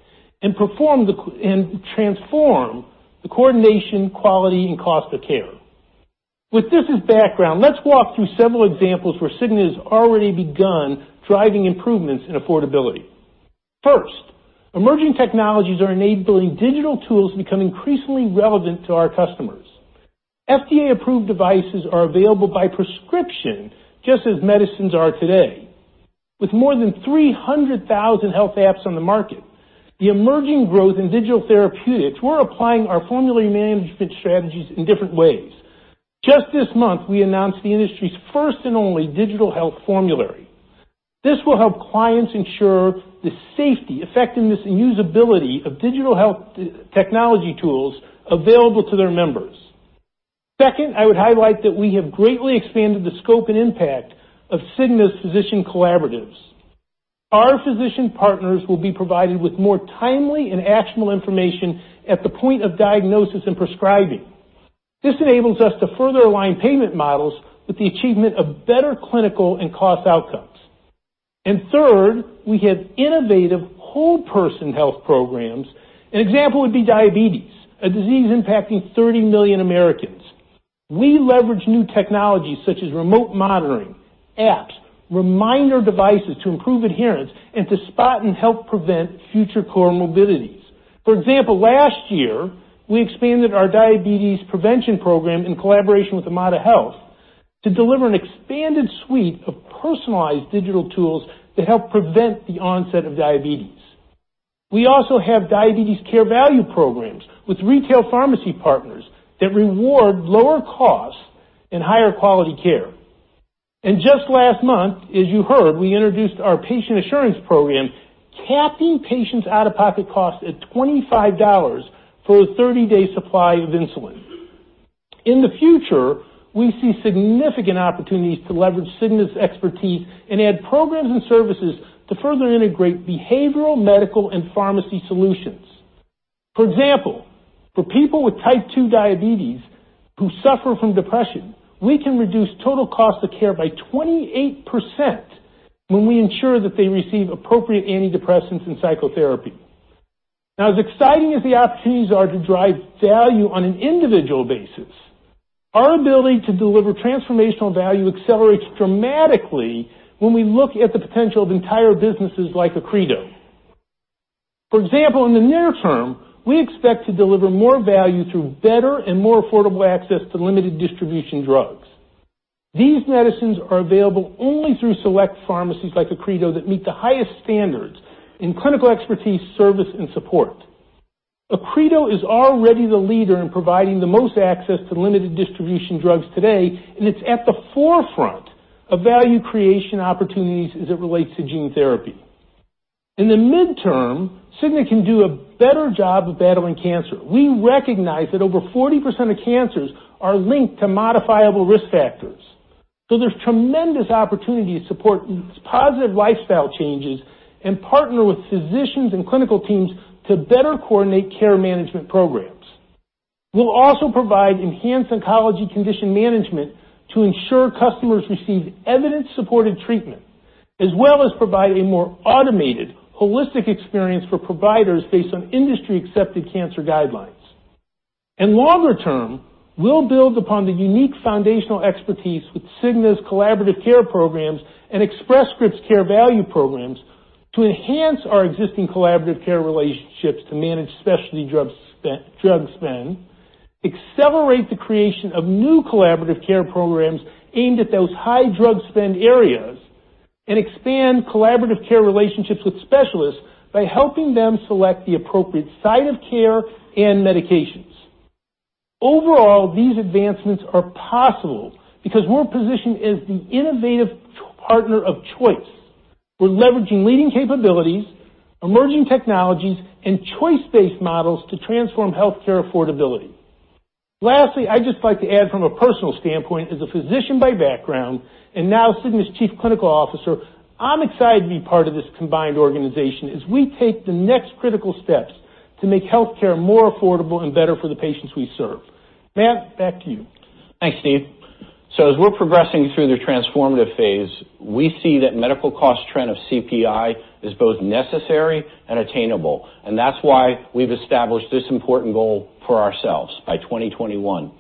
and transform the coordination, quality, and cost of care. With this as background, let's walk through several examples where Cigna has already begun driving improvements in affordability. First, emerging technologies are enabling digital tools to become increasingly relevant to our customers. FDA-approved devices are available by prescription just as medicines are today. With more than 300,000 health apps on the market, the emerging growth in digital therapeutics, we're applying our formulary management strategies in different ways. Just this month, we announced the industry's first and only Digital Health Formulary. This will help clients ensure the safety, effectiveness, and usability of digital health technology tools available to their members. Second, I would highlight that we have greatly expanded the scope and impact of Cigna's physician collaboratives. Our physician partners will be provided with more timely and actionable information at the point of diagnosis and prescribing. This enables us to further align payment models with the achievement of better clinical and cost outcomes. And third, we have innovative whole person health programs. An example would be diabetes, a disease impacting 30 million Americans. We leverage new technologies such as remote monitoring, apps, reminder devices to improve adherence, and to spot and help prevent future comorbidities. For example, last year, we expanded our diabetes prevention program in collaboration with Omada Health to deliver an expanded suite of personalized digital tools to help prevent the onset of diabetes. We also have diabetes care value programs with retail pharmacy partners that reward lower costs and higher quality care. And just last month, as you heard, we introduced our Patient Assurance Program, capping patients' out-of-pocket costs at $25 for a 30-day supply of insulin. In the future, we see significant opportunities to leverage Cigna's expertise and add programs and services to further integrate behavioral, medical, and pharmacy solutions. For example, for people with type 2 diabetes who suffer from depression, we can reduce total cost of care by 28% when we ensure that they receive appropriate antidepressants and psychotherapy. Now, as exciting as the opportunities are to drive value on an individual basis, our ability to deliver transformational value accelerates dramatically when we look at the potential of entire businesses like Accredo. For example, in the near term, we expect to deliver more value through better and more affordable access to limited distribution drugs. These medicines are available only through select pharmacies like Accredo that meet the highest standards in clinical expertise, service, and support. Accredo is already the leader in providing the most access to limited distribution drugs today, and it's at the forefront of value creation opportunities as it relates to gene therapy. In the midterm, Cigna can do a better job of battling cancer. We recognize that over 40% of cancers are linked to modifiable risk factors. There's tremendous opportunity to support positive lifestyle changes and partner with physicians and clinical teams to better coordinate care management programs. We'll also provide enhanced oncology condition management to ensure customers receive evidence-supported treatment, as well as provide a more automated, holistic experience for providers based on industry-accepted cancer guidelines. Longer term, we'll build upon the unique foundational expertise with Cigna's collaborative care programs and Express Scripts care value programs to enhance our existing collaborative care relationships to manage specialty drug spend, accelerate the creation of new collaborative care programs aimed at those high drug spend areas, and expand collaborative care relationships with specialists by helping them select the appropriate site of care and medications. Overall, these advancements are possible because we're positioned as the innovative partner of choice. We're leveraging leading capabilities, emerging technologies, and choice-based models to transform healthcare affordability. Lastly, I'd just like to add from a personal standpoint, as a physician by background, and now Cigna's Chief Clinical Officer, I'm excited to be part of this combined organization as we take the next critical steps to make healthcare more affordable and better for the patients we serve. Matt, back to you. Thanks, Steve. As we're progressing through the transformative phase, we see that medical cost trend of CPI is both necessary and attainable, that's why we've established this important goal for ourselves by 2021.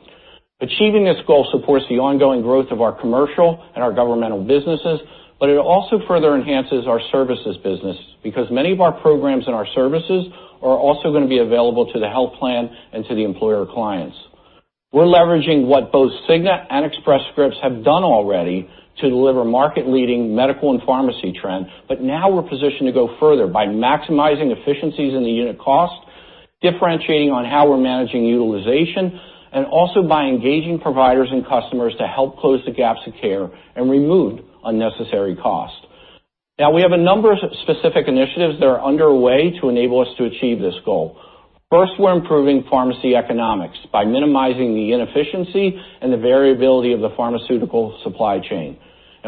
Achieving this goal supports the ongoing growth of our commercial and our governmental businesses, it also further enhances our services business, because many of our programs and our services are also going to be available to the health plan and to the employer clients. We're leveraging what both Cigna and Express Scripts have done already to deliver market-leading medical and pharmacy trend. Now we're positioned to go further by maximizing efficiencies in the unit cost, differentiating on how we're managing utilization, and also by engaging providers and customers to help close the gaps of care and remove unnecessary cost. We have a number of specific initiatives that are underway to enable us to achieve this goal. First, we're improving pharmacy economics by minimizing the inefficiency and the variability of the pharmaceutical supply chain.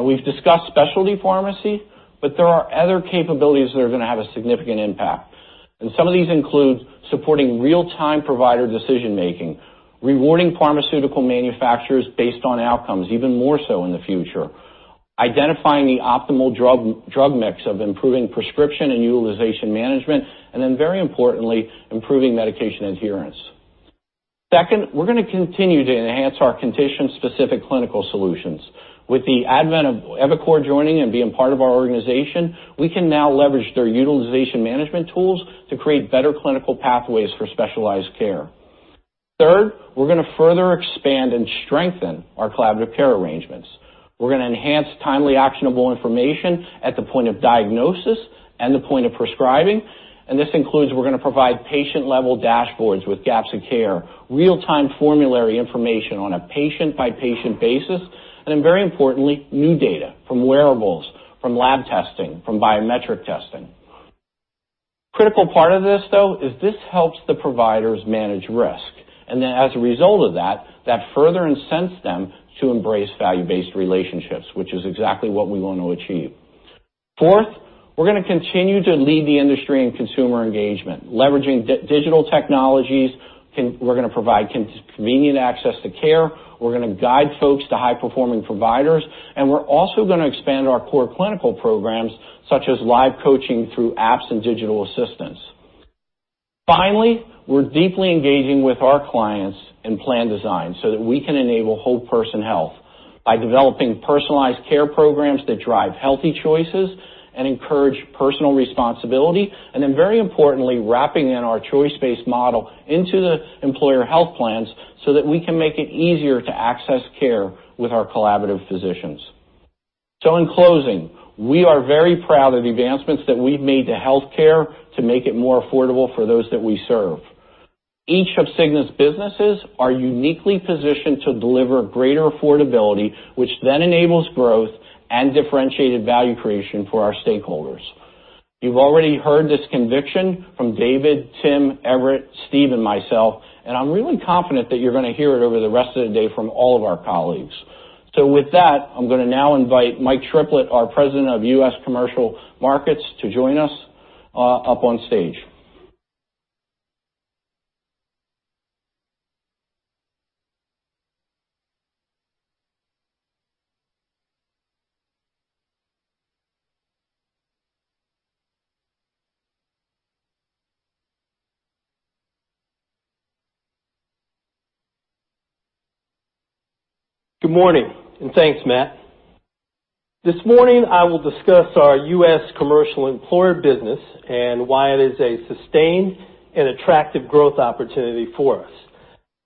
We've discussed specialty pharmacy, there are other capabilities that are going to have a significant impact. Some of these include supporting real-time provider decision-making, rewarding pharmaceutical manufacturers based on outcomes, even more so in the future, identifying the optimal drug mix of improving prescription and utilization management, then very importantly, improving medication adherence. Second, we're going to continue to enhance our condition-specific clinical solutions. With the advent of eviCore joining and being part of our organization, we can now leverage their utilization management tools to create better clinical pathways for specialized care. Third, we're going to further expand and strengthen our collaborative care arrangements. We're going to enhance timely actionable information at the point of diagnosis and the point of prescribing. This includes we're going to provide patient-level dashboards with gaps in care, real-time formulary information on a patient-by-patient basis, very importantly, new data from wearables, from lab testing, from biometric testing. Critical part of this, though, is this helps the providers manage risk, as a result of that further incents them to embrace value-based relationships, which is exactly what we want to achieve. Fourth, we're going to continue to lead the industry in consumer engagement, leveraging digital technologies. We're going to provide convenient access to care, we're going to guide folks to high-performing providers, we're also going to expand our core clinical programs such as live coaching through apps and digital assistants. Finally, we're deeply engaging with our clients in plan design so that we can enable whole person health by developing personalized care programs that drive healthy choices and encourage personal responsibility, very importantly, wrapping in our choice-based model into the employer health plans so that we can make it easier to access care with our collaborative physicians. In closing, we are very proud of the advancements that we've made to healthcare to make it more affordable for those that we serve. Each of Cigna's businesses are uniquely positioned to deliver greater affordability, which enables growth and differentiated value creation for our stakeholders. You've already heard this conviction from David, Tim, Everett, Steve, and myself, I'm really confident that you're going to hear it over the rest of the day from all of our colleagues. With that, I'm going to now invite Mike Triplett, our President of U.S. Commercial Markets, to join us up on stage. Good morning, thanks, Matt. This morning, I will discuss our U.S. commercial employer business and why it is a sustained and attractive growth opportunity for us.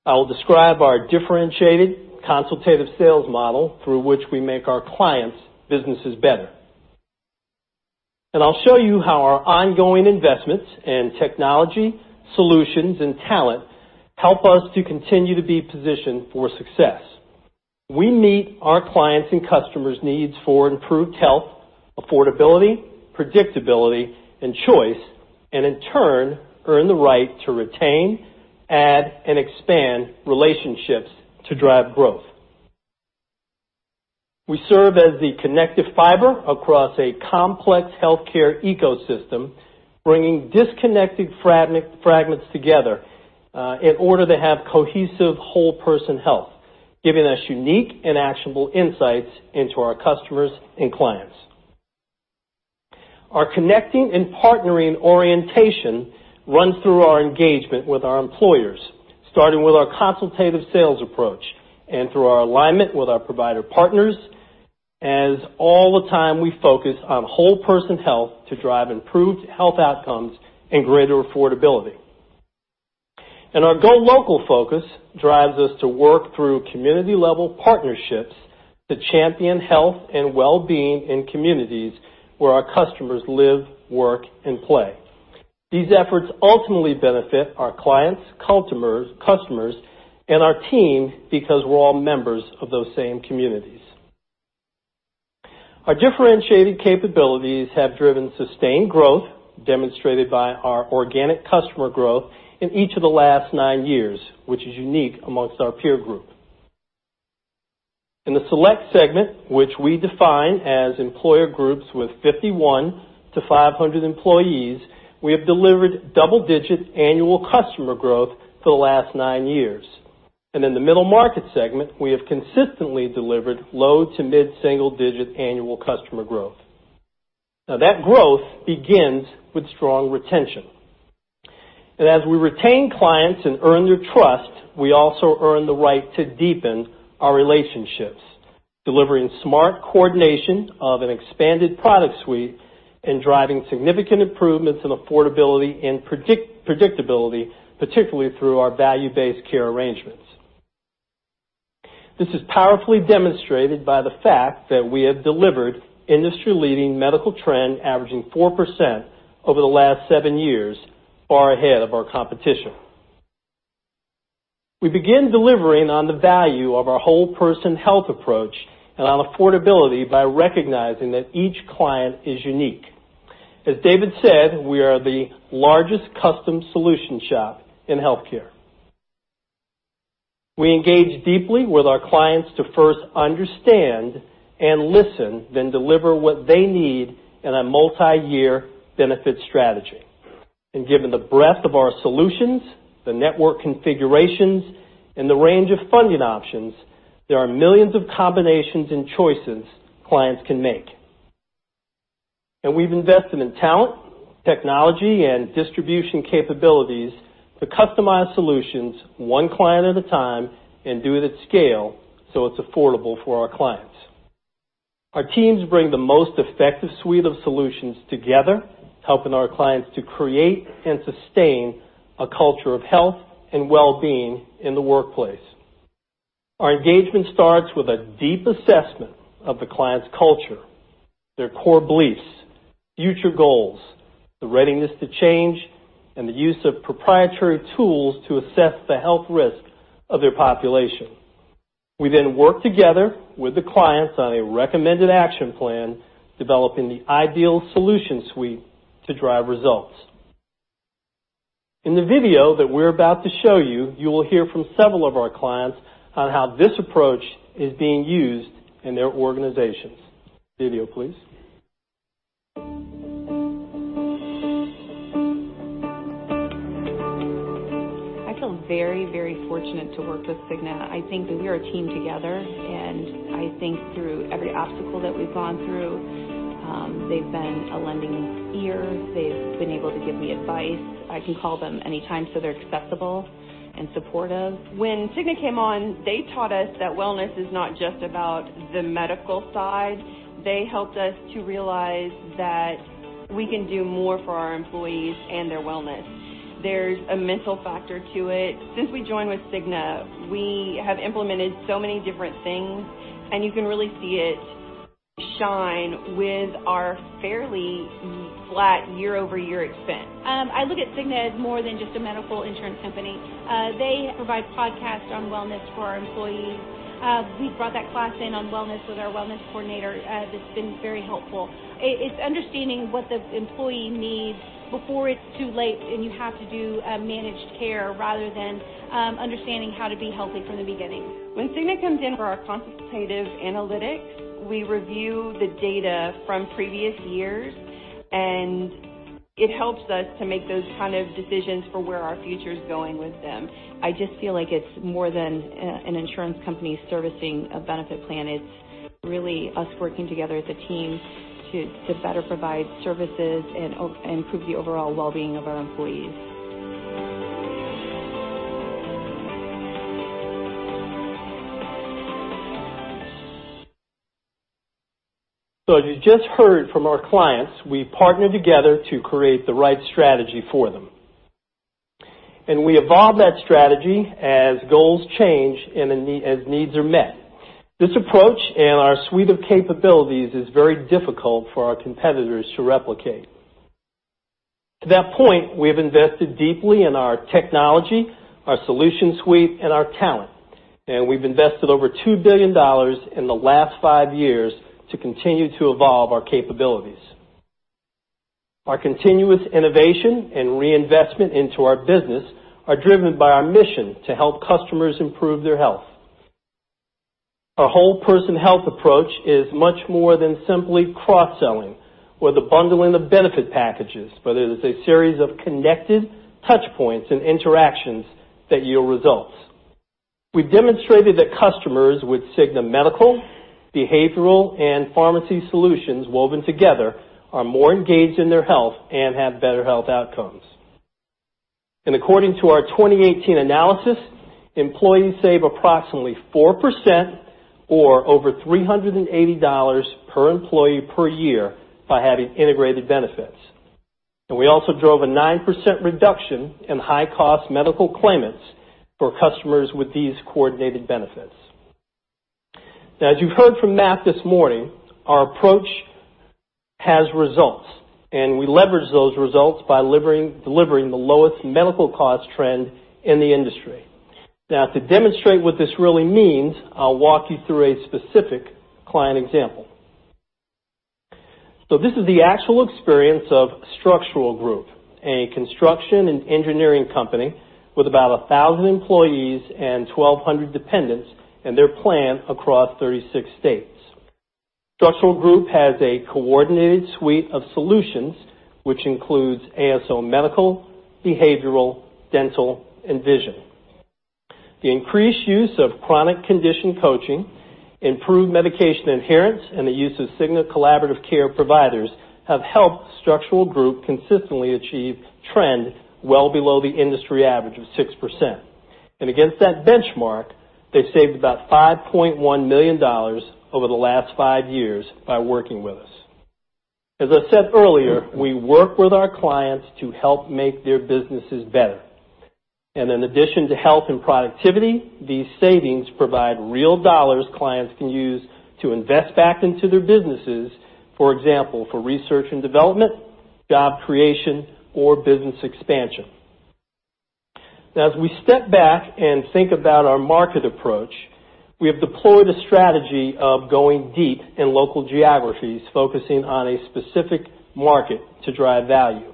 I will describe our differentiated consultative sales model through which we make our clients' businesses better. I'll show you how our ongoing investments in technology, solutions, and talent help us to continue to be positioned for success. We meet our clients' and customers' needs for improved health, affordability, predictability, and choice, in turn, earn the right to retain, add, and expand relationships to drive growth. We serve as the connective fiber across a complex healthcare ecosystem, bringing disconnected fragments together in order to have cohesive whole person health, giving us unique and actionable insights into our customers and clients. Our connecting and partnering orientation runs through our engagement with our employers, starting with our consultative sales approach and through our alignment with our provider partners, as all the time we focus on whole person health to drive improved health outcomes and greater affordability. Our LocalPlus focus drives us to work through community-level partnerships to champion health and well-being in communities where our customers live, work, and play. These efforts ultimately benefit our clients, customers, and our team because we're all members of those same communities. Our differentiated capabilities have driven sustained growth, demonstrated by our organic customer growth in each of the last nine years, which is unique amongst our peer group. In the select segment, which we define as employer groups with 51 to 500 employees, we have delivered double-digit annual customer growth for the last nine years. In the middle market segment, we have consistently delivered low to mid-single digit annual customer growth. That growth begins with strong retention. As we retain clients and earn their trust, we also earn the right to deepen our relationships, delivering smart coordination of an expanded product suite and driving significant improvements in affordability and predictability, particularly through our value-based care arrangements. This is powerfully demonstrated by the fact that we have delivered industry-leading medical trend averaging 4% over the last seven years, far ahead of our competition. We begin delivering on the value of our whole person health approach and on affordability by recognizing that each client is unique. As David said, we are the largest custom solution shop in healthcare. We engage deeply with our clients to first understand and listen, then deliver what they need in a multi-year benefit strategy. Given the breadth of our solutions, the network configurations, and the range of funding options, there are millions of combinations and choices clients can make. We've invested in talent, technology, and distribution capabilities to customize solutions one client at a time and do it at scale so it's affordable for our clients. Our teams bring the most effective suite of solutions together, helping our clients to create and sustain a culture of health and well-being in the workplace. Our engagement starts with a deep assessment of the client's culture, their core beliefs, future goals, the readiness to change, and the use of proprietary tools to assess the health risk of their population. We work together with the clients on a recommended action plan, developing the ideal solution suite to drive results. In the video that we're about to show you will hear from several of our clients on how this approach is being used in their organizations. Video, please. I feel very fortunate to work with Cigna. I think that we are a team together, and I think through every obstacle that we've gone through, they've been a lending ear. They've been able to give me advice. I can call them anytime, so they're accessible and supportive. When Cigna came on, they taught us that wellness is not just about the medical side. They helped us to realize that we can do more for our employees and their wellness. There's a mental factor to it. Since we joined with Cigna, we have implemented so many different things, and you can really see it shine with our fairly flat year-over-year expense. I look at Cigna as more than just a medical insurance company. They provide podcasts on wellness for our employees. We brought that class in on wellness with our wellness coordinator. It's been very helpful. It's understanding what the employee needs before it's too late and you have to do managed care rather than understanding how to be healthy from the beginning. When Cigna comes in for our consultative analytics, we review the data from previous years, and it helps us to make those decisions for where our future's going with them. I just feel like it is more than an insurance company servicing a benefit plan. It is really us working together as a team to better provide services and improve the overall wellbeing of our employees. As you just heard from our clients, we partner together to create the right strategy for them. We evolve that strategy as goals change and as needs are met. This approach and our suite of capabilities is very difficult for our competitors to replicate. To that point, we have invested deeply in our technology, our solution suite, and our talent, and we have invested over $2 billion in the last five years to continue to evolve our capabilities. Our continuous innovation and reinvestment into our business are driven by our mission to help customers improve their health. Our whole-person health approach is much more than simply cross-selling or the bundling of benefit packages, but it is a series of connected touchpoints and interactions that yield results. We have demonstrated that customers with Cigna Medical, Behavioral, and Pharmacy solutions woven together are more engaged in their health and have better health outcomes. According to our 2018 analysis, employees save approximately 4% or over $380 per employee per year by having integrated benefits. We also drove a 9% reduction in high-cost medical claimants for customers with these coordinated benefits. As you have heard from Matt this morning, our approach has results, and we leverage those results by delivering the lowest medical cost trend in the industry. To demonstrate what this really means, I will walk you through a specific client example. This is the actual experience of Structural Group, a construction and engineering company with about 1,000 employees and 1,200 dependents, and their plan across 36 states. Structural Group has a coordinated suite of solutions, which includes ASO medical, behavioral, dental, and vision. The increased use of chronic condition coaching, improved medication adherence, and the use of Cigna collaborative care providers have helped Structural Group consistently achieve trend well below the industry average of 6%. Against that benchmark, they have saved about $5.1 million over the last five years by working with us. As I said earlier, we work with our clients to help make their businesses better. In addition to health and productivity, these savings provide real dollars clients can use to invest back into their businesses, for example, for research and development, job creation, or business expansion. As we step back and think about our market approach, we have deployed a strategy of going deep in local geographies, focusing on a specific market to drive value.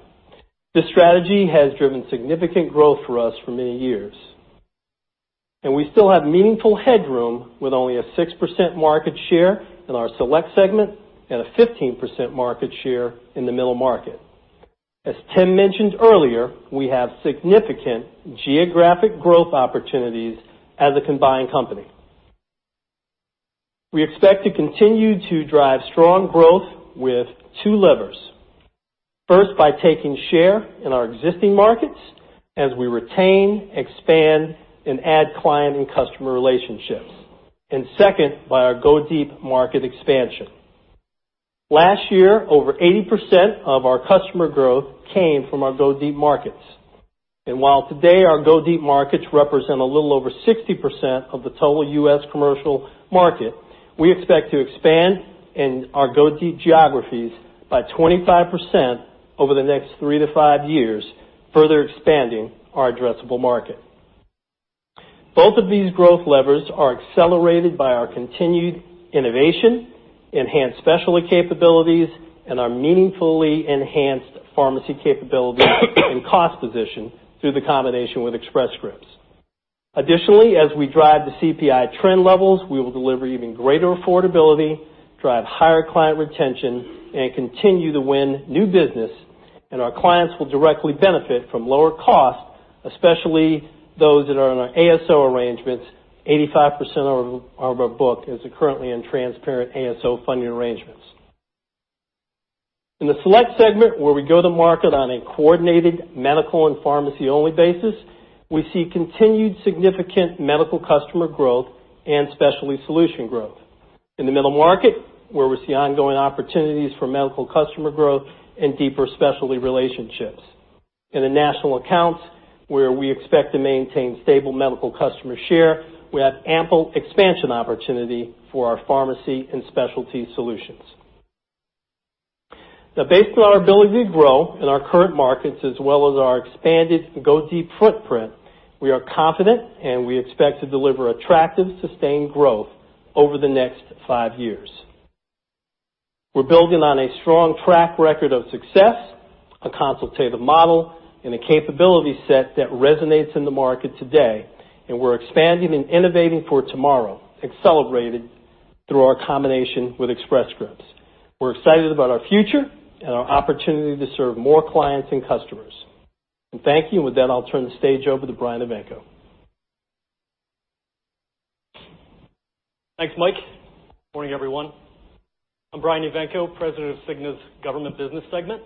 This strategy has driven significant growth for us for many years. We still have meaningful headroom with only a 6% market share in our select segment and a 15% market share in the middle market. As Tim Wentworth mentioned earlier, we have significant geographic growth opportunities as a combined company. We expect to continue to drive strong growth with two levers. First, by taking share in our existing markets as we retain, expand, and add client and customer relationships. Second, by our go deep market expansion. Last year, over 80% of our customer growth came from our go deep markets. While today our go deep markets represent a little over 60% of the total U.S. commercial market, we expect to expand in our go deep geographies by 25% over the next three to five years, further expanding our addressable market. Both of these growth levers are accelerated by our continued innovation, enhanced specialty capabilities, and our meaningfully enhanced pharmacy capabilities and cost position through the combination with Express Scripts. As we drive the CPI trend levels, we will deliver even greater affordability, drive higher client retention, and continue to win new business. Our clients will directly benefit from lower costs, especially those that are in our ASO arrangements. 85% of our book is currently in transparent ASO funding arrangements. In the select segment where we go to market on a coordinated medical and pharmacy-only basis, we see continued significant medical customer growth and specialty solution growth. In the middle market, where we see ongoing opportunities for medical customer growth and deeper specialty relationships. In the national accounts, where we expect to maintain stable medical customer share, we have ample expansion opportunity for our pharmacy and specialty solutions. Based on our ability to grow in our current markets as well as our expanded go deep footprint, we are confident and we expect to deliver attractive, sustained growth over the next five years. We're building on a strong track record of success, a consultative model, and a capability set that resonates in the market today, and we're expanding and innovating for tomorrow, accelerated through our combination with Express Scripts. We're excited about our future and our opportunity to serve more clients and customers. Thank you. With that, I'll turn the stage over to Brian Evanko. Thanks, Mike Triplett. Morning, everyone. I'm Brian Evanko, President of Cigna's Government Business segment.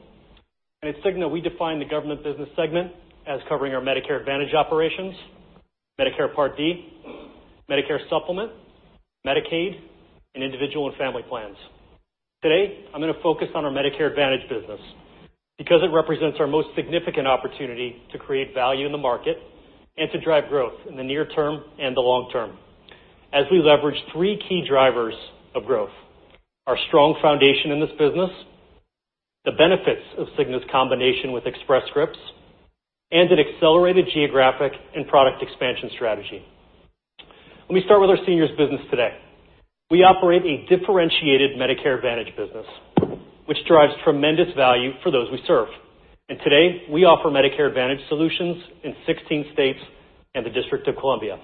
At Cigna, we define the Government Business segment as covering our Medicare Advantage operations, Medicare Part D, Medicare Supplement, Medicaid, and individual and family plans. Today, I'm going to focus on our Medicare Advantage business because it represents our most significant opportunity to create value in the market and to drive growth in the near term and the long term as we leverage three key drivers of growth, our strong foundation in this business, the benefits of Cigna's combination with Express Scripts, and an accelerated geographic and product expansion strategy. Let me start with our seniors business today. We operate a differentiated Medicare Advantage business, which drives tremendous value for those we serve. Today, we offer Medicare Advantage solutions in 16 states and the District of Columbia.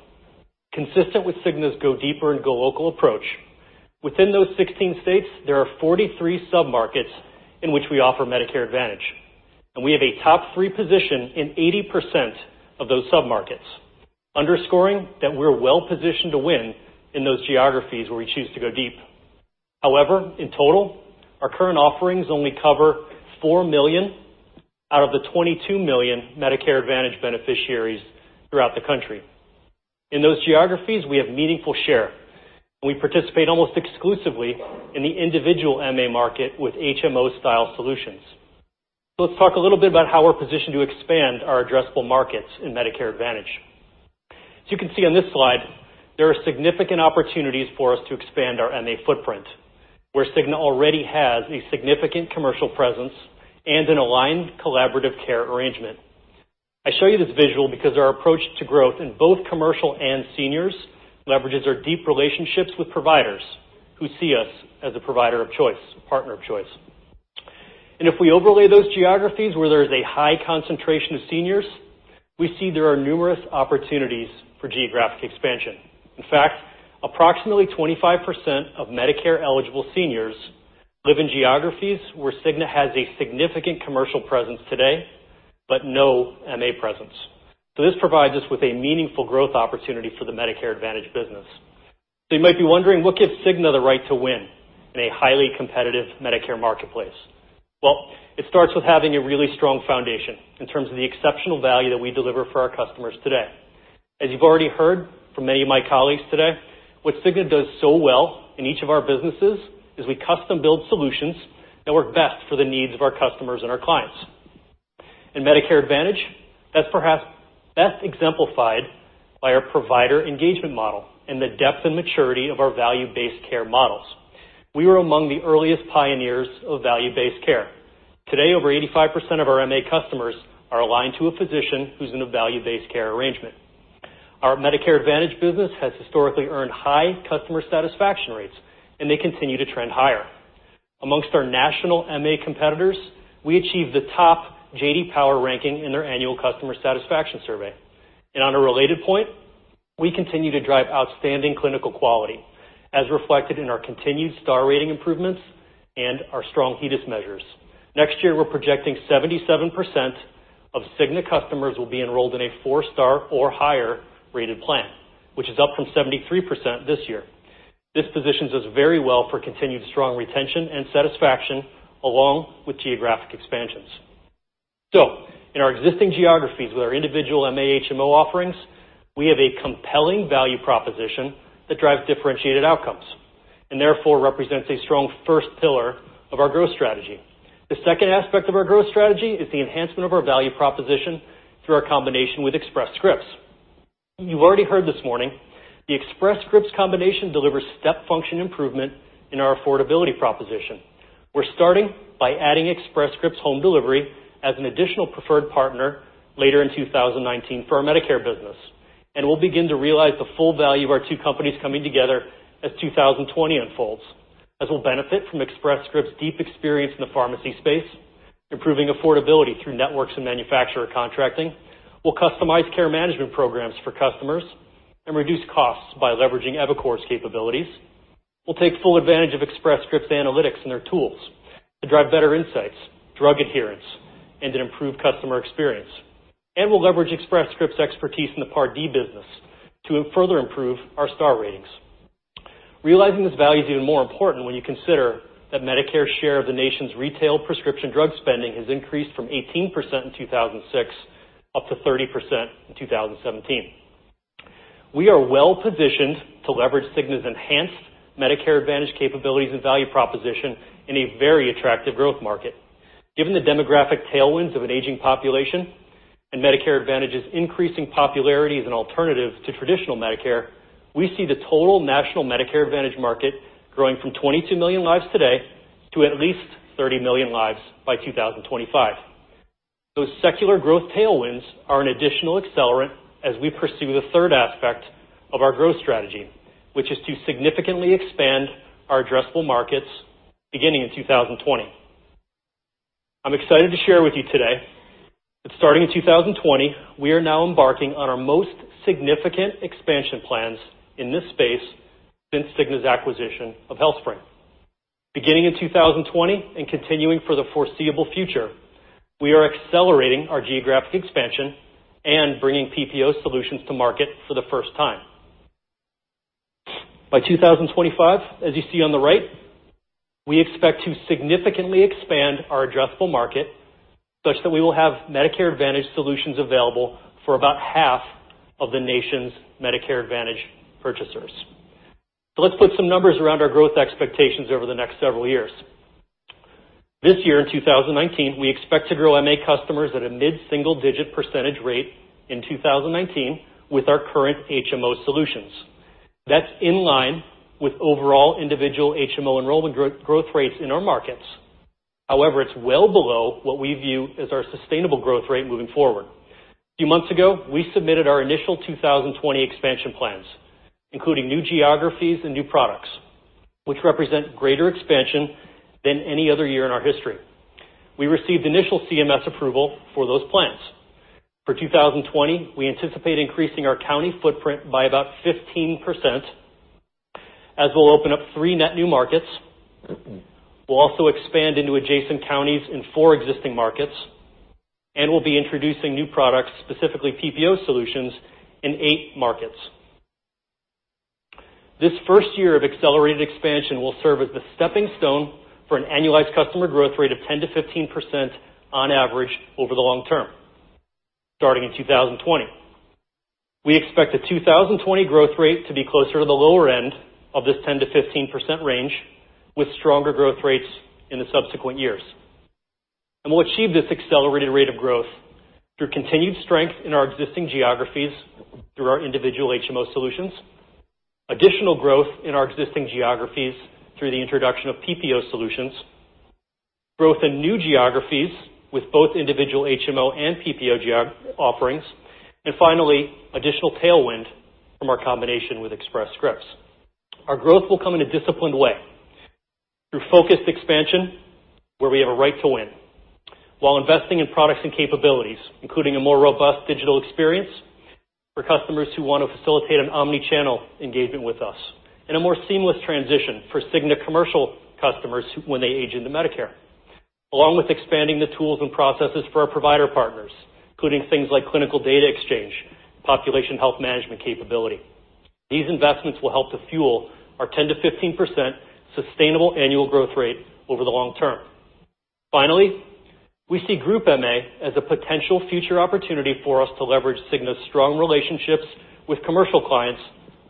Consistent with Cigna's go deeper and go local approach, within those 16 states, there are 43 sub-markets in which we offer Medicare Advantage, and we have a top three position in 80% of those sub-markets, underscoring that we're well-positioned to win in those geographies where we choose to go deep. In total, our current offerings only cover 4 million out of the 22 million Medicare Advantage beneficiaries throughout the country. In those geographies, we have meaningful share, and we participate almost exclusively in the individual MA market with HMO-style solutions. Let's talk a little bit about how we're positioned to expand our addressable markets in Medicare Advantage. As you can see on this slide, there are significant opportunities for us to expand our MA footprint where Cigna already has a significant commercial presence and an aligned collaborative care arrangement. I show you this visual because our approach to growth in both commercial and seniors leverages our deep relationships with providers who see us as a provider of choice, a partner of choice. If we overlay those geographies where there is a high concentration of seniors, we see there are numerous opportunities for geographic expansion. In fact, approximately 25% of Medicare-eligible seniors live in geographies where Cigna has a significant commercial presence today, but no MA presence. This provides us with a meaningful growth opportunity for the Medicare Advantage business. You might be wondering, what gives Cigna the right to win in a highly competitive Medicare marketplace? It starts with having a really strong foundation in terms of the exceptional value that we deliver for our customers today. As you've already heard from many of my colleagues today, what Cigna does so well in each of our businesses is we custom-build solutions that work best for the needs of our customers and our clients. In Medicare Advantage, that's perhaps best exemplified by our provider engagement model and the depth and maturity of our value-based care models. We were among the earliest pioneers of value-based care. Today, over 85% of our MA customers are aligned to a physician who's in a value-based care arrangement. Our Medicare Advantage business has historically earned high customer satisfaction rates, and they continue to trend higher. Amongst our national MA competitors, we achieved the top J.D. Power ranking in their annual customer satisfaction survey. On a related point, we continue to drive outstanding clinical quality, as reflected in our continued star rating improvements and our strong HEDIS measures. Next year, we're projecting 77% of Cigna customers will be enrolled in a 4-star or higher rated plan, which is up from 73% this year. This positions us very well for continued strong retention and satisfaction along with geographic expansions. In our existing geographies with our individual MA HMO offerings, we have a compelling value proposition that drives differentiated outcomes, and therefore represents a strong first pillar of our growth strategy. The second aspect of our growth strategy is the enhancement of our value proposition through our combination with Express Scripts. You've already heard this morning, the Express Scripts combination delivers step function improvement in our affordability proposition. We're starting by adding Express Scripts home delivery as an additional preferred partner later in 2019 for our Medicare business. We'll begin to realize the full value of our two companies coming together as 2020 unfolds, as we'll benefit from Express Scripts' deep experience in the pharmacy space, improving affordability through networks and manufacturer contracting. We'll customize care management programs for customers and reduce costs by leveraging eviCore's capabilities. We'll take full advantage of Express Scripts analytics and their tools to drive better insights, drug adherence, and an improved customer experience. We'll leverage Express Scripts' expertise in the Part D business to further improve our star ratings. Realizing this value is even more important when you consider that Medicare's share of the nation's retail prescription drug spending has increased from 18% in 2006 up to 30% in 2017. We are well-positioned to leverage Cigna's enhanced Medicare Advantage capabilities and value proposition in a very attractive growth market. Given the demographic tailwinds of an aging population and Medicare Advantage's increasing popularity as an alternative to traditional Medicare, we see the total national Medicare Advantage market growing from 22 million lives today to at least 30 million lives by 2025. Those secular growth tailwinds are an additional accelerant as we pursue the third aspect of our growth strategy, which is to significantly expand our addressable markets beginning in 2020. I'm excited to share with you today that starting in 2020, we are now embarking on our most significant expansion plans in this space since Cigna's acquisition of HealthSpring. Beginning in 2020 and continuing for the foreseeable future, we are accelerating our geographic expansion and bringing PPO solutions to market for the first time. By 2025, as you see on the right, we expect to significantly expand our addressable market such that we will have Medicare Advantage solutions available for about half of the nation's Medicare Advantage purchasers. Let's put some numbers around our growth expectations over the next several years. This year in 2019, we expect to grow MA customers at a mid-single-digit percentage rate in 2019 with our current HMO solutions. That's in line with overall individual HMO enrollment growth rates in our markets. However, it's well below what we view as our sustainable growth rate moving forward. A few months ago, we submitted our initial 2020 expansion plans, including new geographies and new products, which represent greater expansion than any other year in our history. We received initial CMS approval for those plans. For 2020, we anticipate increasing our county footprint by about 15% as we'll open up three net new markets. We'll also expand into adjacent counties in four existing markets. We'll be introducing new products, specifically PPO solutions, in eight markets. This first year of accelerated expansion will serve as the stepping stone for an annualized customer growth rate of 10%-15% on average over the long term, starting in 2020. We expect the 2020 growth rate to be closer to the lower end of this 10%-15% range, with stronger growth rates in the subsequent years. We'll achieve this accelerated rate of growth through continued strength in our existing geographies through our individual HMO solutions, additional growth in our existing geographies through the introduction of PPO solutions, growth in new geographies with both individual HMO and PPO offerings, and finally, additional tailwind from our combination with Express Scripts. Our growth will come in a disciplined way, through focused expansion where we have a right to win, while investing in products and capabilities, including a more robust digital experience for customers who want to facilitate an omni-channel engagement with us, and a more seamless transition for Cigna commercial customers when they age into Medicare. Along with expanding the tools and processes for our provider partners, including things like clinical data exchange, population health management capability. These investments will help to fuel our 10%-15% sustainable annual growth rate over the long term. Finally, we see Group MA as a potential future opportunity for us to leverage Cigna's strong relationships with commercial clients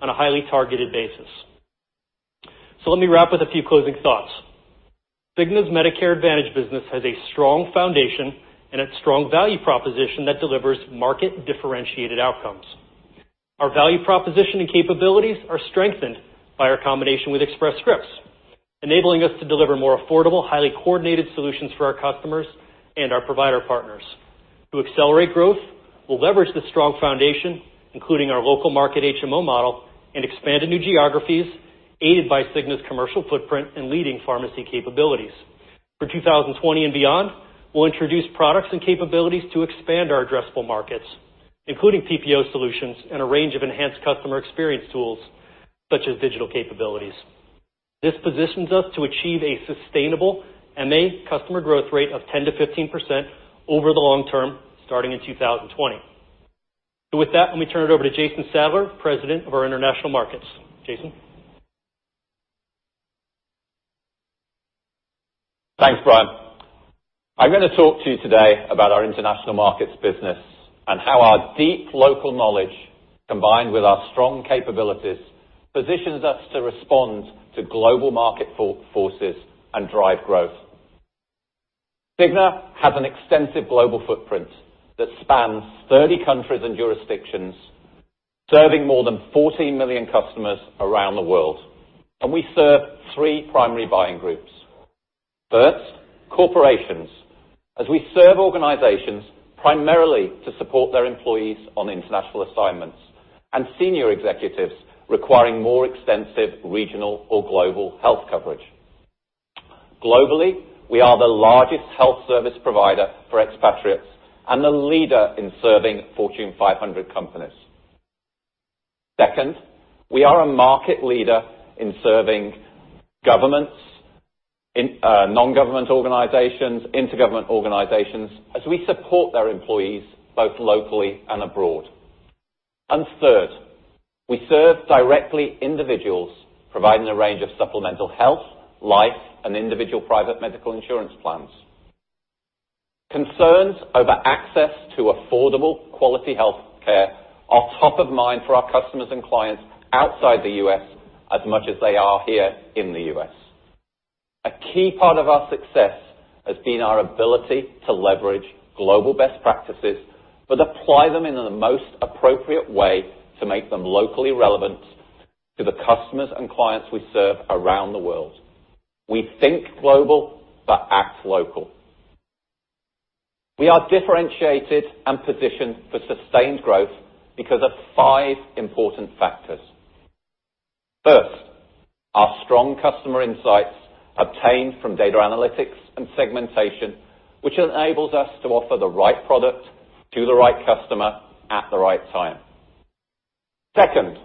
on a highly targeted basis. Let me wrap with a few closing thoughts. Cigna's Medicare Advantage business has a strong foundation and a strong value proposition that delivers market-differentiated outcomes. Our value proposition and capabilities are strengthened by our combination with Express Scripts, enabling us to deliver more affordable, highly coordinated solutions for our customers and our provider partners. To accelerate growth, we'll leverage the strong foundation, including our local market HMO model, and expand to new geographies aided by Cigna's commercial footprint and leading pharmacy capabilities. For 2020 and beyond, we'll introduce products and capabilities to expand our addressable markets, including PPO solutions and a range of enhanced customer experience tools such as digital capabilities. This positions us to achieve a sustainable MA customer growth rate of 10%-15% over the long term starting in 2020. With that, let me turn it over to Jason Sadler, President of our International Markets. Jason? Thanks, Brian. I'm going to talk to you today about our International Markets business and how our deep local knowledge, combined with our strong capabilities, positions us to respond to global market forces and drive growth. Cigna has an extensive global footprint that spans 30 countries and jurisdictions, serving more than 14 million customers around the world. We serve three primary buying groups. First, corporations, as we serve organizations primarily to support their employees on international assignments, and senior executives requiring more extensive regional or global health coverage. Globally, we are the largest health service provider for expatriates and the leader in serving Fortune 500 companies. Second, we are a market leader in serving governments, non-government organizations, inter-government organizations, as we support their employees both locally and abroad. Third, we serve directly individuals, providing a range of supplemental health, life, and individual private medical insurance plans. Concerns over access to affordable, quality healthcare are top of mind for our customers and clients outside the U.S. as much as they are here in the U.S. A key part of our success has been our ability to leverage global best practices, but apply them in the most appropriate way to make them locally relevant to the customers and clients we serve around the world. We think global, but act local. We are differentiated and positioned for sustained growth because of five important factors. First, our strong customer insights obtained from data analytics and segmentation, which enables us to offer the right product to the right customer at the right time. Second,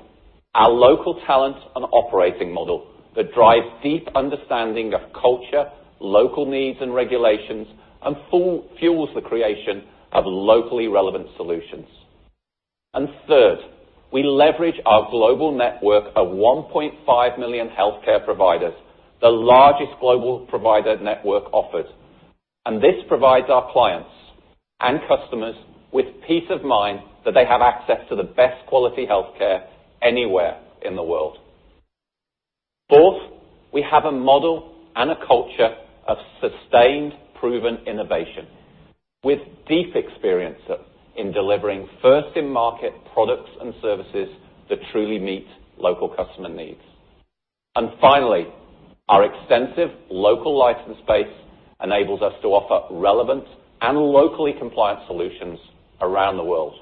our local talent and operating model that drives deep understanding of culture, local needs and regulations, and fuels the creation of locally relevant solutions. Third, we leverage our global network of $1.5 million healthcare providers, the largest global provider network offered. This provides our clients and customers with peace of mind that they have access to the best quality healthcare anywhere in the world. Fourth, we have a model and a culture of sustained, proven innovation with deep experience in delivering first-in-market products and services that truly meet local customer needs. Finally, our extensive local license base enables us to offer relevant and locally compliant solutions around the world.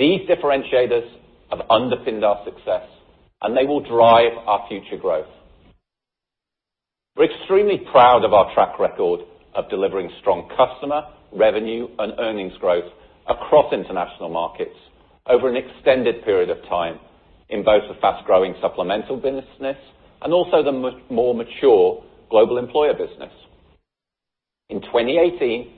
These differentiators have underpinned our success. They will drive our future growth. We're extremely proud of our track record of delivering strong customer, revenue, and earnings growth across international markets over an extended period of time in both the fast-growing supplemental business and also the more mature global employer business. In 2018,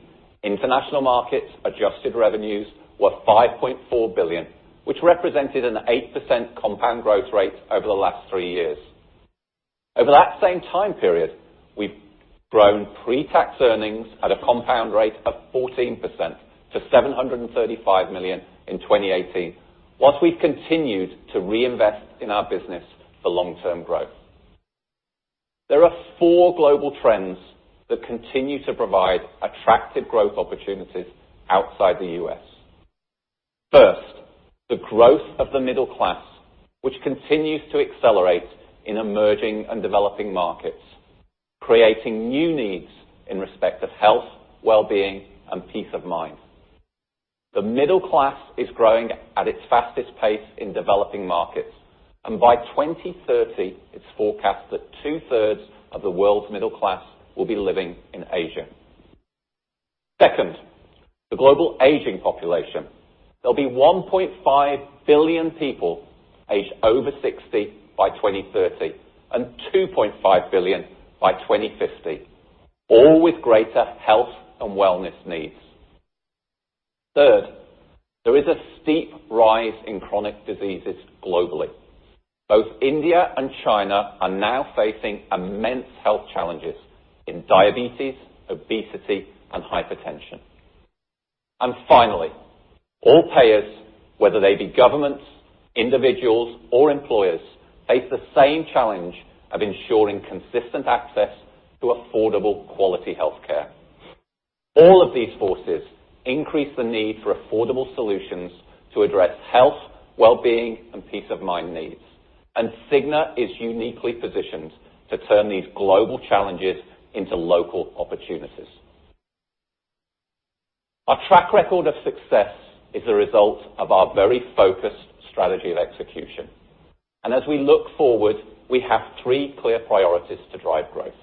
international markets adjusted revenues were $5.4 billion, which represented an 8% compound growth rate over the last three years. Over that same time period, we've grown pre-tax earnings at a compound rate of 14% to $735 million in 2018, whilst we've continued to reinvest in our business for long-term growth. There are four global trends that continue to provide attractive growth opportunities outside the U.S. First, the growth of the middle class, which continues to accelerate in emerging and developing markets, creating new needs in respect of health, wellbeing, and peace of mind. The middle class is growing at its fastest pace in developing markets, and by 2030, it's forecast that two-thirds of the world's middle class will be living in Asia. Second, the global aging population. There'll be 1.5 billion people aged over 60 by 2030 and 2.5 billion by 2050, all with greater health and wellness needs. Third, there is a steep rise in chronic diseases globally. Both India and China are now facing immense health challenges in diabetes, obesity, and hypertension. Finally, all payers, whether they be governments, individuals, or employers, face the same challenge of ensuring consistent access to affordable, quality healthcare. All of these forces increase the need for affordable solutions to address health, wellbeing, and peace of mind needs. Cigna is uniquely positioned to turn these global challenges into local opportunities. Our track record of success is a result of our very focused strategy of execution. As we look forward, we have three clear priorities to drive growth.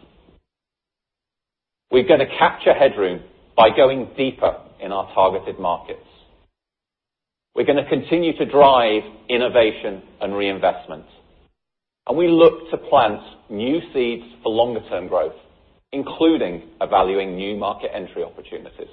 We're going to capture headroom by going deeper in our targeted markets. We're going to continue to drive innovation and reinvestment. We look to plant new seeds for longer-term growth, including evaluating new market entry opportunities.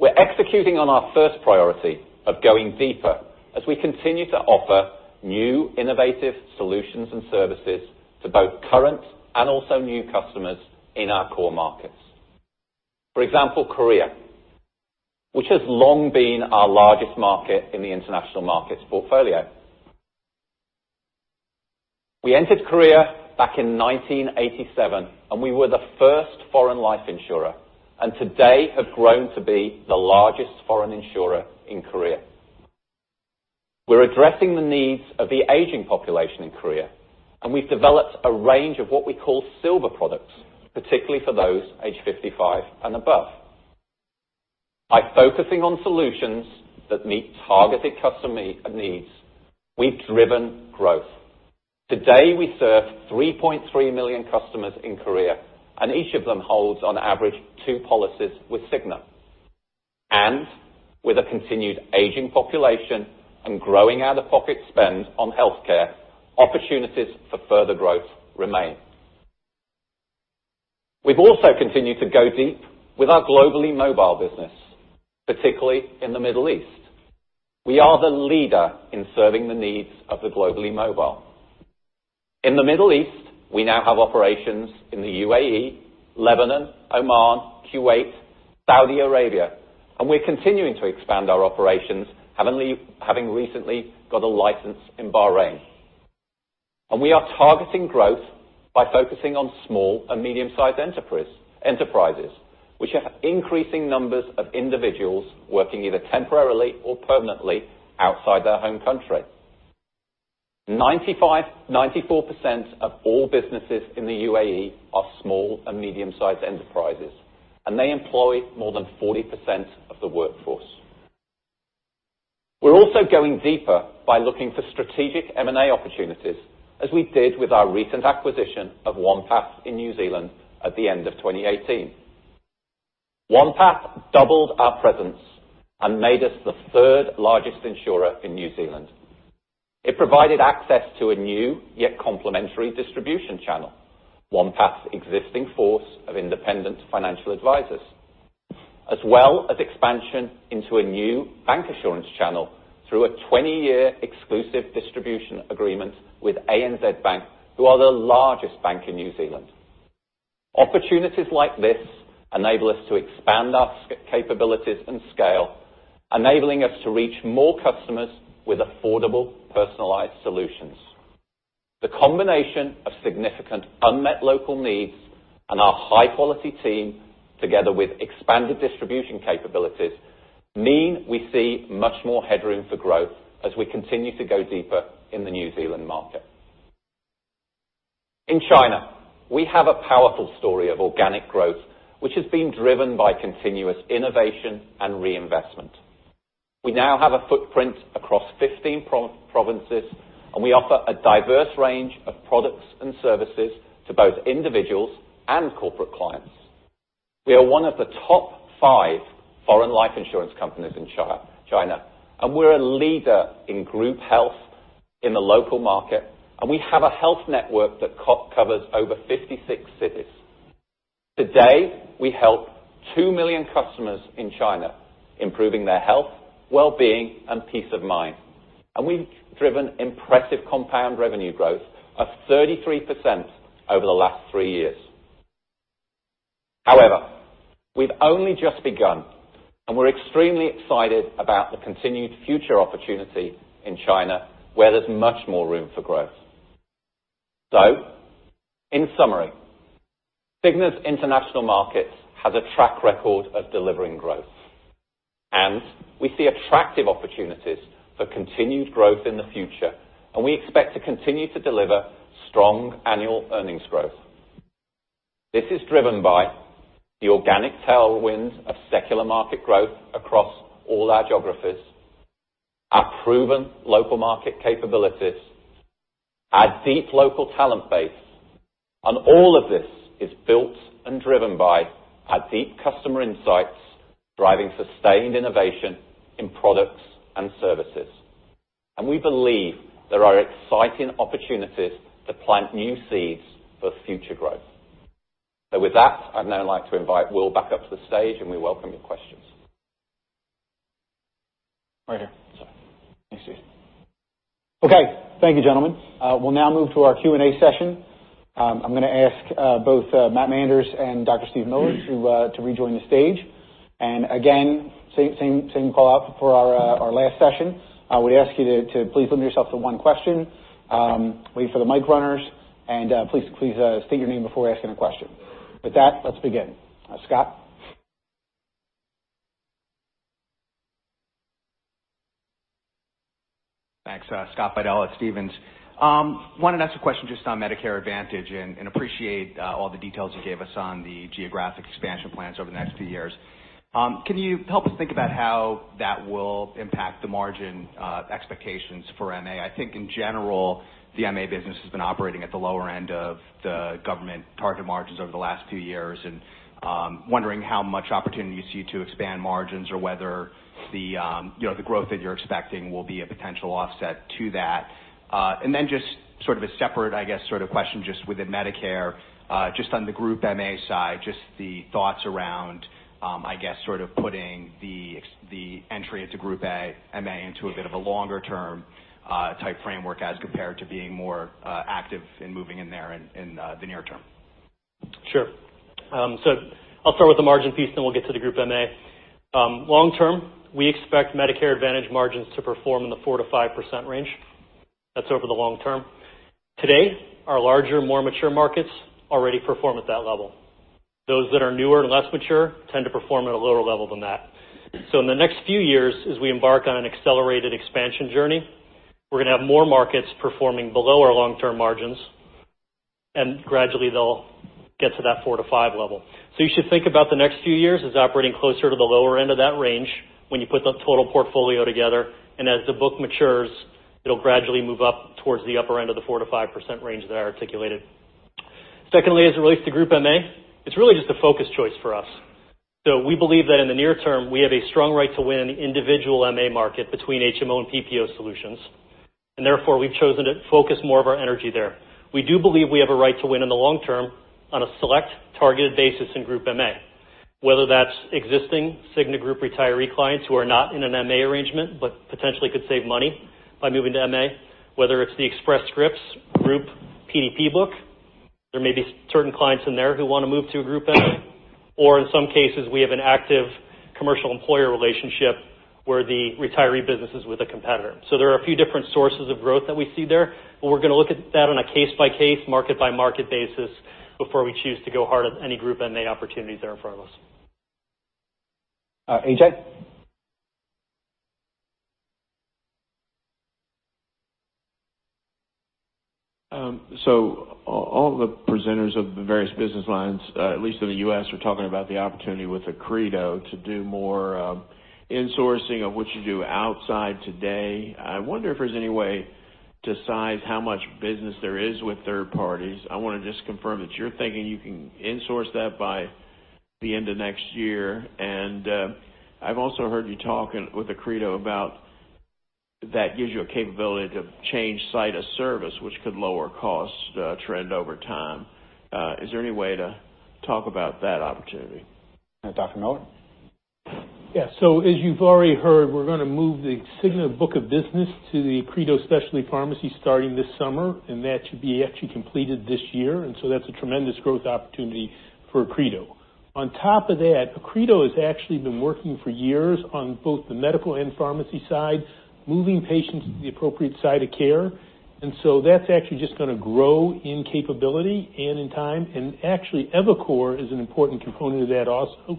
We're executing on our first priority of going deeper as we continue to offer new, innovative solutions and services to both current and also new customers in our core markets. For example, Korea, which has long been our largest market in the International Markets portfolio. We entered Korea back in 1987, and we were the first foreign life insurer, and today have grown to be the largest foreign insurer in Korea. We're addressing the needs of the aging population in Korea, and we've developed a range of what we call silver products, particularly for those age 55 and above. By focusing on solutions that meet targeted customer needs, we've driven growth. Today, we serve 3.3 million customers in Korea, and each of them holds, on average, two policies with Cigna. With a continued aging population and growing out-of-pocket spend on healthcare, opportunities for further growth remain. We've also continued to go deep with our globally mobile business, particularly in the Middle East. We are the leader in serving the needs of the globally mobile. In the Middle East, we now have operations in the U.A.E., Lebanon, Oman, Kuwait, Saudi Arabia, and we're continuing to expand our operations, having recently got a license in Bahrain. We are targeting growth by focusing on small and medium-sized enterprises, which have increasing numbers of individuals working either temporarily or permanently outside their home country. 94% of all businesses in the U.A.E. are small and medium-sized enterprises, and they employ more than 40% of the workforce. We're also going deeper by looking for strategic M&A opportunities, as we did with our recent acquisition of OnePath in New Zealand at the end of 2018. OnePath doubled our presence and made us the third largest insurer in New Zealand. It provided access to a new, yet complementary distribution channel, OnePath's existing force of independent financial advisors. As well as expansion into a new bancassurance channel through a 20-year exclusive distribution agreement with ANZ Bank, who are the largest bank in New Zealand. Opportunities like this enable us to expand our capabilities and scale, enabling us to reach more customers with affordable personalized solutions. The combination of significant unmet local needs and our high-quality team, together with expanded distribution capabilities, mean we see much more headroom for growth as we continue to go deeper in the New Zealand market. In China, we have a powerful story of organic growth, which has been driven by continuous innovation and reinvestment. We now have a footprint across 15 provinces, and we offer a diverse range of products and services to both individuals and corporate clients. We are one of the top five foreign life insurance companies in China, and we're a leader in group health in the local market, and we have a health network that covers over 56 cities. Today, we help two million customers in China, improving their health, wellbeing, and peace of mind. We've driven impressive compound revenue growth of 33% over the last three years. However, we've only just begun, and we're extremely excited about the continued future opportunity in China, where there's much more room for growth. In summary, Cigna's International Markets has a track record of delivering growth. We see attractive opportunities for continued growth in the future, we expect to continue to deliver strong annual earnings growth. This is driven by the organic tailwinds of secular market growth across all our geographies, our proven local market capabilities, our deep local talent base, and all of this is built and driven by our deep customer insights, driving sustained innovation in products and services. We believe there are exciting opportunities to plant new seeds for future growth. With that, I'd now like to invite Will back up to the stage, we welcome your questions. Right here. Sorry. Thanks, Steve. Okay. Thank you, gentlemen. We'll now move to our Q&A session. I'm going to ask both Matthew Manders and Dr. Steven Miller to rejoin the stage. Again, same call out for our last session. I would ask you to please limit yourself to one question. Wait for the mic runners, please state your name before asking a question. With that, let's begin. Scott? Thanks. Scott Fidel at Stephens. Wanted to ask a question just on Medicare Advantage, appreciate all the details you gave us on the geographic expansion plans over the next few years. Can you help us think about how that will impact the margin expectations for MA? I think in general, the MA business has been operating at the lower end of the government target margins over the last few years, wondering how much opportunity you see to expand margins or whether the growth that you're expecting will be a potential offset to that. Then just sort of a separate question just within Medicare, just on the group MA side, just the thoughts around, putting the entry into group MA into a bit of a longer term type framework as compared to being more active in moving in there in the near term. Sure. I'll start with the margin piece, we'll get to the group MA. Long term, we expect Medicare Advantage margins to perform in the 4%-5% range. That's over the long term. Today, our larger, more mature markets already perform at that level. Those that are newer and less mature tend to perform at a lower level than that. In the next few years, as we embark on an accelerated expansion journey, we're going to have more markets performing below our long-term margins, gradually they'll get to that 4%-5% level. You should think about the next few years as operating closer to the lower end of that range when you put the total portfolio together, as the book matures, it'll gradually move up towards the upper end of the 4%-5% range that I articulated. Secondly, as it relates to Group MA, it's really just a focus choice for us. We believe that in the near term, we have a strong right to win individual MA market between HMO and PPO solutions. Therefore, we've chosen to focus more of our energy there. We do believe we have a right to win in the long term on a select targeted basis in Group MA, whether that's existing Cigna group retiree clients who are not in an MA arrangement, but potentially could save money by moving to MA, whether it's the Express Scripts Group PDP book. There may be certain clients in there who want to move to a Group MA, or in some cases, we have an active commercial employer relationship where the retiree business is with a competitor. There are a few different sources of growth that we see there, but we're going to look at that on a case-by-case, market-by-market basis before we choose to go hard at any Group MA opportunities that are in front of us. AJ? All the presenters of the various business lines, at least in the U.S., are talking about the opportunity with Accredo to do more insourcing of what you do outside today. I wonder if there's any way to size how much business there is with third parties. I want to just confirm that you're thinking you can insource that by the end of next year. I've also heard you talking with Accredo about that gives you a capability to change site of service, which could lower cost trend over time. Is there any way to talk about that opportunity? Dr. Miller? Yeah. As you've already heard, we're going to move the Cigna book of business to the Accredo specialty pharmacy starting this summer. That should be actually completed this year. That's a tremendous growth opportunity for Accredo. On top of that, Accredo has actually been working for years on both the medical and pharmacy side, moving patients to the appropriate site of care. That's actually just going to grow in capability and in time. Actually, eviCore is an important component of that also.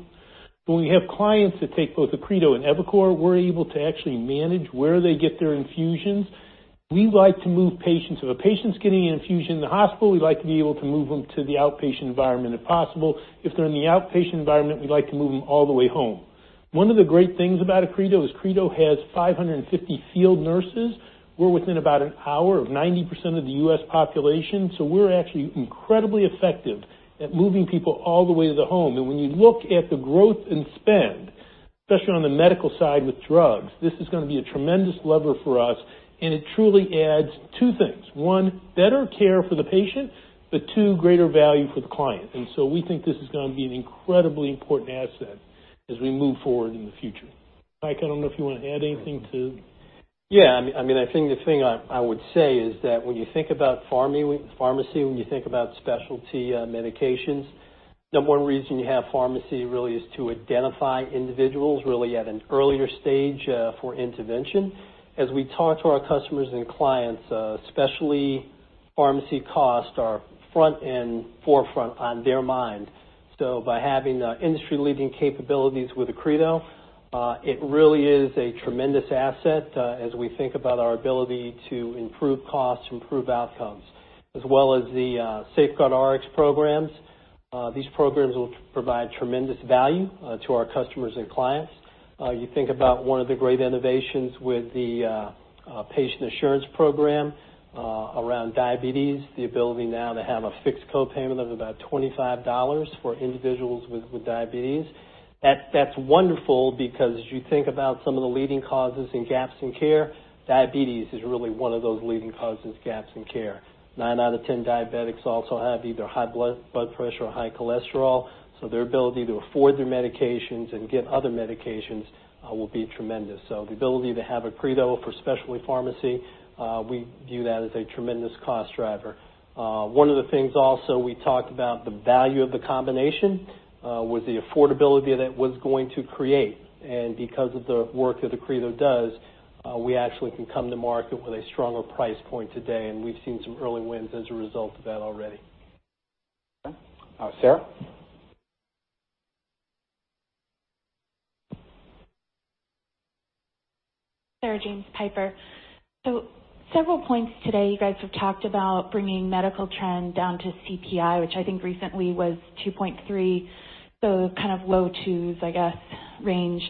When we have clients that take both Accredo and eviCore, we're able to actually manage where they get their infusions. We like to move patients. If a patient's getting an infusion in the hospital, we like to be able to move them to the outpatient environment if possible. If they're in the outpatient environment, we like to move them all the way home. One of the great things about Accredo is Accredo has 550 field nurses. We're within about an hour of 90% of the U.S. population. We're actually incredibly effective at moving people all the way to the home. When you look at the growth in spend, especially on the medical side with drugs, this is going to be a tremendous lever for us. It truly adds two things. One, better care for the patient. Two, greater value for the client. We think this is going to be an incredibly important asset as we move forward in the future. Mike, I don't know if you want to add anything to Yeah. I think the thing I would say is that when you think about pharmacy, when you think about specialty medications, the one reason you have pharmacy really is to identify individuals really at an earlier stage for intervention. As we talk to our customers and clients, especially pharmacy costs are front and forefront on their mind. By having industry-leading capabilities with Accredo, it really is a tremendous asset as we think about our ability to improve costs, improve outcomes. As well as the SafeGuardRx programs. These programs will provide tremendous value to our customers and clients. You think about one of the great innovations with the Patient Assurance Program around diabetes, the ability now to have a fixed co-payment of about $25 for individuals with diabetes. That's wonderful because as you think about some of the leading causes in gaps in care, diabetes is really one of those leading causes gaps in care. Nine out of 10 diabetics also have either high blood pressure or high cholesterol. Their ability to afford their medications and get other medications will be tremendous. The ability to have Accredo for specialty pharmacy, we view that as a tremendous cost driver. One of the things also we talked about the value of the combination, with the affordability that it was going to create. Because of the work that Accredo does, we actually can come to market with a stronger price point today. We've seen some early wins as a result of that already. Sarah? Several points today. You guys have talked about bringing medical trend down to CPI, which I think recently was 2.3, so kind of low 2s, I guess, range.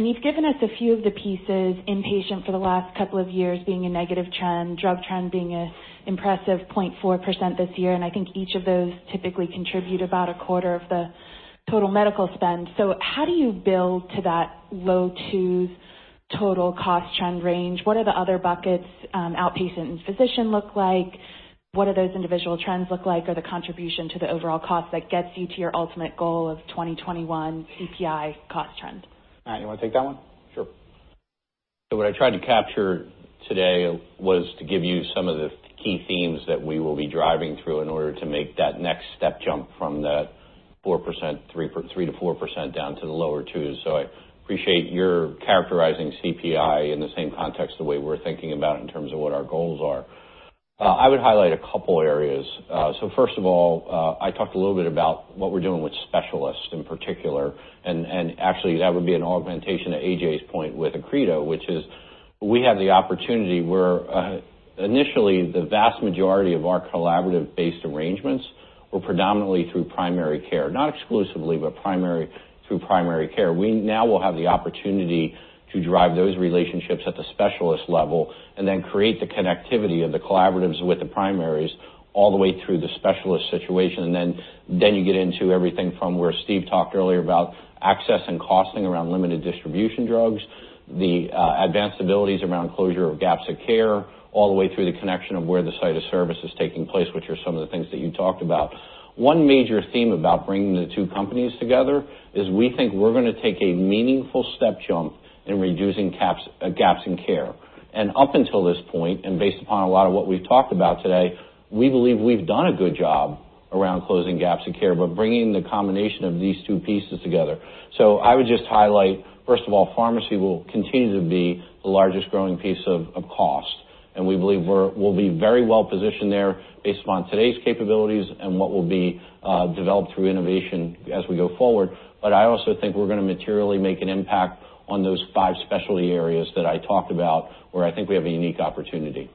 You've given us a few of the pieces, inpatient for the last couple of years being a negative trend, drug trend being an impressive 0.4% this year, and I think each of those typically contribute about a quarter of the total medical spend. How do you build to that low 2s total cost trend range? What are the other buckets, outpatient and physician look like? What do those individual trends look like, or the contribution to the overall cost that gets you to your ultimate goal of 2021 CPI cost trend? Matt, you want to take that one? Sure. What I tried to capture today was to give you some of the key themes that we will be driving through in order to make that next step jump from that 3%-4% down to the lower 2s. I appreciate your characterizing CPI in the same context, the way we're thinking about it in terms of what our goals are. I would highlight a couple areas. First of all, I talked a little bit about what we're doing with specialists in particular, and actually, that would be an augmentation to A.J.'s point with Accredo, which is we have the opportunity where initially the vast majority of our collaborative-based arrangements were predominantly through primary care, not exclusively, but through primary care. We now will have the opportunity to drive those relationships at the specialist level and then create the connectivity of the collaboratives with the primaries all the way through the specialist situation. Then you get into everything from where Steve talked earlier about access and costing around limited distribution drugs, the advanced abilities around closure of gaps in care, all the way through the connection of where the site of service is taking place, which are some of the things that you talked about. One major theme about bringing the two companies together is we think we're going to take a meaningful step jump in reducing gaps in care. Up until this point, and based upon a lot of what we've talked about today, we believe we've done a good job around closing gaps in care, but bringing the combination of these two pieces together. I would just highlight, first of all, pharmacy will continue to be the largest-growing piece of cost, and we believe we'll be very well positioned there based upon today's capabilities and what will be developed through innovation as we go forward. I also think we're going to materially make an impact on those five specialty areas that I talked about, where I think we have a unique opportunity.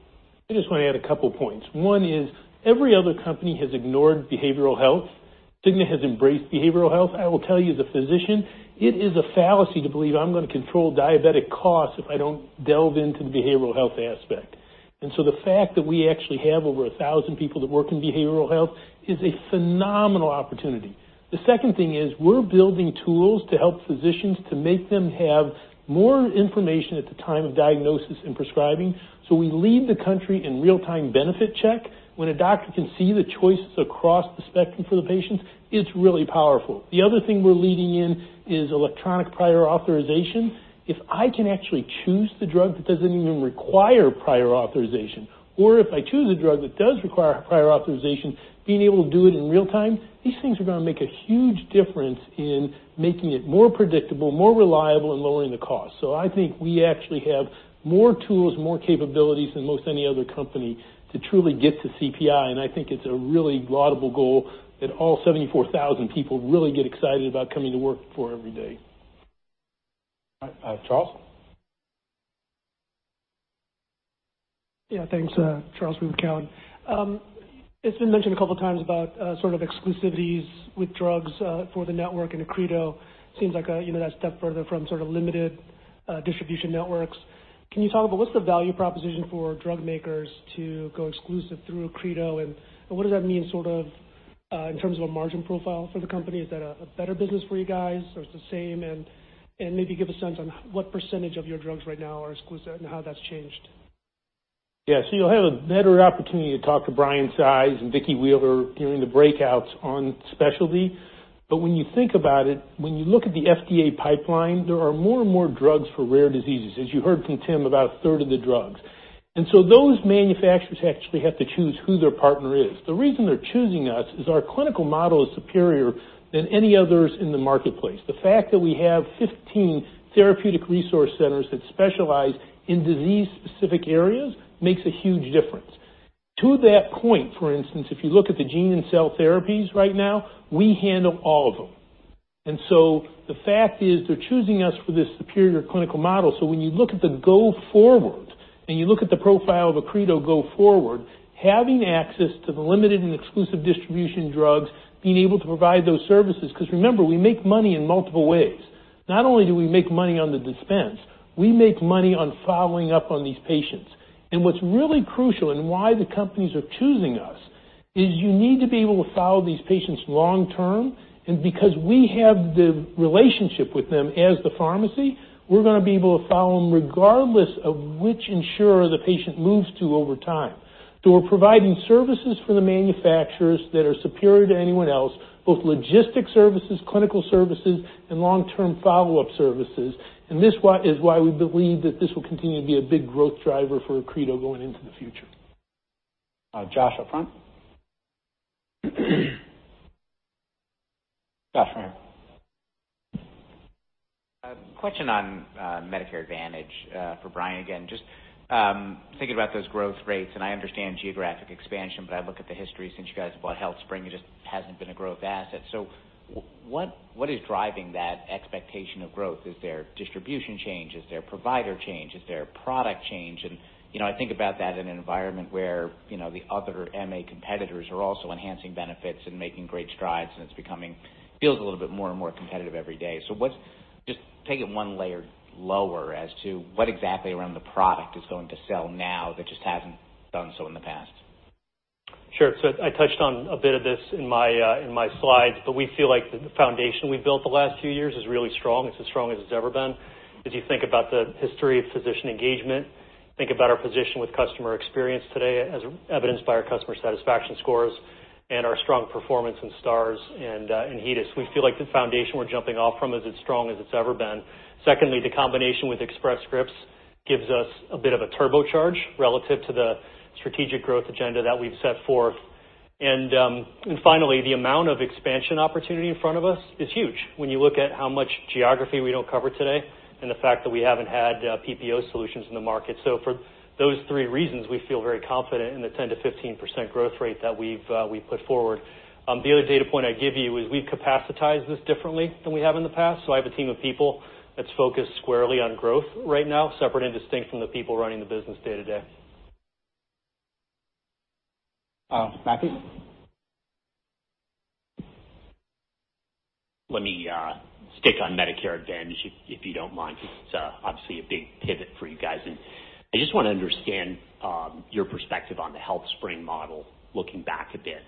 I just want to add a couple points. One is every other company has ignored behavioral health. Cigna has embraced behavioral health. I will tell you, as a physician, it is a fallacy to believe I'm going to control diabetic costs if I don't delve into the behavioral health aspect. The fact that we actually have over 1,000 people that work in behavioral health is a phenomenal opportunity. The second thing is we're building tools to help physicians to make them have more information at the time of diagnosis and prescribing, so we lead the country in real-time benefit check. When a doctor can see the choices across the spectrum for the patients, it's really powerful. The other thing we're leading in is electronic prior authorization. If I can actually choose the drug that doesn't even require prior authorization, or if I choose a drug that does require prior authorization, being able to do it in real time, these things are going to make a huge difference in making it more predictable, more reliable, and lowering the cost. I think we actually have more tools, more capabilities than most any other company to truly get to CPI, and I think it's a really laudable goal that all 74,000 people really get excited about coming to work every day. All right. Charles? Yeah, thanks. Charles with Cowen. It's been mentioned a couple times about exclusivities with drugs for the network into Accredo. Seems like that step further from limited distribution networks. Can you talk about what's the value proposition for drug makers to go exclusive through Accredo, and what does that mean in terms of a margin profile for the company? Is that a better business for you guys, or it's the same? Maybe give a sense on what % of your drugs right now are exclusive and how that's changed. Yeah. You'll have a better opportunity to talk to Brian Seiz and Vicki Wheeler during the breakouts on specialty. When you think about it, when you look at the FDA pipeline, there are more and more drugs for rare diseases, as you heard from Tim, about a third of the drugs. Those manufacturers actually have to choose who their partner is. The reason they're choosing us is our clinical model is superior than any others in the marketplace. The fact that we have 15 therapeutic resource centers that specialize in disease-specific areas makes a huge difference. To that point, for instance, if you look at the gene and cell therapies right now, we handle all of them. The fact is they're choosing us for this superior clinical model. When you look at the go forward, and you look at the profile of Accredo go forward, having access to the limited and exclusive distribution drugs, being able to provide those services, because remember, we make money in multiple ways. Not only do we make money on the dispense, we make money on following up on these patients. What's really crucial and why the companies are choosing us is you need to be able to follow these patients long term, and because we have the relationship with them as the pharmacy, we're going to be able to follow them regardless of which insurer the patient moves to over time. We're providing services for the manufacturers that are superior to anyone else, both logistic services, clinical services, and long-term follow-up services. This is why we believe that this will continue to be a big growth driver for Accredo going into the future. Josh, up front. Josh, right here. Question on Medicare Advantage for Brian, again. I'm thinking about those growth rates, I understand geographic expansion, I look at the history since you guys have bought HealthSpring, it just hasn't been a growth asset. What is driving that expectation of growth? Is there distribution change? Is there provider change? Is there a product change? I think about that in an environment where the other MA competitors are also enhancing benefits and making great strides, it's becoming, feels a little bit more and more competitive every day. Just take it one layer lower as to what exactly around the product is going to sell now that just hasn't done so in the past? Sure. I touched on a bit of this in my slides, we feel like the foundation we've built the last few years is really strong. It's as strong as it's ever been. As you think about the history of physician engagement, think about our position with customer experience today as evidenced by our customer satisfaction scores and our strong performance in Stars and in HEDIS. We feel like the foundation we're jumping off from is as strong as it's ever been. Secondly, the combination with Express Scripts gives us a bit of a turbocharge relative to the strategic growth agenda that we've set forth. Finally, the amount of expansion opportunity in front of us is huge when you look at how much geography we don't cover today and the fact that we haven't had PPO solutions in the market. For those three reasons, we feel very confident in the 10%-15% growth rate that we've put forward. The other data point I'd give you is we've capacitized this differently than we have in the past. I have a team of people that's focused squarely on growth right now, separate and distinct from the people running the business day to day. Matthew? Let me stick on Medicare Advantage, if you don't mind, because it's obviously a big pivot for you guys. I just want to understand your perspective on the HealthSpring model looking back a bit.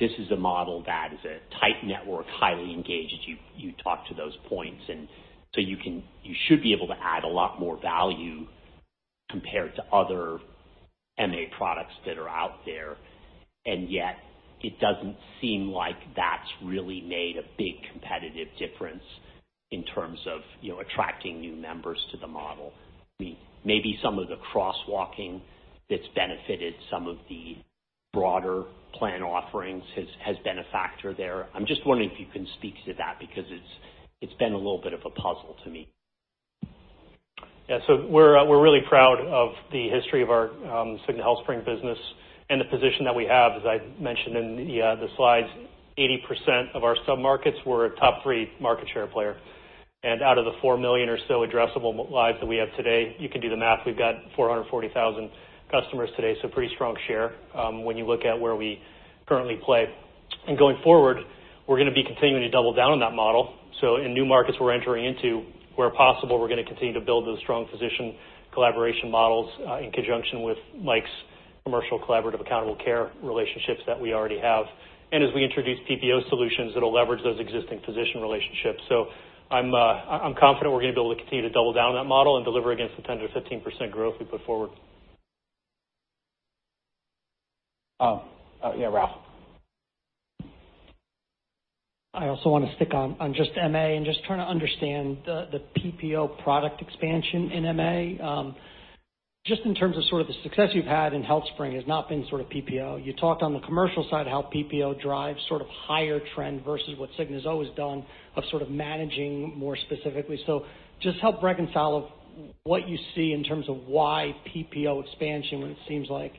This is a model that is a tight network, highly engaged. You talked to those points, and so you should be able to add a lot more value compared to other MA products that are out there, and yet it doesn't seem like that's really made a big competitive difference in terms of attracting new members to the model. Maybe some of the crosswalking that's benefited some of the broader plan offerings has been a factor there. I'm just wondering if you can speak to that because it's been a little bit of a puzzle to me. Yeah. We're really proud of the history of our Cigna-HealthSpring business and the position that we have. As I mentioned in the slides, 80% of our sub-markets were a top three market share player. Out of the 4 million or so addressable lives that we have today, you can do the math. We've got 440,000 customers today, so pretty strong share, when you look at where we currently play. Going forward, we're going to be continuing to double down on that model. In new markets we're entering into, where possible, we're going to continue to build those strong physician collaboration models, in conjunction with Mike's commercial collaborative accountable care relationships that we already have. As we introduce PPO solutions, it'll leverage those existing physician relationships. I'm confident we're going to be able to continue to double down on that model and deliver against the 10%-15% growth we put forward. Yeah, Ralph. I also want to stick on just MA and just trying to understand the PPO product expansion in MA. Just in terms of the success you've had in HealthSpring has not been PPO. You talked on the commercial side how PPO drives higher trend versus what Cigna has always done of managing more specifically. Just help reconcile what you see in terms of why PPO expansion when it seems like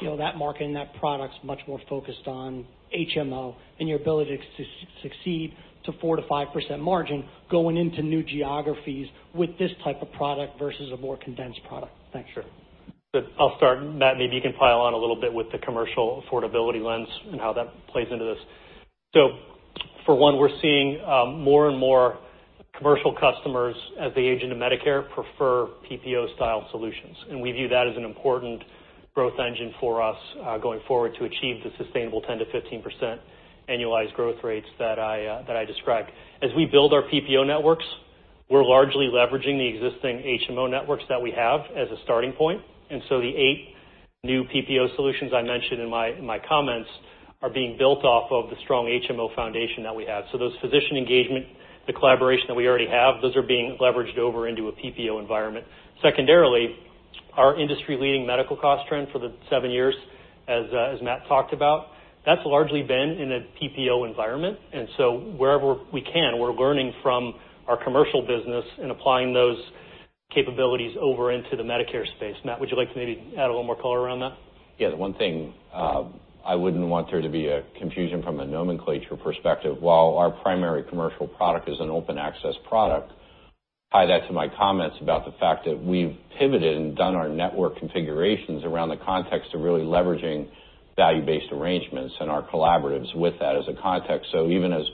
that market and that product's much more focused on HMO and your ability to succeed to 4%-5% margin going into new geographies with this type of product versus a more condensed product. Thanks. Sure. I'll start. Matt, maybe you can pile on a little bit with the commercial affordability lens and how that plays into this. For one, we're seeing more and more commercial customers as they age into Medicare prefer PPO-style solutions, and we view that as an important growth engine for us going forward to achieve the sustainable 10%-15% annualized growth rates that I described. As we build our PPO networks, we're largely leveraging the existing HMO networks that we have as a starting point, the eight new PPO solutions I mentioned in my comments are being built off of the strong HMO foundation that we have. Those physician engagement, the collaboration that we already have, those are being leveraged over into a PPO environment. Secondarily, our industry-leading medical cost trend for the seven years, as Matt talked about, that's largely been in a PPO environment. Wherever we can, we're learning from our commercial business and applying those capabilities over into the Medicare space. Matt, would you like to maybe add a little more color around that? Yeah, the one thing I wouldn't want there to be a confusion from a nomenclature perspective, while our primary commercial product is an open access product, tie that to my comments about the fact that we've pivoted and done our network configurations around the context of really leveraging value-based arrangements and our collaboratives with that as a context. Even as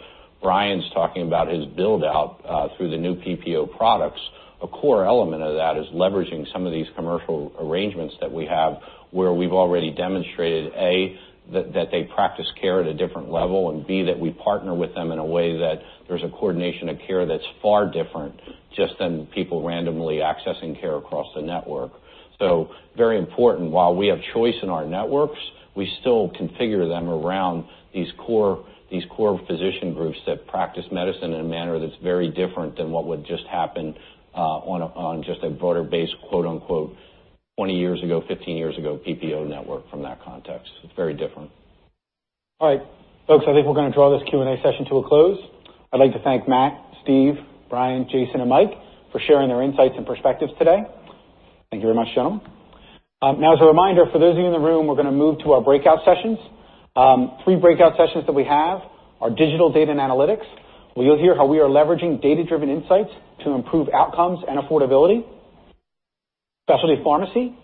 Brian's talking about his build-out through the new PPO products, a core element of that is leveraging some of these commercial arrangements that we have where we've already demonstrated, A, that they practice care at a different level, and B, that we partner with them in a way that there's a coordination of care that's far different just than people randomly accessing care across the network. Very important. While we have choice in our networks, we still configure them around these core physician groups that practice medicine in a manner that's very different than what would just happen on just a broader base, quote-unquote, 20 years ago, 15 years ago, PPO network from that context. It's very different. All right, folks, I think we're going to draw this Q&A session to a close. I'd like to thank Matt, Steve, Brian, Jason, and Mike for sharing their insights and perspectives today. Thank you very much, gentlemen. As a reminder for those of you in the room, we're going to move to our breakout sessions. Three breakout sessions that we have are digital data and analytics, where you'll hear how we are leveraging data-driven insights to improve outcomes and affordability. Specialty pharmacy,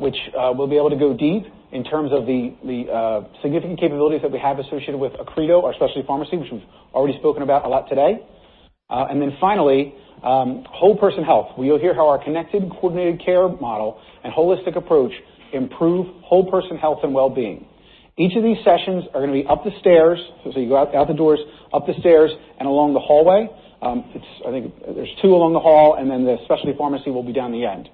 which we'll be able to go deep in terms of the significant capabilities that we have associated with Accredo, our specialty pharmacy, which we've already spoken about a lot today. Finally, whole person health, where you'll hear how our connected, coordinated care model and holistic approach improve whole person health and wellbeing. Each of these sessions are going to be up the stairs, as you go out the doors, up the stairs, and along the hallway. I think there's two along the hall, and then the specialty pharmacy will be down the end.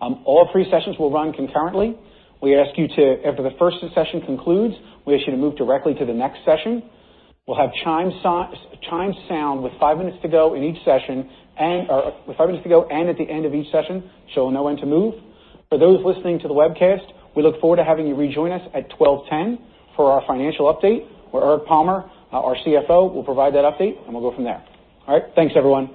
All three sessions will run concurrently. After the first session concludes, we ask you to move directly to the next session. We'll have chimes sound with five minutes to go and at the end of each session, we'll know when to move. For those listening to the webcast, we look forward to having you rejoin us at 12:10 P.M. for our financial update, where Eric Palmer, our CFO, will provide that update, and we'll go from there. All right, thanks, everyone.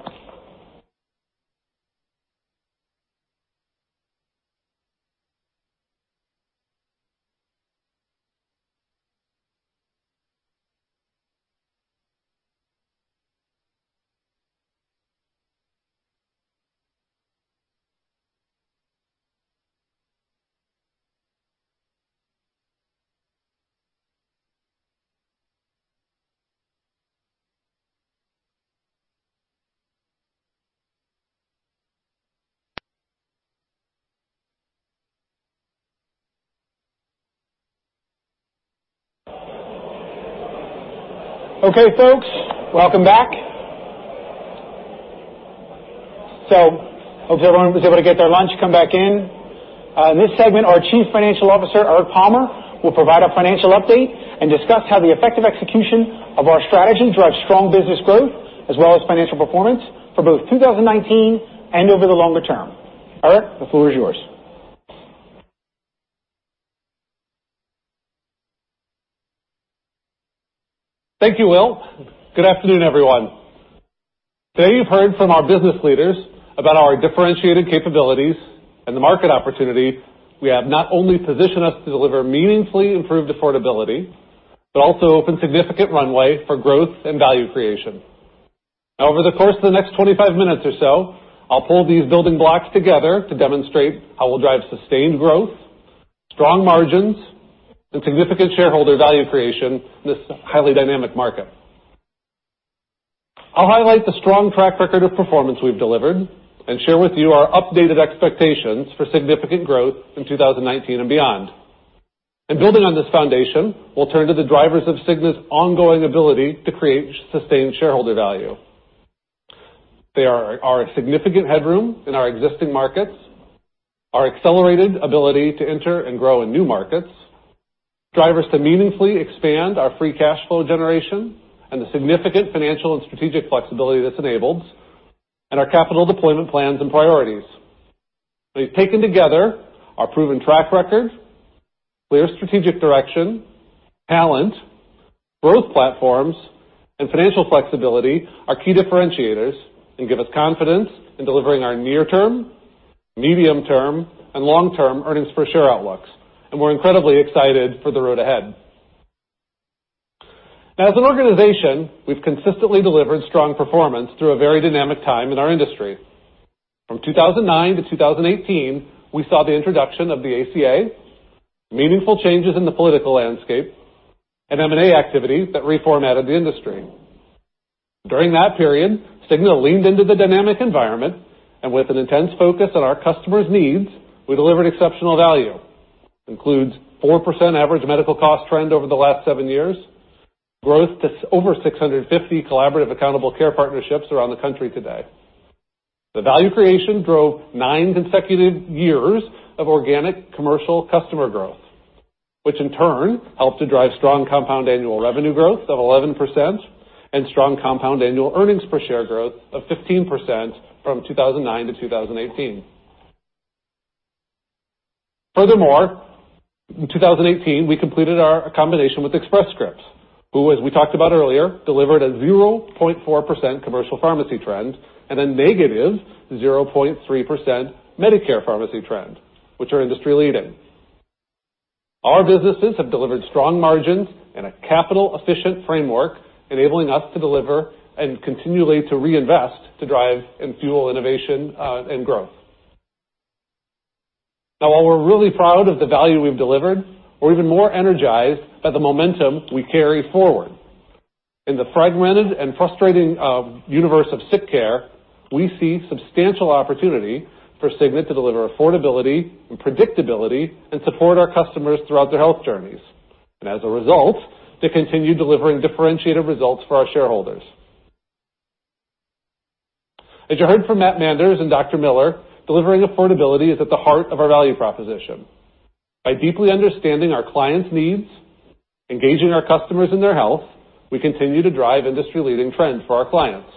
Okay, folks, welcome back. Hope everyone was able to get their lunch, come back in. In this segment, our Chief Financial Officer, Eric Palmer, will provide a financial update and discuss how the effective execution of our strategy drives strong business growth as well as financial performance for both 2019 and over the longer term. Eric, the floor is yours. Thank you, Will. Good afternoon, everyone. Today, you've heard from our business leaders about our differentiated capabilities and the market opportunity we have not only positioned us to deliver meaningfully improved affordability, but also open significant runway for growth and value creation. Over the course of the next 25 minutes or so, I'll pull these building blocks together to demonstrate how we'll drive sustained growth, strong margins, and significant shareholder value creation in this highly dynamic market. I'll highlight the strong track record of performance we've delivered and share with you our updated expectations for significant growth in 2019 and beyond. Building on this foundation, we'll turn to the drivers of Cigna's ongoing ability to create sustained shareholder value. They are our significant headroom in our existing markets, our accelerated ability to enter and grow in new markets, drivers to meaningfully expand our free cash flow generation, and the significant financial and strategic flexibility that's enabled, and our capital deployment plans and priorities. When you've taken together our proven track record, clear strategic direction, talent, growth platforms, and financial flexibility are key differentiators and give us confidence in delivering our near-term, medium-term, and long-term earnings per share outlooks. We're incredibly excited for the road ahead. As an organization, we've consistently delivered strong performance through a very dynamic time in our industry. From 2009 to 2018, we saw the introduction of the ACA, meaningful changes in the political landscape, and M&A activity that reformatted the industry. During that period, Cigna leaned into the dynamic environment, and with an intense focus on our customers' needs, we delivered exceptional value. Includes 4% average medical cost trend over the last 7 years, growth to over 650 collaborative accountable care partnerships around the country today. The value creation drove 9 consecutive years of organic commercial customer growth, which in turn helped to drive strong compound annual revenue growth of 11% and strong compound annual earnings per share growth of 15% from 2009 to 2018. Furthermore, in 2018, we completed our combination with Express Scripts, who as we talked about earlier, delivered a 0.4% commercial pharmacy trend and a negative 0.3% Medicare pharmacy trend, which are industry-leading. Our businesses have delivered strong margins and a capital-efficient framework, enabling us to deliver and continually to reinvest to drive and fuel innovation, and growth. While we're really proud of the value we've delivered, we're even more energized by the momentum we carry forward. In the fragmented and frustrating universe of sick care, we see substantial opportunity for Cigna to deliver affordability and predictability and support our customers throughout their health journeys, and as a result, to continue delivering differentiated results for our shareholders. As you heard from Matthew Manders and Dr. Miller, delivering affordability is at the heart of our value proposition. By deeply understanding our clients' needs, engaging our customers in their health, we continue to drive industry-leading trends for our clients.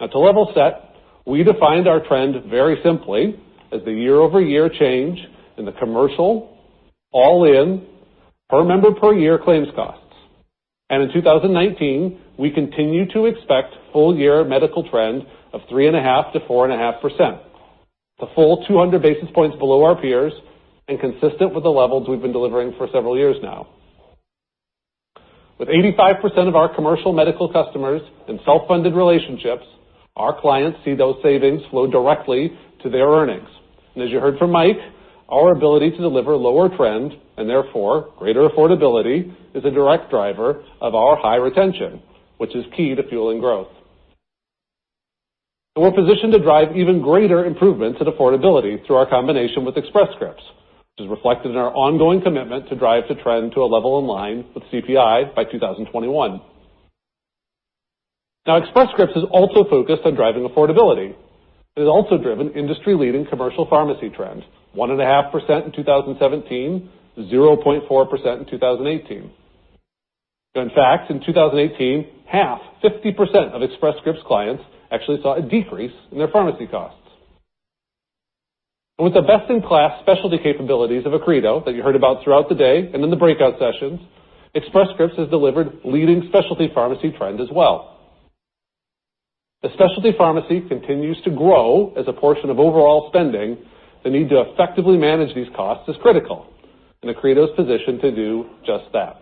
To level set, we defined our trend very simply as the year-over-year change in the commercial, all-in, per member per year claims costs. In 2019, we continue to expect full year medical trend of 3.5%-4.5%, a full 200 basis points below our peers and consistent with the levels we've been delivering for several years now. With 85% of our commercial medical customers in self-funded relationships, our clients see those savings flow directly to their earnings. As you heard from Mike, our ability to deliver lower trend, and therefore, greater affordability, is a direct driver of our high retention, which is key to fueling growth. We're positioned to drive even greater improvements in affordability through our combination with Express Scripts, which is reflected in our ongoing commitment to drive the trend to a level in line with CPI by 2021. Express Scripts is also focused on driving affordability. It has also driven industry-leading commercial pharmacy trends, 1.5% in 2017, 0.4% in 2018. In fact, in 2018, half, 50%, of Express Scripts clients actually saw a decrease in their pharmacy costs. With the best-in-class specialty capabilities of Accredo that you heard about throughout the day and in the breakout sessions, Express Scripts has delivered leading specialty pharmacy trend as well. As specialty pharmacy continues to grow as a portion of overall spending, the need to effectively manage these costs is critical, and Accredo is positioned to do just that.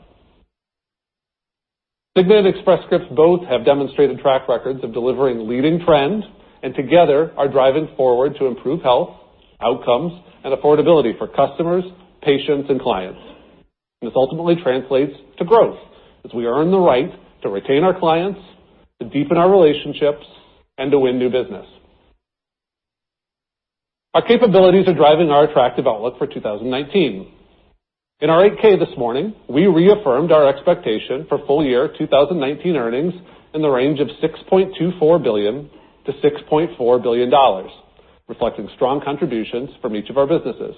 Cigna and Express Scripts both have demonstrated track records of delivering leading trend, and together are driving forward to improve health, outcomes, and affordability for customers, patients, and clients. This ultimately translates to growth as we earn the right to retain our clients, to deepen our relationships, and to win new business. Our capabilities are driving our attractive outlook for 2019. In our 8-K this morning, we reaffirmed our expectation for full year 2019 earnings in the range of $6.24 billion-$6.4 billion, reflecting strong contributions from each of our businesses.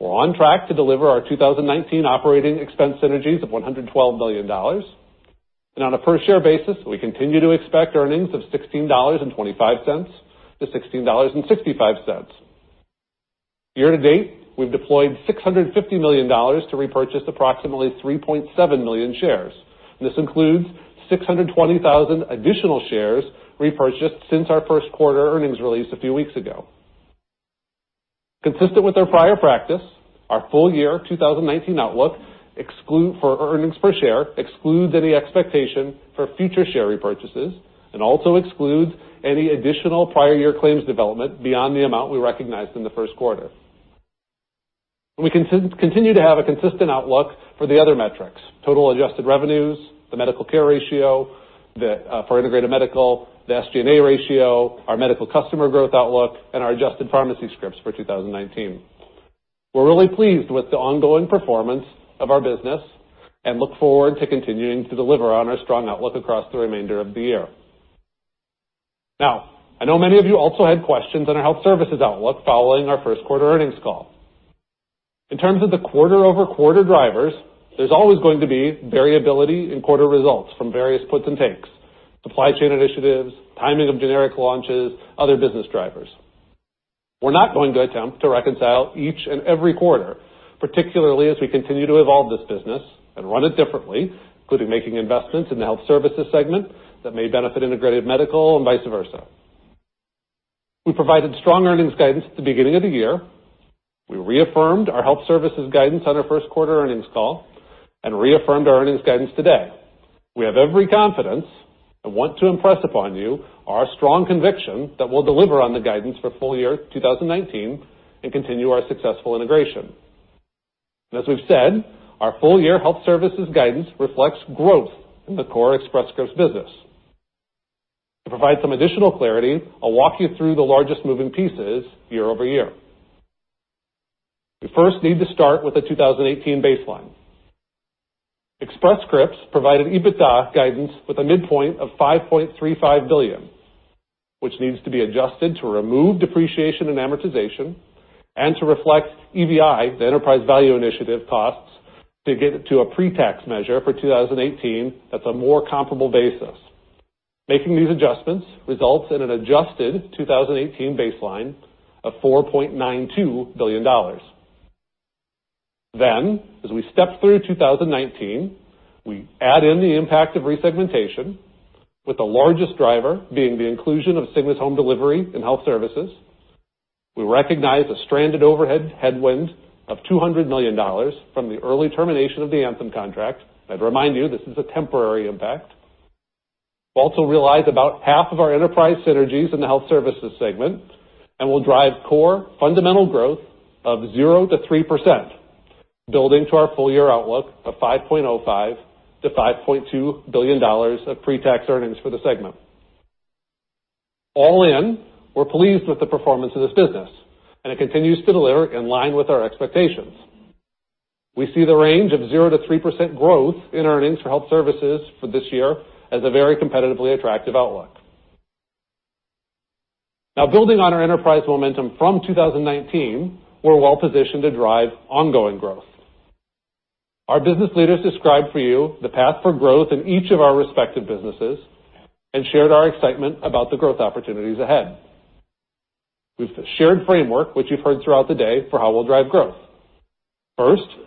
We're on track to deliver our 2019 operating expense synergies of $112 million. On a per-share basis, we continue to expect earnings of $16.25-$16.65. Year-to-date, we've deployed $650 million to repurchase approximately 3.7 million shares, and this includes 620,000 additional shares repurchased since our first quarter earnings release a few weeks ago. Consistent with our prior practice, our full year 2019 outlook for earnings per share excludes any expectation for future share repurchases and also excludes any additional prior year claims development beyond the amount we recognized in the first quarter. We continue to have a consistent outlook for the other metrics, total adjusted revenues, the medical care ratio for Integrated Medical, the SG&A ratio, our medical customer growth outlook, and our adjusted pharmacy scripts for 2019. We are really pleased with the ongoing performance of our business and look forward to continuing to deliver on our strong outlook across the remainder of the year. I know many of you also had questions on our health services outlook following our first quarter earnings call. In terms of the quarter-over-quarter drivers, there is always going to be variability in quarter results from various puts and takes, supply chain initiatives, timing of generic launches, other business drivers. We are not going to attempt to reconcile each and every quarter, particularly as we continue to evolve this business and run it differently, including making investments in the health services segment that may benefit Integrated Medical and vice versa. We provided strong earnings guidance at the beginning of the year. We reaffirmed our health services guidance on our first quarter earnings call and reaffirmed our earnings guidance today. We have every confidence and want to impress upon you our strong conviction that we will deliver on the guidance for full year 2019 and continue our successful integration. As we have said, our full year health services guidance reflects growth in the core Express Scripts business. To provide some additional clarity, I will walk you through the largest moving pieces year-over-year. We first need to start with the 2018 baseline. Express Scripts provided EBITDA guidance with a midpoint of $5.35 billion, which needs to be adjusted to remove depreciation and amortization and to reflect EVI, the Enterprise Value Initiative costs, to get it to a pre-tax measure for 2018 that is a more comparable basis. Making these adjustments results in an adjusted 2018 baseline of $4.92 billion. As we step through 2019, we add in the impact of resegmentation, with the largest driver being the inclusion of Cigna's home delivery and health services. We recognize a stranded overhead headwind of $200 million from the early termination of the Anthem contract. I would remind you, this is a temporary impact. We have also realized about half of our enterprise synergies in the health services segment, and we will drive core fundamental growth of 0%-3%, building to our full year outlook of $5.05 billion-$5.2 billion of pre-tax earnings for the segment. All in, we are pleased with the performance of this business, and it continues to deliver in line with our expectations. We see the range of 0%-3% growth in earnings for health services for this year as a very competitively attractive outlook. Now building on our enterprise momentum from 2019, we are well positioned to drive ongoing growth. Our business leaders described for you the path for growth in each of our respective businesses and shared our excitement about the growth opportunities ahead. With the shared framework, which you have heard throughout the day, for how we will drive growth. First, we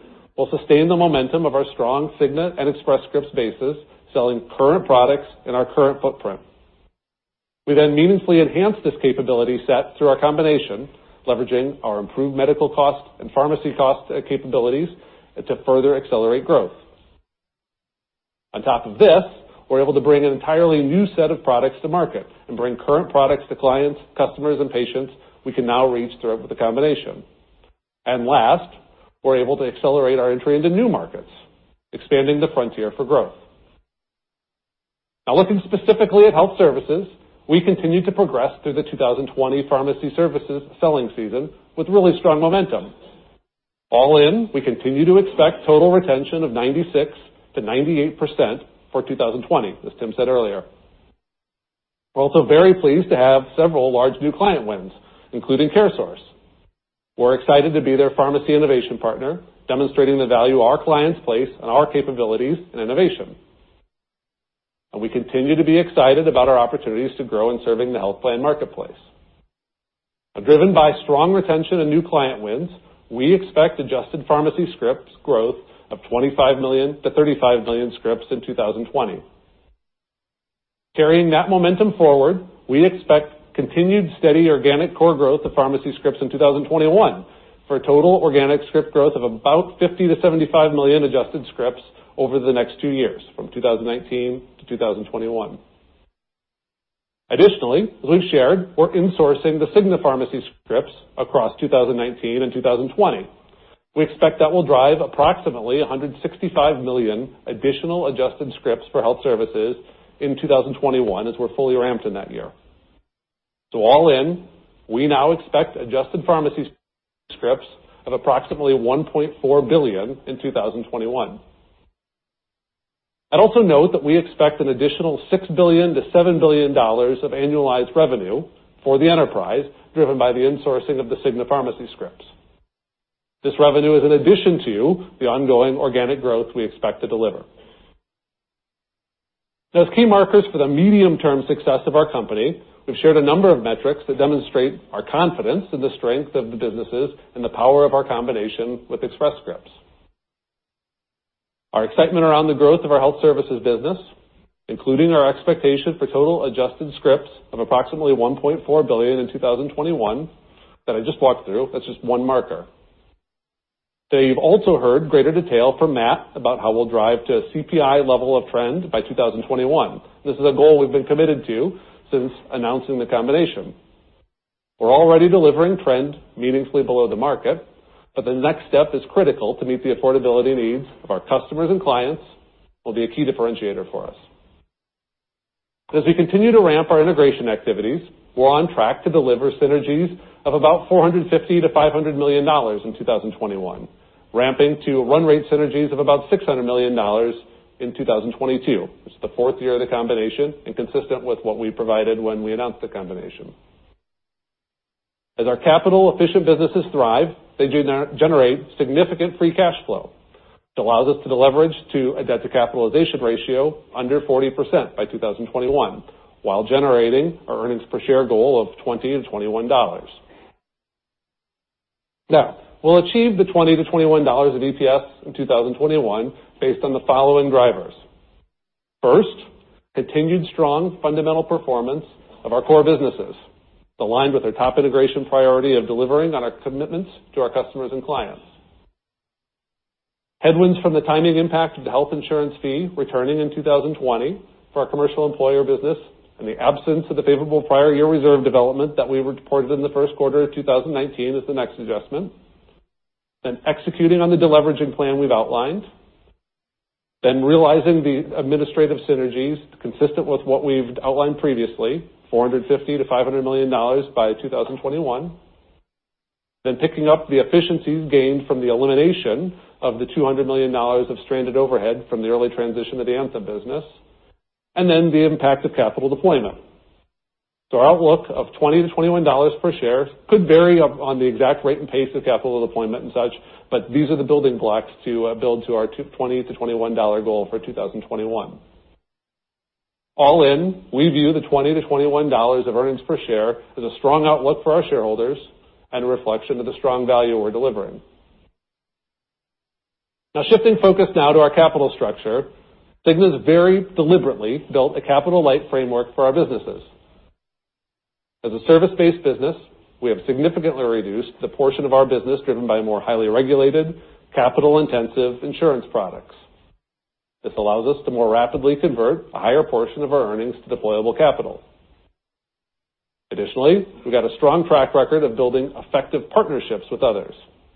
will sustain the momentum of our strong Cigna and Express Scripts basis, selling current products in our current footprint. We meaningfully enhance this capability set through our combination, leveraging our improved medical cost and pharmacy cost capabilities to further accelerate growth. Last, we're able to bring an entirely new set of products to market and bring current products to clients, customers, and patients we can now reach through the combination. We're able to accelerate our entry into new markets, expanding the frontier for growth. Looking specifically at health services, we continue to progress through the 2020 pharmacy services selling season with really strong momentum. All in, we continue to expect total retention of 96%-98% for 2020, as Tim said earlier. We're also very pleased to have several large new client wins, including CareSource. We're excited to be their pharmacy innovation partner, demonstrating the value our clients place on our capabilities and innovation. We continue to be excited about our opportunities to grow in serving the health plan marketplace. Driven by strong retention and new client wins, we expect adjusted pharmacy scripts growth of 25 million-35 million scripts in 2020. Carrying that momentum forward, we expect continued steady organic core growth of pharmacy scripts in 2021, for a total organic script growth of about 50 million-75 million adjusted scripts over the next two years, from 2019-2021. Additionally, as we've shared, we're insourcing the Cigna pharmacy scripts across 2019 and 2020. We expect that will drive approximately 165 million additional adjusted scripts for health services in 2021, as we're fully ramped in that year. All in, we now expect adjusted pharmacy scripts of approximately 1.4 billion in 2021. I'd also note that we expect an additional $6 billion-$7 billion of annualized revenue for the enterprise, driven by the insourcing of the Cigna pharmacy scripts. This revenue is in addition to the ongoing organic growth we expect to deliver. As key markers for the medium-term success of our company, we've shared a number of metrics that demonstrate our confidence in the strength of the businesses and the power of our combination with Express Scripts. Our excitement around the growth of our health services business, including our expectation for total adjusted scripts of approximately 1.4 billion in 2021 that I just walked through. That's just one marker. Today you've also heard greater detail from Matt about how we'll drive to a CPI level of trend by 2021. This is a goal we've been committed to since announcing the combination. We're already delivering trend meaningfully below the market, the next step is critical to meet the affordability needs of our customers and clients will be a key differentiator for us. We continue to ramp our integration activities, we're on track to deliver synergies of about $450 million-$500 million in 2021, ramping to run rate synergies of about $600 million in 2022. It's the fourth year of the combination and consistent with what we provided when we announced the combination. As our capital efficient businesses thrive, they do generate significant free cash flow. This allows us to deleverage to a debt to capitalization ratio under 40% by 2021, while generating our earnings per share goal of $20-$21. We'll achieve the $20-$21 of EPS in 2021 based on the following drivers. First, continued strong fundamental performance of our core businesses, aligned with our top integration priority of delivering on our commitments to our customers and clients. Headwinds from the timing impact of the Health Insurance Fee returning in 2020 for our commercial employer business, and the absence of the favorable prior year reserve development that we reported in the first quarter of 2019 as the next adjustment. Executing on the deleveraging plan we've outlined. Realizing the administrative synergies consistent with what we've outlined previously, $450 million-$500 million by 2021. Picking up the efficiencies gained from the elimination of the $200 million of stranded overhead from the early transition of the Anthem business. The impact of capital deployment. Our outlook of $20-$21 per share could vary on the exact rate and pace of capital deployment and such, but these are the building blocks to build to our $20-$21 goal for 2021. All in, we view the $20-$21 of earnings per share as a strong outlook for our shareholders and a reflection of the strong value we're delivering. Shifting focus now to our capital structure. Cigna's very deliberately built a capital-light framework for our businesses. As a service-based business, we have significantly reduced the portion of our business driven by more highly regulated, capital-intensive insurance products. This allows us to more rapidly convert a higher portion of our earnings to deployable capital. Additionally, we've got a strong track record of building effective partnerships with others,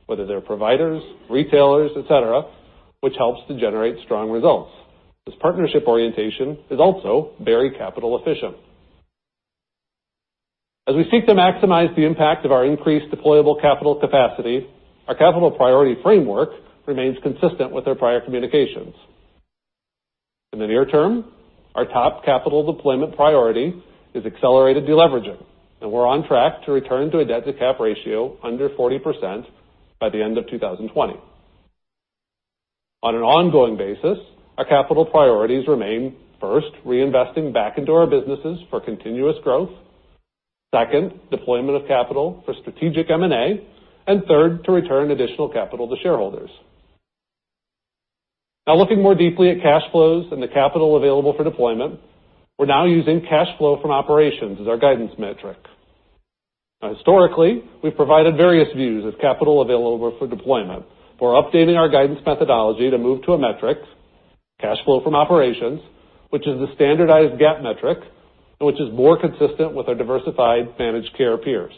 whether they're providers, retailers, et cetera, which helps to generate strong results. This partnership orientation is also very capital efficient. As we seek to maximize the impact of our increased deployable capital capacity, our capital priority framework remains consistent with our prior communications. In the near term, our top capital deployment priority is accelerated deleveraging, and we're on track to return to a debt-to-cap ratio under 40% by the end of 2020. On an ongoing basis, our capital priorities remain, first, reinvesting back into our businesses for continuous growth. Second, deployment of capital for strategic M&A. Third, to return additional capital to shareholders. Looking more deeply at cash flows and the capital available for deployment, we're now using cash flow from operations as our guidance metric. Historically, we've provided various views of capital available for deployment. We're updating our guidance methodology to move to a metric, cash flow from operations, which is the standardized GAAP metric, and which is more consistent with our diversified managed care peers.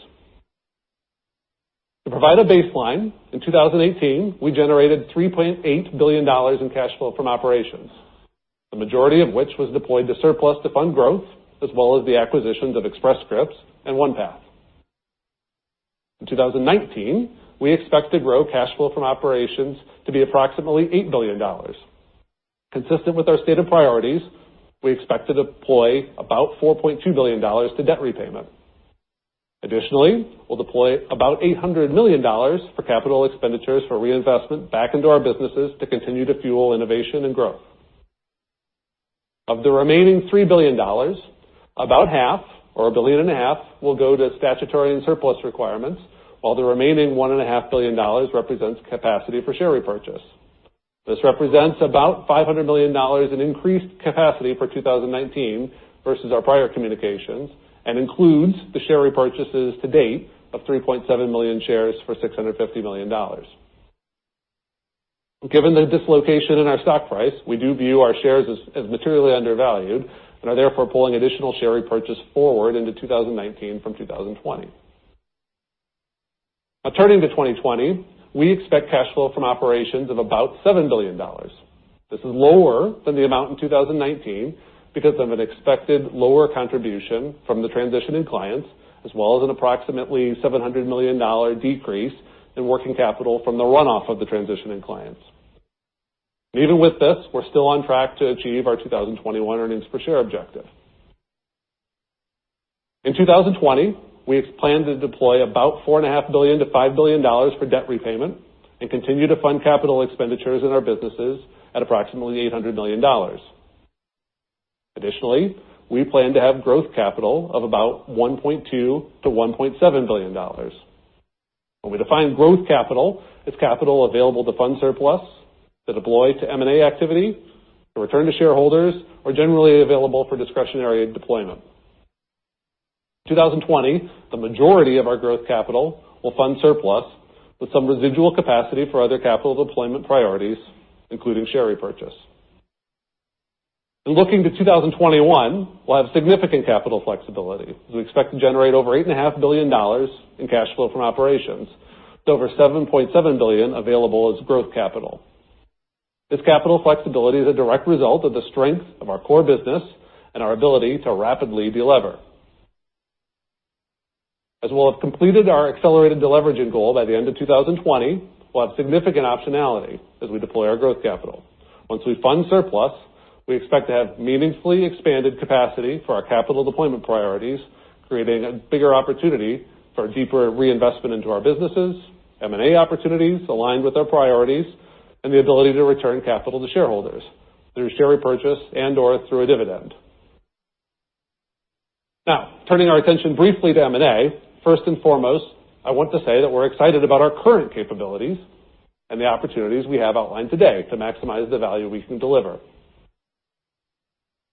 To provide a baseline, in 2018, we generated $3.8 billion in cash flow from operations, the majority of which was deployed to surplus to fund growth, as well as the acquisitions of Express Scripts and OnePath. In 2019, we expect to grow cash flow from operations to be approximately $8 billion. Consistent with our stated priorities, we expect to deploy about $4.2 billion to debt repayment. Additionally, we'll deploy about $800 million for capital expenditures for reinvestment back into our businesses to continue to fuel innovation and growth. Of the remaining $3 billion, about half or $1.5 billion will go to statutory and surplus requirements, while the remaining $1.5 billion represents capacity for share repurchase. This represents about $500 million in increased capacity for 2019 versus our prior communications and includes the share repurchases to date of 3.7 million shares for $650 million. Given the dislocation in our stock price, we do view our shares as materially undervalued and are therefore pulling additional share repurchase forward into 2019 from 2020. Turning to 2020, we expect cash flow from operations of about $7 billion. This is lower than the amount in 2019 because of an expected lower contribution from the transitioning clients, as well as an approximately $700 million decrease in working capital from the runoff of the transitioning clients. Even with this, we're still on track to achieve our 2021 earnings per share objective. In 2020, we plan to deploy about $4.5 billion-$5 billion for debt repayment and continue to fund capital expenditures in our businesses at approximately $800 million. Additionally, we plan to have growth capital of about $1.2 billion-$1.7 billion. When we define growth capital, it's capital available to fund surplus, to deploy to M&A activity, to return to shareholders, or generally available for discretionary deployment. In 2020, the majority of our growth capital will fund surplus with some residual capacity for other capital deployment priorities, including share repurchase. In looking to 2021, we'll have significant capital flexibility as we expect to generate over $8.5 billion in cash flow from operations to over $7.7 billion available as growth capital. This capital flexibility is a direct result of the strength of our core business and our ability to rapidly delever. As we'll have completed our accelerated deleveraging goal by the end of 2020, we'll have significant optionality as we deploy our growth capital. Once we fund surplus, we expect to have meaningfully expanded capacity for our capital deployment priorities, creating a bigger opportunity for deeper reinvestment into our businesses, M&A opportunities aligned with our priorities, and the ability to return capital to shareholders through share repurchase and/or through a dividend. Turning our attention briefly to M&A. First and foremost, I want to say that we're excited about our current capabilities and the opportunities we have outlined today to maximize the value we can deliver.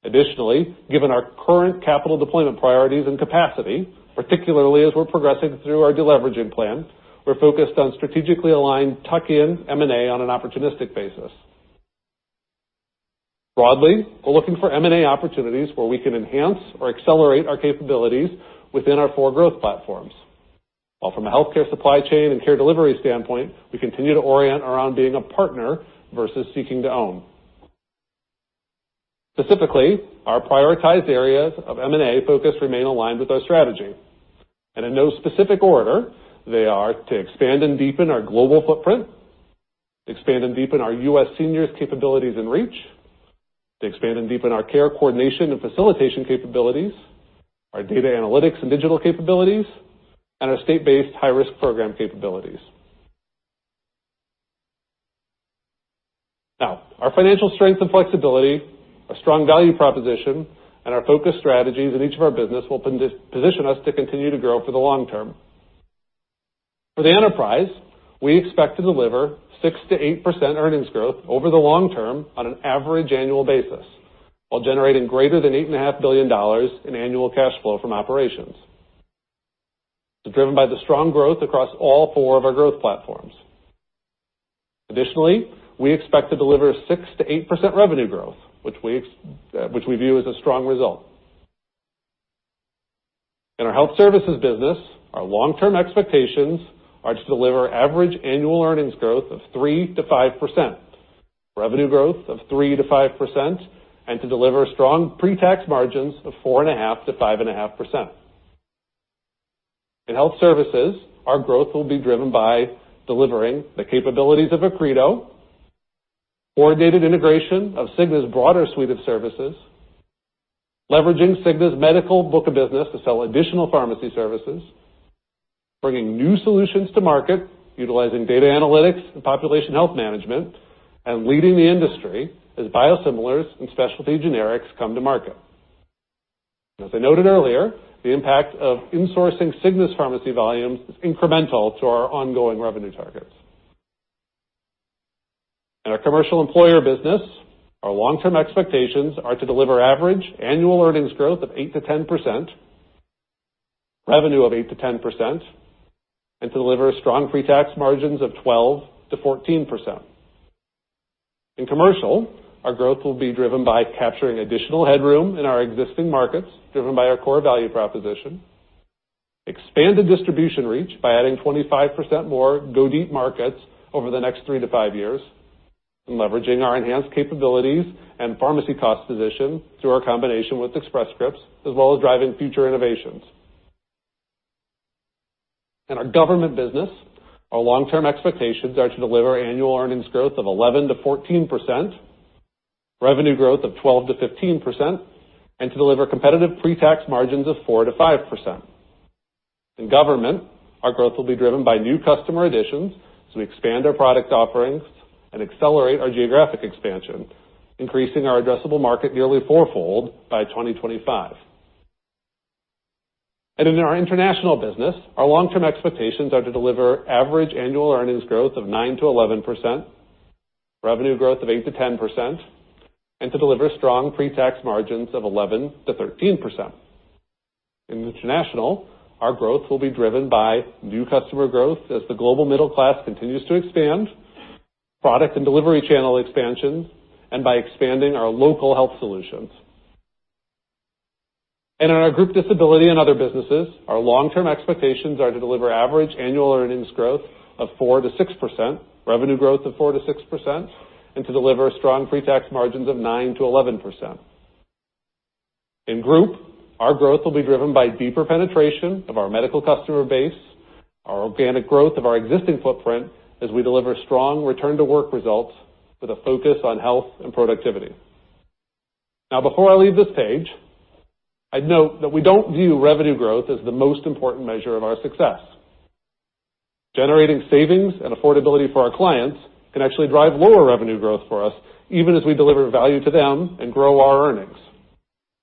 Additionally, given our current capital deployment priorities and capacity, particularly as we're progressing through our deleveraging plan, we're focused on strategically aligned tuck-in M&A on an opportunistic basis. Broadly, we're looking for M&A opportunities where we can enhance or accelerate our capabilities within our four growth platforms. While from a healthcare supply chain and care delivery standpoint, we continue to orient around being a partner versus seeking to own. Specifically, our prioritized areas of M&A focus remain aligned with our strategy. In no specific order, they are to expand and deepen our global footprint, expand and deepen our U.S. seniors capabilities and reach, to expand and deepen our care coordination and facilitation capabilities, our data analytics and digital capabilities, and our state-based high-risk program capabilities. Our financial strength and flexibility, our strong value proposition, and our focused strategies in each of our business will position us to continue to grow for the long term. For the enterprise, we expect to deliver 6%-8% earnings growth over the long term on an average annual basis while generating greater than $8.5 billion in annual cash flow from operations, driven by the strong growth across all four of our growth platforms. Additionally, we expect to deliver 6%-8% revenue growth, which we view as a strong result. In our Health Services business, our long-term expectations are to deliver average annual earnings growth of 3%-5%, revenue growth of 3%-5%, and to deliver strong pre-tax margins of 4.5%-5.5%. In Health Services, our growth will be driven by delivering the capabilities of Accredo, coordinated integration of Cigna's broader suite of services, leveraging Cigna's medical book of business to sell additional pharmacy services, bringing new solutions to market, utilizing data analytics and population health management, and leading the industry as biosimilars and specialty generics come to market. As I noted earlier, the impact of insourcing Cigna's pharmacy volumes is incremental to our ongoing revenue targets. In our Commercial Employer business, our long-term expectations are to deliver average annual earnings growth of 8%-10%, revenue of 8%-10%, and to deliver strong pre-tax margins of 12%-14%. In Commercial, our growth will be driven by capturing additional headroom in our existing markets, driven by our core value proposition, expanded distribution reach by adding 25% more go-deep markets over the next three to five years, and leveraging our enhanced capabilities and pharmacy cost position through our combination with Express Scripts, as well as driving future innovations. In our Government business, our long-term expectations are to deliver annual earnings growth of 11%-14%, revenue growth of 12%-15%, and to deliver competitive pre-tax margins of 4%-5%. In Government, our growth will be driven by new customer additions as we expand our product offerings and accelerate our geographic expansion, increasing our addressable market nearly fourfold by 2025. In our International business, our long-term expectations are to deliver average annual earnings growth of 9%-11%, revenue growth of 8%-10%, and to deliver strong pre-tax margins of 11%-13%. In International, our growth will be driven by new customer growth as the global middle class continues to expand, product and delivery channel expansions, and by expanding our local health solutions. In our Group Disability and other businesses, our long-term expectations are to deliver average annual earnings growth of 4%-6%, revenue growth of 4%-6%, and to deliver strong pre-tax margins of 9%-11%. In Group, our growth will be driven by deeper penetration of our medical customer base, our organic growth of our existing footprint as we deliver strong return-to-work results with a focus on health and productivity. Before I leave this page, I'd note that we don't view revenue growth as the most important measure of our success. Generating savings and affordability for our clients can actually drive lower revenue growth for us, even as we deliver value to them and grow our earnings.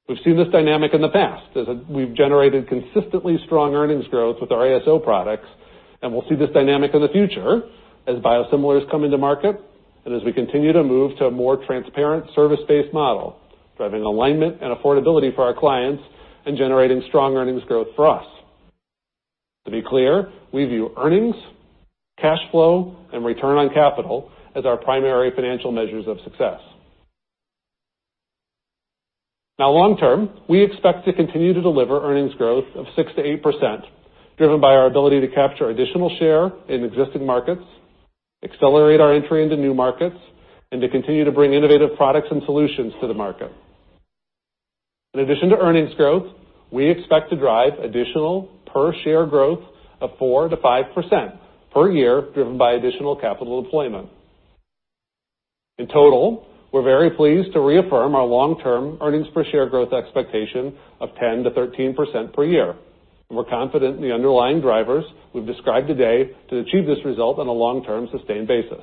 We've seen this dynamic in the past, as we've generated consistently strong earnings growth with our ASO products, and we'll see this dynamic in the future as biosimilars come into market, and as we continue to move to a more transparent service-based model, driving alignment and affordability for our clients and generating strong earnings growth for us. To be clear, we view earnings, cash flow, and return on capital as our primary financial measures of success. Long term, we expect to continue to deliver earnings growth of 6%-8%, driven by our ability to capture additional share in existing markets, accelerate our entry into new markets, and to continue to bring innovative products and solutions to the market. In addition to earnings growth, we expect to drive additional per-share growth of 4%-5% per year, driven by additional capital deployment. In total, we're very pleased to reaffirm our long-term earnings per share growth expectation of 10%-13% per year. We're confident in the underlying drivers we've described today to achieve this result on a long-term, sustained basis.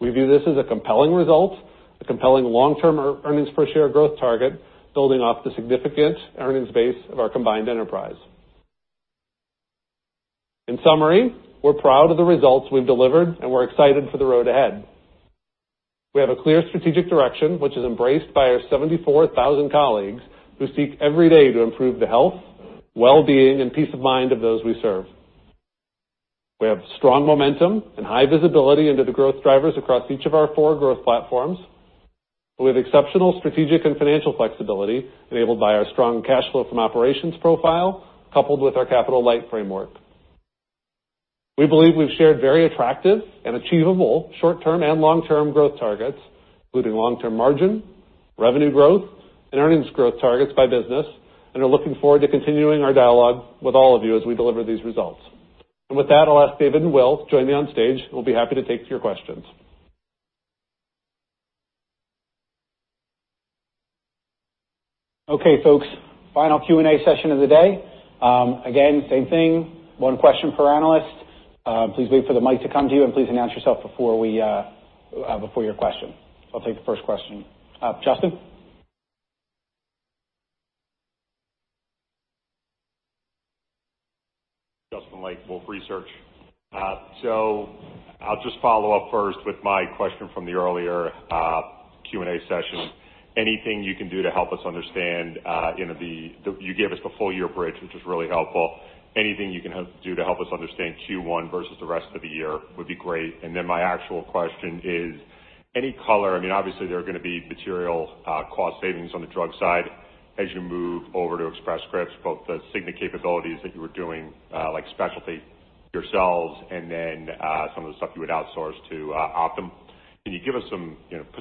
We view this as a compelling result, a compelling long-term earnings per share growth target, building off the significant earnings base of our combined enterprise. In summary, we're proud of the results we've delivered, we're excited for the road ahead. We have a clear strategic direction, which is embraced by our 74,000 colleagues who seek every day to improve the health, well-being, and peace of mind of those we serve. We have strong momentum and high visibility into the growth drivers across each of our four growth platforms. We have exceptional strategic and financial flexibility enabled by our strong cash flow from operations profile, coupled with our capital-light framework. We believe we've shared very attractive and achievable short-term and long-term growth targets, including long-term margin, revenue growth, and earnings growth targets by business, and are looking forward to continuing our dialogue with all of you as we deliver these results. With that, I'll ask David and Will to join me on stage, we'll be happy to take your questions. Okay, folks. Final Q&A session of the day. Again, same thing, one question per analyst. Please wait for the mic to come to you, and please announce yourself before your question. I'll take the first question. Justin? Justin Lake, Wolfe Research. I'll just follow up first with my question from the earlier Q&A session. Anything you can do to help us understand. You gave us the full-year bridge, which was really helpful. Anything you can do to help us understand Q1 versus the rest of the year would be great. My actual question is, any color, obviously there are going to be material cost savings on the drug side as you move over to Express Scripts, both the Cigna capabilities that you were doing, like specialty yourselves and then some of the stuff you would outsource to Optum. Can you put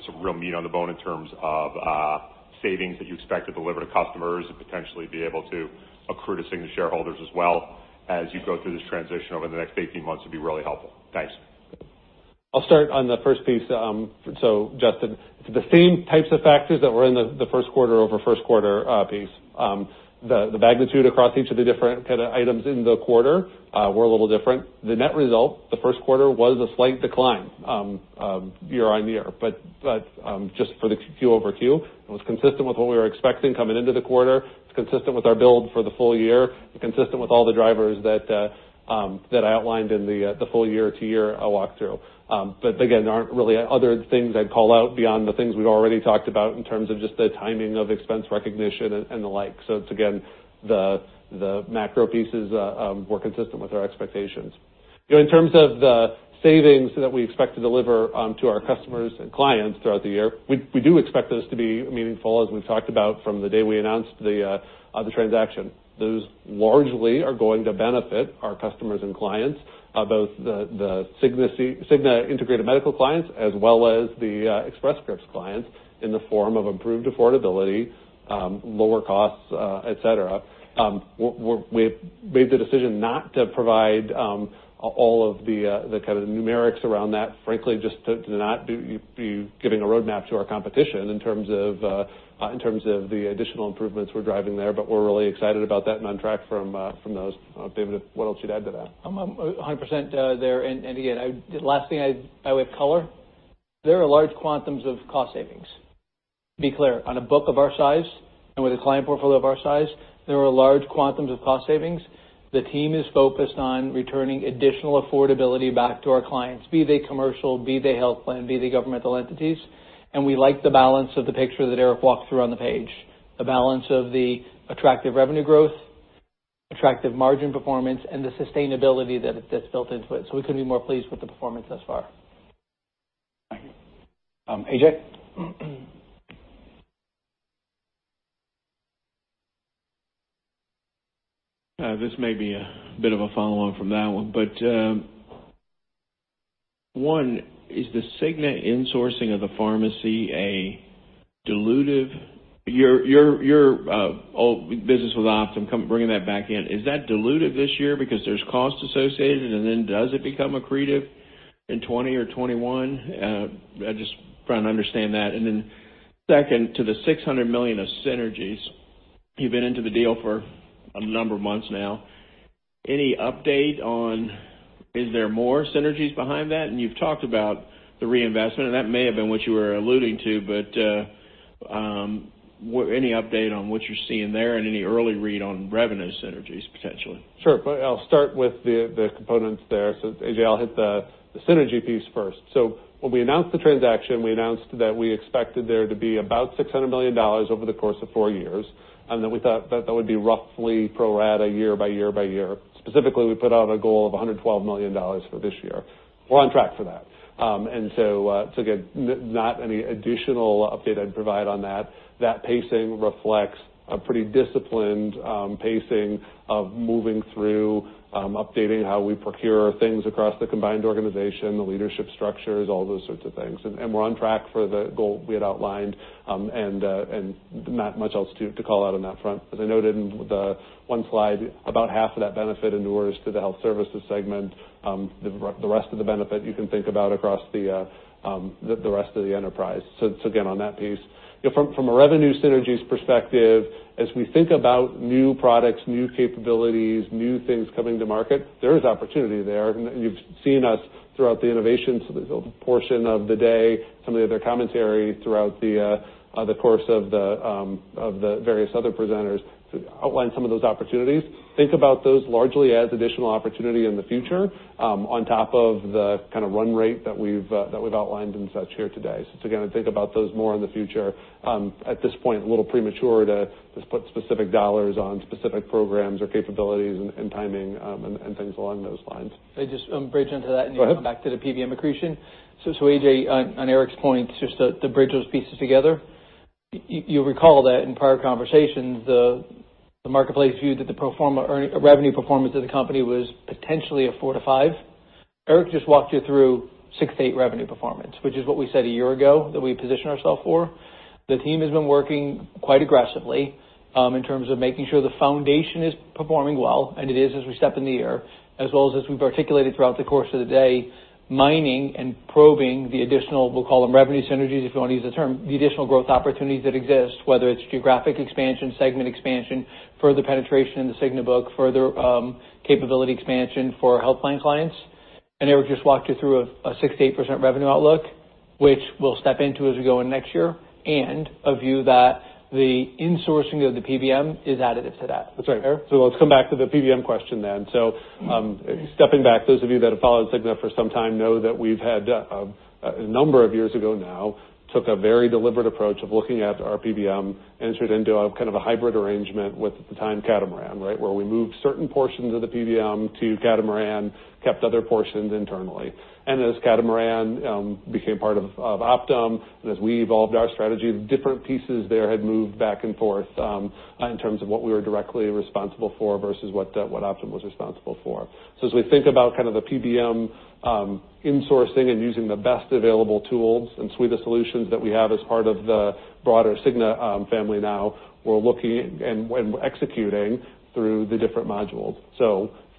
some real meat on the bone in terms of savings that you expect to deliver to customers and potentially be able to accrue to Cigna shareholders as well as you go through this transition over the next 18 months would be really helpful. Thanks. I'll start on the first piece, Justin. The same types of factors that were in the first quarter over first quarter piece. The magnitude across each of the different kind of items in the quarter were a little different. The net result, the first quarter, was a slight decline year-over-year. Just for the quarter-over-quarter, it was consistent with what we were expecting coming into the quarter. It's consistent with our build for the full year, and consistent with all the drivers that I outlined in the full year-over-year walkthrough. Again, there aren't really other things I'd call out beyond the things we've already talked about in terms of just the timing of expense recognition and the like. It's, again, the macro pieces were consistent with our expectations. In terms of the savings that we expect to deliver to our customers and clients throughout the year, we do expect those to be meaningful, as we've talked about from the day we announced the transaction. Those largely are going to benefit our customers and clients, both the Cigna Integrated Medical clients as well as the Express Scripts clients, in the form of improved affordability, lower costs, et cetera. We've made the decision not to provide all of the kind of numerics around that, frankly, just to not be giving a roadmap to our competition in terms of the additional improvements we're driving there. We're really excited about that and on track from those. David, what else you'd add to that? I'm 100% there. Again, the last thing I would color, there are large quantums of cost savings. To be clear, on a book of our size and with a client portfolio of our size, there are large quantums of cost savings. The team is focused on returning additional affordability back to our clients, be they commercial, be they health plan, be they governmental entities. We like the balance of the picture that Eric walked through on the page. The balance of the attractive revenue growth, attractive margin performance, and the sustainability that's built into it. We couldn't be more pleased with the performance thus far. Thank you. AJ? This may be a bit of a follow on from that one. One, is the Cigna insourcing of the pharmacy a dilutive Your old business with Optum, bringing that back in, is that dilutive this year because there's cost associated, and then does it become accretive in 2020 or 2021? I'm just trying to understand that. Then second, to the $600 million of synergies, you've been into the deal for a number of months now. Any update on, is there more synergies behind that? You've talked about the reinvestment, and that may have been what you were alluding to, but any update on what you're seeing there and any early read on revenue synergies, potentially? Sure. I'll start with the components there. AJ, I'll hit the synergy piece first. When we announced the transaction, we announced that we expected there to be about $600 million over the course of four years, and that we thought that that would be roughly pro rata year by year by year. Specifically, we put out a goal of $112 million for this year. We're on track for that. Again, not any additional update I'd provide on that. That pacing reflects a pretty disciplined pacing of moving through, updating how we procure things across the combined organization, the leadership structures, all those sorts of things. We're on track for the goal we had outlined. Not much else to call out on that front. As I noted in the one slide, about half of that benefit inures to the health services segment. The rest of the benefit you can think about across the rest of the enterprise. Again, on that piece. From a revenue synergies perspective, as we think about new products, new capabilities, new things coming to market, there is opportunity there. You've seen us throughout the innovation portion of the day, some of the other commentary throughout the course of the various other presenters outline some of those opportunities. Think about those largely as additional opportunity in the future, on top of the kind of run rate that we've outlined and such here today. Again, think about those more in the future. At this point, a little premature to put specific dollars on specific programs or capabilities and timing, and things along those lines. Can I just bridge into that- Go ahead. Come back to the PBM accretion? A.J., on Eric's point, just to bridge those pieces together. You'll recall that in prior conversations, the marketplace viewed that the revenue performance of the company was potentially a four to five. Eric just walked you through six to eight revenue performance, which is what we said a year ago, that we positioned ourself for. The team has been working quite aggressively in terms of making sure the foundation is performing well, and it is as we step in the year. As well as as we've articulated throughout the course of the day, mining and probing the additional, we'll call them revenue synergies, if you want to use the term, the additional growth opportunities that exist, whether it's geographic expansion, segment expansion, further penetration in the Cigna book, further capability expansion for health plan clients. Eric just walked you through a 6%-8% revenue outlook, which we'll step into as we go in next year, and a view that the insourcing of the PBM is additive to that. That's right. Let's come back to the PBM question, then. Stepping back, those of you that have followed Cigna for some time know that we've had, a number of years ago now-Took a very deliberate approach of looking at our PBM, entered into a kind of a hybrid arrangement with, at the time, Catamaran. We moved certain portions of the PBM to Catamaran, kept other portions internally. As Catamaran became part of Optum, and as we evolved our strategy, the different pieces there had moved back and forth, in terms of what we were directly responsible for versus what Optum was responsible for. As we think about kind of the PBM insourcing and using the best available tools and suite of solutions that we have as part of the broader Cigna family now, we're looking and executing through the different modules.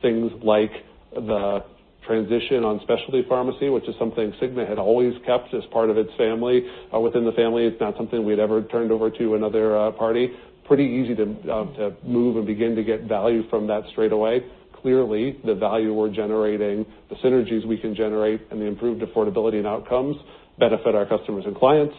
Things like the transition on specialty pharmacy, which is something Cigna had always kept as part of its family, or within the family. It's not something we'd ever turned over to another party. Pretty easy to move and begin to get value from that straight away. Clearly, the value we're generating, the synergies we can generate, and the improved affordability and outcomes benefit our customers and clients,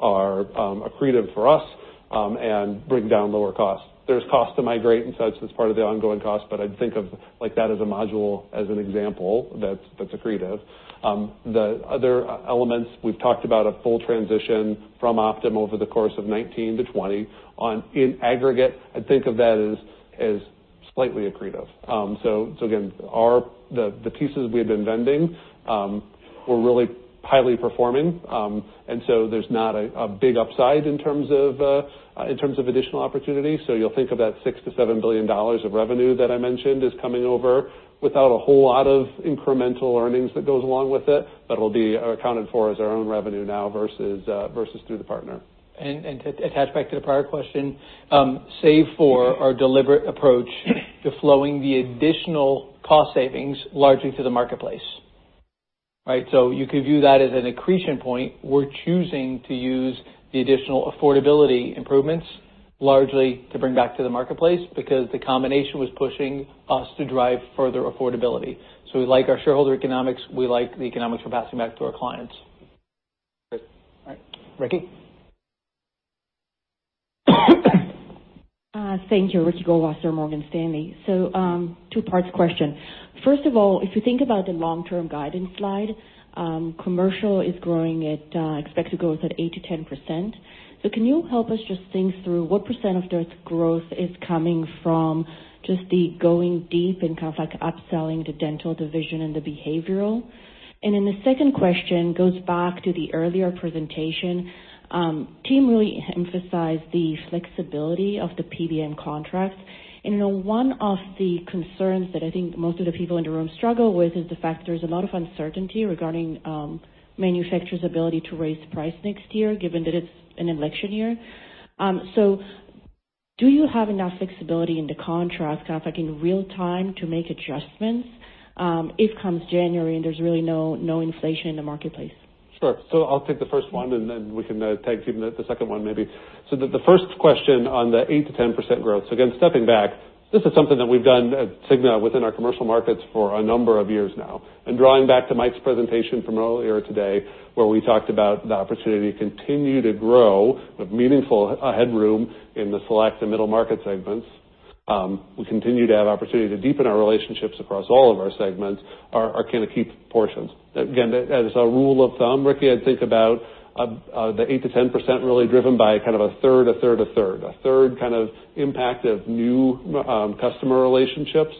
are accretive for us, and bring down lower costs. There's cost to migrate and such, that's part of the ongoing cost, but I'd think of that as a module, as an example, that's accretive. The other elements, we've talked about a full transition from Optum over the course of 2019-2020. In aggregate, I'd think of that as slightly accretive. Again, the pieces we've been vending were really highly performing. There's not a big upside in terms of additional opportunities. You'll think of that $6 billion-$7 billion of revenue that I mentioned is coming over without a whole lot of incremental earnings that goes along with it, but it'll be accounted for as our own revenue now versus through the partner. To attach back to the prior question, save for our deliberate approach to flowing the additional cost savings largely to the marketplace. You could view that as an accretion point. We're choosing to use the additional affordability improvements largely to bring back to the marketplace because the combination was pushing us to drive further affordability. We like our shareholder economics, we like the economics we're passing back to our clients. Great. All right. Ricky. Thank you. Ricky Goldwasser, Morgan Stanley. Two parts question. First of all, if you think about the long-term guidance slide, commercial is expected to grow at 8%-10%. Can you help us just think through what % of that growth is coming from just the going deep and upselling the dental division and the behavioral? One of the concerns that I think most of the people in the room struggle with is the fact there's a lot of uncertainty regarding manufacturer's ability to raise price next year, given that it's an election year. Do you have enough flexibility in the PBM contract, in real time, to make adjustments, if comes January, and there's really no inflation in the marketplace? Sure. I'll take the first one, and then we can tag team the second one, maybe. The first question on the 8%-10% growth. Again, stepping back, this is something that we've done at Cigna within our commercial markets for a number of years now. Drawing back to Mike's presentation from earlier today, where we talked about the opportunity to continue to grow with meaningful headroom in the select and middle market segments. We continue to have opportunity to deepen our relationships across all of our segments are key portions. Again, as a rule of thumb, Rikki, I'd think about the 8%-10% really driven by kind of a third, a third, a third. A third kind of impact of new customer relationships,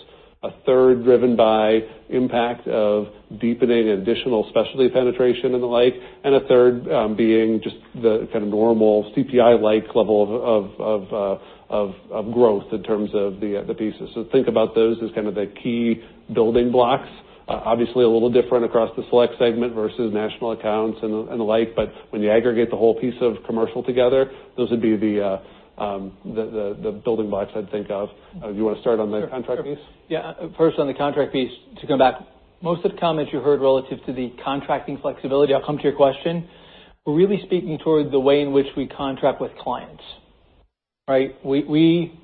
a third driven by impact of deepening additional specialty penetration and the like, a third being just the kind of normal CPI-like level of growth in terms of the pieces. Think about those as kind of the key building blocks. Obviously, a little different across the select segment versus national accounts and the like. When you aggregate the whole piece of commercial together, those would be the building blocks I'd think of. Do you want to start on the contract piece? Yeah. First on the contract piece, to come back, most of the comments you heard relative to the contracting flexibility, I'll come to your question. We're really speaking toward the way in which we contract with clients. We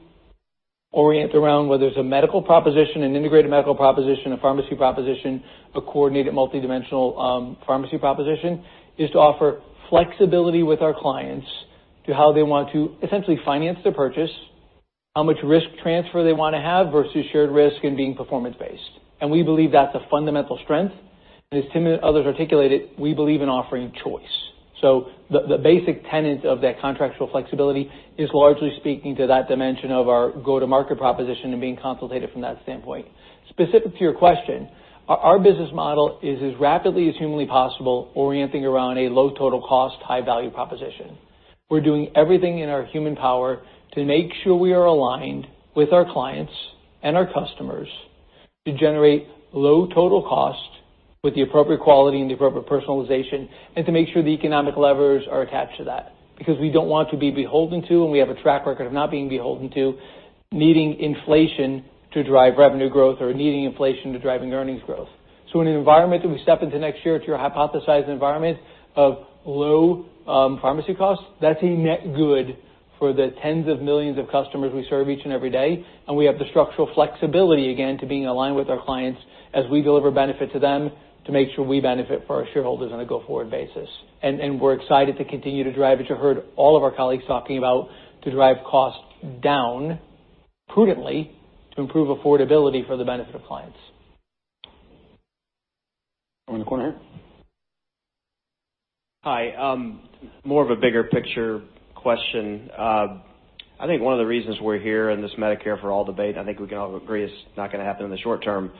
orient around whether it's a medical proposition, an Integrated Medical proposition, a pharmacy proposition, a coordinated multidimensional pharmacy proposition, is to offer flexibility with our clients to how they want to essentially finance their purchase, how much risk transfer they want to have versus shared risk and being performance-based. We believe that's a fundamental strength. As Tim and others articulated, we believe in offering choice. The basic tenet of that contractual flexibility is largely speaking to that dimension of our go-to-market proposition and being consultative from that standpoint. Specific to your question, our business model is as rapidly as humanly possible orienting around a low total cost, high-value proposition. We're doing everything in our human power to make sure we are aligned with our clients and our customers to generate low total cost with the appropriate quality and the appropriate personalization, to make sure the economic levers are attached to that. We don't want to be beholden to, we have a track record of not being beholden to, needing inflation to drive revenue growth or needing inflation to driving earnings growth. In an environment that we step into next year, to your hypothesized environment of low pharmacy costs, that's a net good for the tens of millions of customers we serve each and every day. We have the structural flexibility, again, to being aligned with our clients as we deliver benefit to them to make sure we benefit for our shareholders on a go-forward basis. We're excited to continue to drive, as you heard all of our colleagues talking about, to drive costs down prudently to improve affordability for the benefit of clients. Over in the corner here. Hi. More of a bigger picture question. I think one of the reasons we're here in this Medicare for All debate, I think we can all agree is not going to happen in the short term,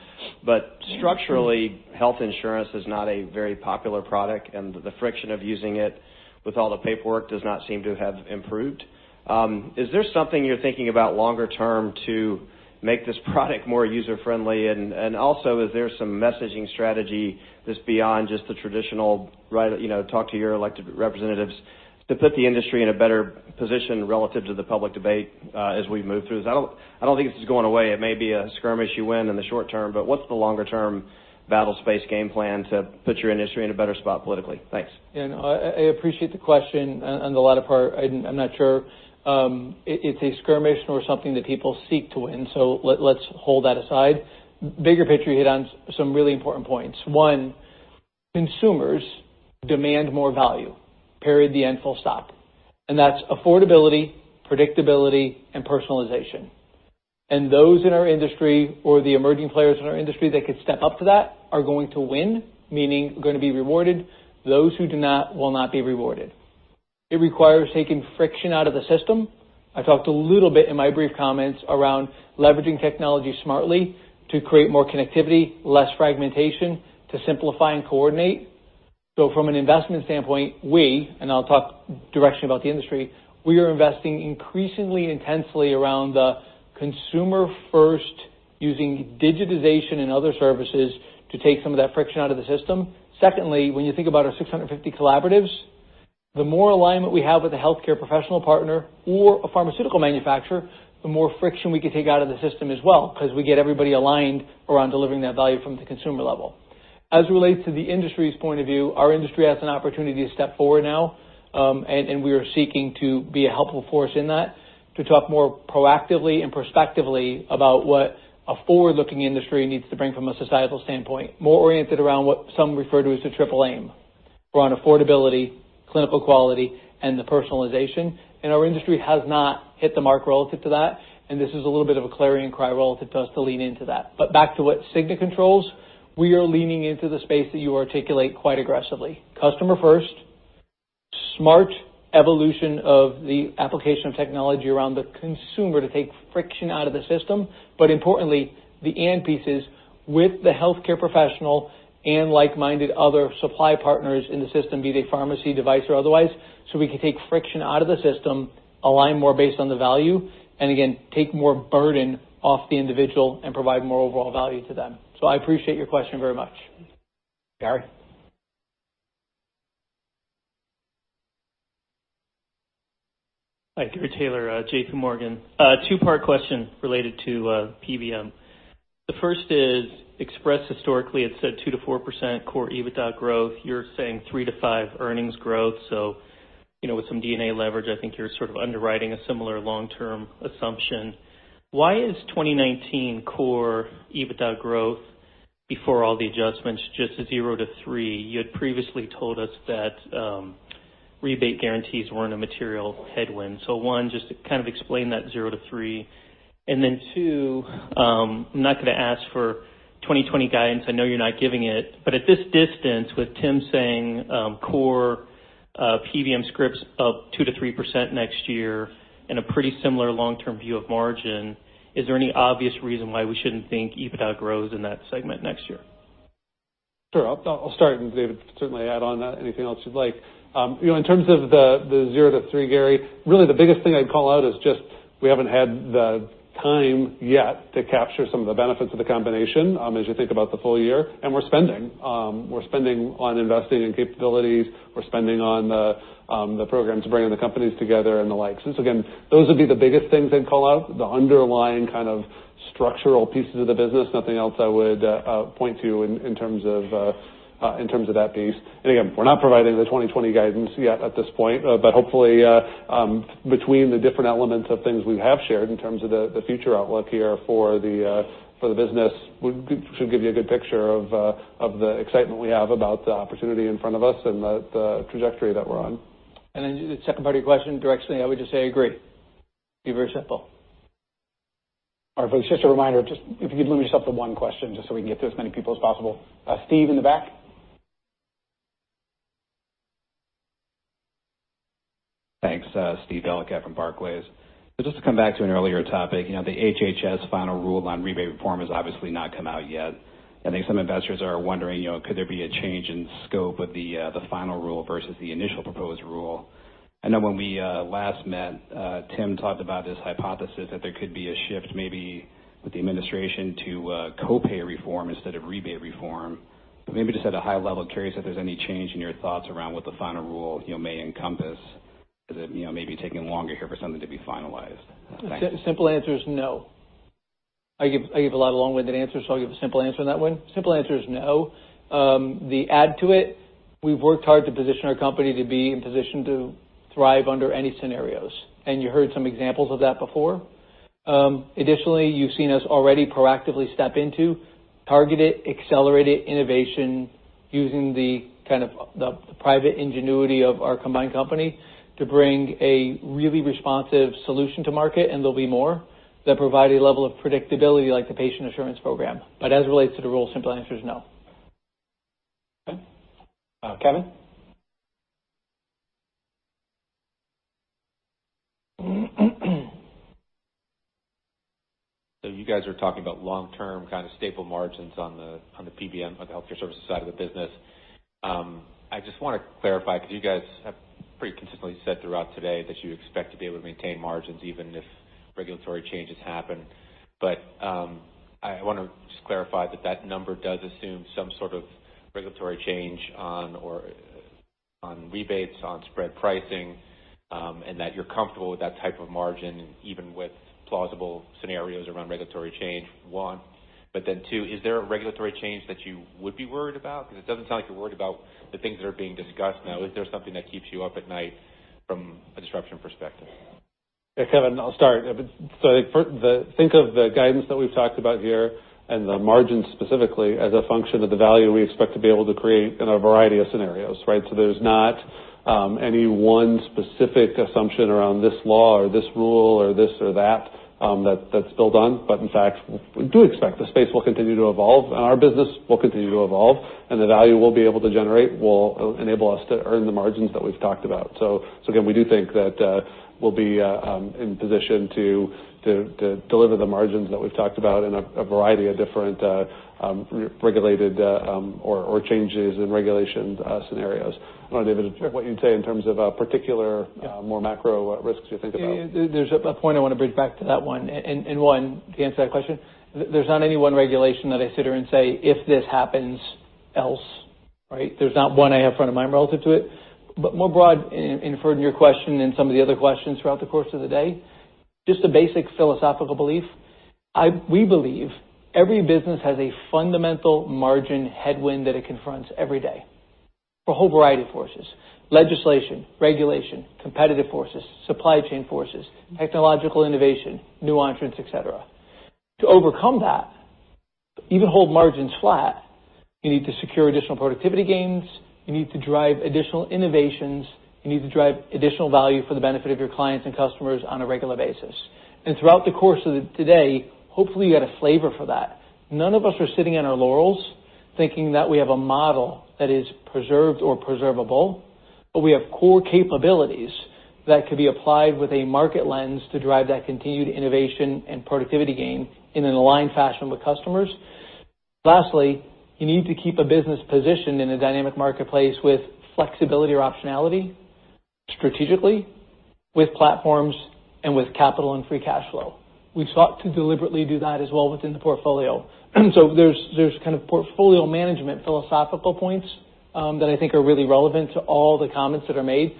but structurally, health insurance is not a very popular product, and the friction of using it with all the paperwork does not seem to have improved. Is there something you're thinking about longer term to make this product more user-friendly? Also, is there some messaging strategy that's beyond just the traditional, talk to your elected representatives to put the industry in a better position relative to the public debate, as we move through this? I don't think this is going away. It may be a skirmish you win in the short term, but what's the longer-term battle space game plan to put your industry in a better spot politically? Thanks. I appreciate the question and the latter part. I'm not sure, it's a skirmish or something that people seek to win. Let's hold that aside. Bigger picture, you hit on some really important points. One, consumers demand more value, period, the end, full stop. That's affordability, predictability, and personalization. Those in our industry or the emerging players in our industry that could step up to that are going to win, meaning going to be rewarded. Those who do not will not be rewarded. It requires taking friction out of the system. I talked a little bit in my brief comments around leveraging technology smartly to create more connectivity, less fragmentation, to simplify and coordinate. From an investment standpoint, we, and I'll talk directly about the industry, we are investing increasingly intensely around the consumer first, using digitization and other services to take some of that friction out of the system. Secondly, when you think about our 650 collaboratives, the more alignment we have with a healthcare professional partner or a pharmaceutical manufacturer, the more friction we can take out of the system as well because we get everybody aligned around delivering that value from the consumer level. As it relates to the industry's point of view, our industry has an opportunity to step forward now, and we are seeking to be a helpful force in that, to talk more proactively and perspectively about what a forward-looking industry needs to bring from a societal standpoint, more oriented around what some refer to as the Triple Aim. We're on affordability, clinical quality, and the personalization. Our industry has not hit the mark relative to that. This is a little bit of a clarion cry relative to us to lean into that. Back to what Cigna controls, we are leaning into the space that you articulate quite aggressively. Customer first, smart evolution of the application of technology around the consumer to take friction out of the system. Importantly, the end pieces with the healthcare professional and like-minded other supply partners in the system, be they pharmacy, device or otherwise. We can take friction out of the system, align more based on the value, and again, take more burden off the individual and provide more overall value to them. I appreciate your question very much. Gary. Hi. Gary Taylor, J.P. Morgan. A two-part question related to PBM. The first is Express historically had said 2%-4% core EBITDA growth. You're saying 3%-5% earnings growth. With some DNA leverage, I think you're sort of underwriting a similar long-term assumption. Why is 2019 core EBITDA growth before all the adjustments, just a 0-3%? You had previously told us that rebate guarantees weren't a material headwind. One, just to kind of explain that 0-3%. Two, I'm not going to ask for 2020 guidance. I know you're not giving it. But at this distance, with Tim saying core PBM scripts up 2%-3% next year and a pretty similar long-term view of margin, is there any obvious reason why we shouldn't think EBITDA grows in that segment next year? Sure. I'll start and David can certainly add on anything else you'd like. In terms of the 0-3%, Gary, really the biggest thing I'd call out is just we haven't had the time yet to capture some of the benefits of the combination, as you think about the full year. We're spending. We're spending on investing in capabilities. We're spending on the programs, bringing the companies together and the like. Again, those would be the biggest things I'd call out, the underlying kind of structural pieces of the business. Nothing else I would point to in terms of that piece. Again, we're not providing the 2020 guidance yet at this point. Hopefully, between the different elements of things we have shared in terms of the future outlook here for the business, should give you a good picture of the excitement we have about the opportunity in front of us and the trajectory that we're on. To the second part of your question, directly, I would just say agree. Be very simple. All right, folks, just a reminder, if you could limit yourself to one question, just so we can get to as many people as possible. Steve in the back. Thanks. Steve Ellick from Barclays. Just to come back to an earlier topic, the HHS final rule on rebate reform has obviously not come out yet. I think some investors are wondering, could there be a change in scope with the final rule versus the initial proposed rule? I know when we last met, Tim talked about this hypothesis that there could be a shift maybe with the administration to co-pay reform instead of rebate reform. Maybe just at a high level, curious if there's any change in your thoughts around what the final rule may encompass, because it may be taking longer here for something to be finalized. Thanks. Simple answer is no. I give a lot of long-winded answers, I'll give a simple answer on that one. Simple answer is no. To add to it, we've worked hard to position our company to be in position to thrive under any scenarios, and you heard some examples of that before. Additionally, you've seen us already proactively step into targeted accelerated innovation using the private ingenuity of our combined company to bring a really responsive solution to market, and there'll be more, that provide a level of predictability like the Patient Assurance Program. As it relates to the rule, simple answer is no. Kevin? You guys are talking about long-term kind of staple margins on the PBM, on the healthcare services side of the business. I just want to clarify, because you guys have pretty consistently said throughout today that you expect to be able to maintain margins even if regulatory changes happen. I want to just clarify that that number does assume some sort of regulatory change on rebates, on spread pricing, and that you're comfortable with that type of margin, even with plausible scenarios around regulatory change, one. Then two, is there a regulatory change that you would be worried about? Because it doesn't sound like you're worried about the things that are being discussed now. Is there something that keeps you up at night from a disruption perspective? Yeah, Kevin, I'll start. I think of the guidance that we've talked about here and the margins specifically as a function of the value we expect to be able to create in a variety of scenarios, right? There's not any one specific assumption around this law or this rule or this or that's built on. In fact, we do expect the space will continue to evolve, and our business will continue to evolve, and the value we'll be able to generate will enable us to earn the margins that we've talked about. Again, we do think that, we'll be in position to deliver the margins that we've talked about in a variety of different regulated or changes in regulations scenarios. I don't know, David, what you'd say in terms of particular more macro risks you think about. There's a point I want to bridge back to that one. One, to answer that question, there's not any one regulation that I sit here and say, "If this happens, else" Right? There's not one I have front of mind relative to it. More broad, inferred in your question and some of the other questions throughout the course of the day, just a basic philosophical belief. We believe every business has a fundamental margin headwind that it confronts every day for a whole variety of forces: legislation, regulation, competitive forces, supply chain forces, technological innovation, new entrants, et cetera. To overcome that, even hold margins flat, you need to secure additional productivity gains. You need to drive additional innovations. You need to drive additional value for the benefit of your clients and customers on a regular basis. Throughout the course of today, hopefully, you got a flavor for that. None of us are sitting on our laurels thinking that we have a model that is preserved or preservable, but we have core capabilities that could be applied with a market lens to drive that continued innovation and productivity gain in an aligned fashion with customers. Lastly, you need to keep a business positioned in a dynamic marketplace with flexibility or optionality strategically, with platforms, and with capital and free cash flow. We've sought to deliberately do that as well within the portfolio. There's kind of portfolio management philosophical points that I think are really relevant to all the comments that are made.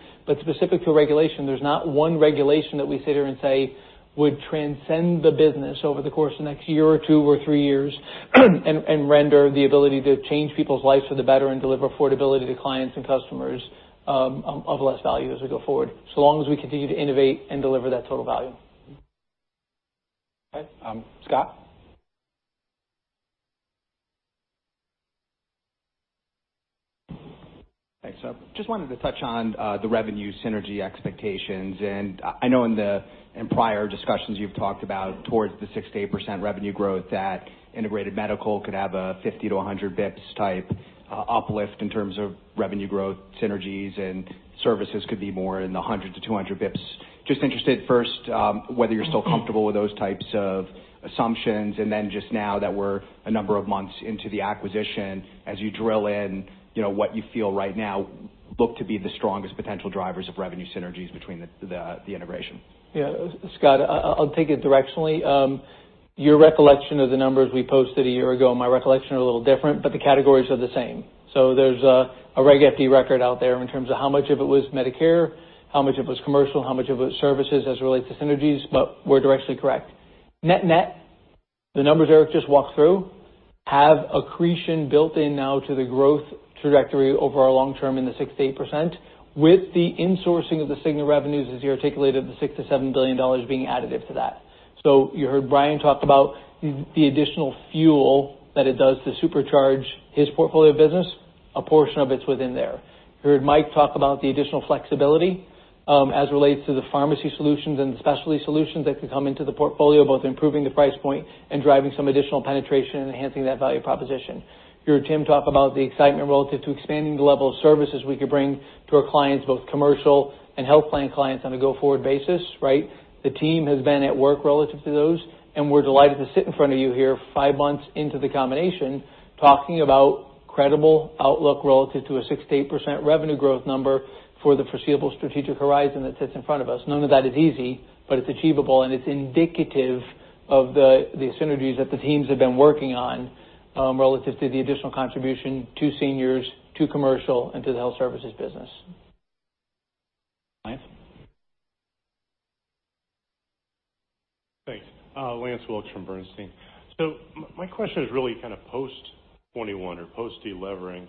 Specific to regulation, there's not one regulation that we sit here and say would transcend the business over the course of the next year or two or three years and render the ability to change people's lives for the better and deliver affordability to clients and customers of less value as we go forward, so long as we continue to innovate and deliver that total value. Okay. Scott? Thanks. Just wanted to touch on the revenue synergy expectations. I know in prior discussions you've talked about towards the 6%-8% revenue growth, that Integrated Medical could have a 50-100 BPS-type uplift in terms of revenue growth synergies, and services could be more in the 100-200 BPS. Interested first, whether you're still comfortable with those types of assumptions, and then now that we're a number of months into the acquisition, as you drill in, what you feel right now look to be the strongest potential drivers of revenue synergies between the integration. Scott, I'll take it directionally. Your recollection of the numbers we posted a year ago and my recollection are a little different, but the categories are the same. There's a Regulation FD record out there in terms of how much of it was Medicare, how much of it was commercial, how much of it was services as it relates to synergies, but we're directionally correct. Net-net, the numbers Eric just walked through have accretion built in now to the growth trajectory over our long term in the 6%-8%, with the insourcing of the Cigna revenues, as you articulated, the $6 billion-$7 billion being additive to that. You heard Brian talk about the additional fuel that it does to supercharge his portfolio business. A portion of it's within there. You heard Mike talk about the additional flexibility, as it relates to the pharmacy solutions and the specialty solutions that could come into the portfolio, both improving the price point and driving some additional penetration and enhancing that value proposition. You heard Tim talk about the excitement relative to expanding the level of services we could bring to our clients, both commercial and health plan clients, on a go-forward basis, right? The team has been at work relative to those. We're delighted to sit in front of you here 5 months into the combination, talking about credible outlook relative to a 6%-8% revenue growth number for the foreseeable strategic horizon that sits in front of us. None of that is easy. It's achievable, and it's indicative of the synergies that the teams have been working on, relative to the additional contribution to seniors, to commercial, and to the health services business. Lance? Thanks. Lance Wilkes from Bernstein. My question is really kind of post-2021 or post-delevering.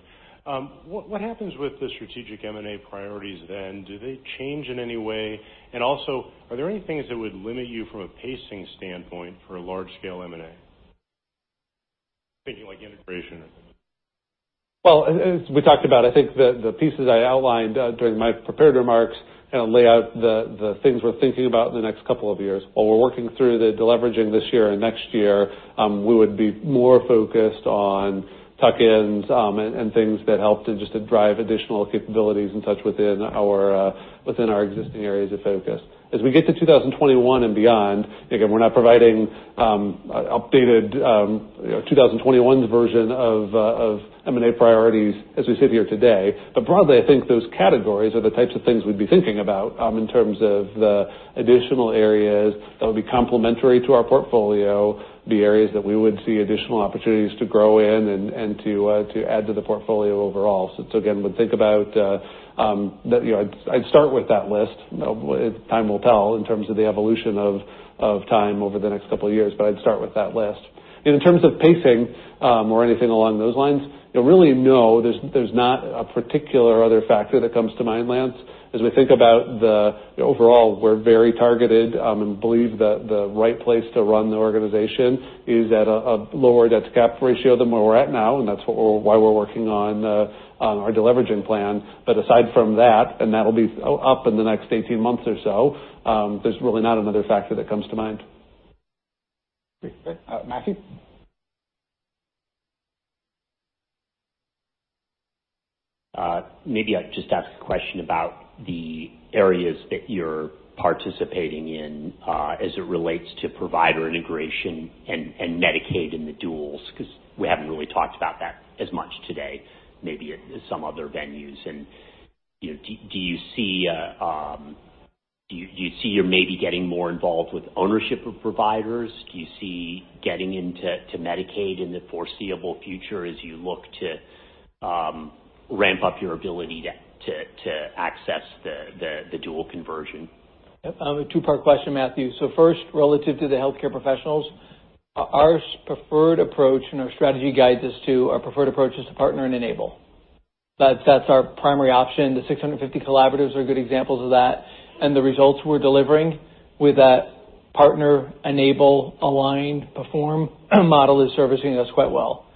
What happens with the strategic M&A priorities then? Do they change in any way? Also, are there any things that would limit you from a pacing standpoint for a large-scale M&A? Thinking like integration. Well, as we talked about, I think the pieces I outlined during my prepared remarks lay out the things we're thinking about in the next couple of years. While we're working through the de-leveraging this year and next year, we would be more focused on tuck-ins and things that help to just drive additional capabilities and such within our existing areas of focus. As we get to 2021 and beyond, again, we're not providing updated 2021's version of M&A priorities as we sit here today. Broadly, I think those categories are the types of things we'd be thinking about in terms of the additional areas that will be complementary to our portfolio, the areas that we would see additional opportunities to grow in, and to add to the portfolio overall. Again, I'd start with that list. Time will tell in terms of the evolution of time over the next couple of years, but I'd start with that list. In terms of pacing, or anything along those lines, really, no, there's not a particular other factor that comes to mind, Lance. As we think about the overall, we're very targeted and believe the right place to run the organization is at a lower debt-to-cap ratio than where we're at now, and that's why we're working on our de-leveraging plan. Aside from that, and that'll be up in the next 18 months or so, there's really not another factor that comes to mind. Great. Matthew? Maybe I'd just ask a question about the areas that you're participating in, as it relates to provider integration and Medicaid and the duals, because we haven't really talked about that as much today, maybe at some other venues. Do you see you maybe getting more involved with ownership of providers? Do you see getting into Medicaid in the foreseeable future as you look to ramp up your ability to access the dual conversion? A two-part question, Matthew. First, relative to the healthcare professionals, our preferred approach and our strategy guides us to, our preferred approach is to partner and enable. That's our primary option. The 650 collaboratives are good examples of that, and the results we're delivering with that partner, enable, align, perform model is servicing us quite well.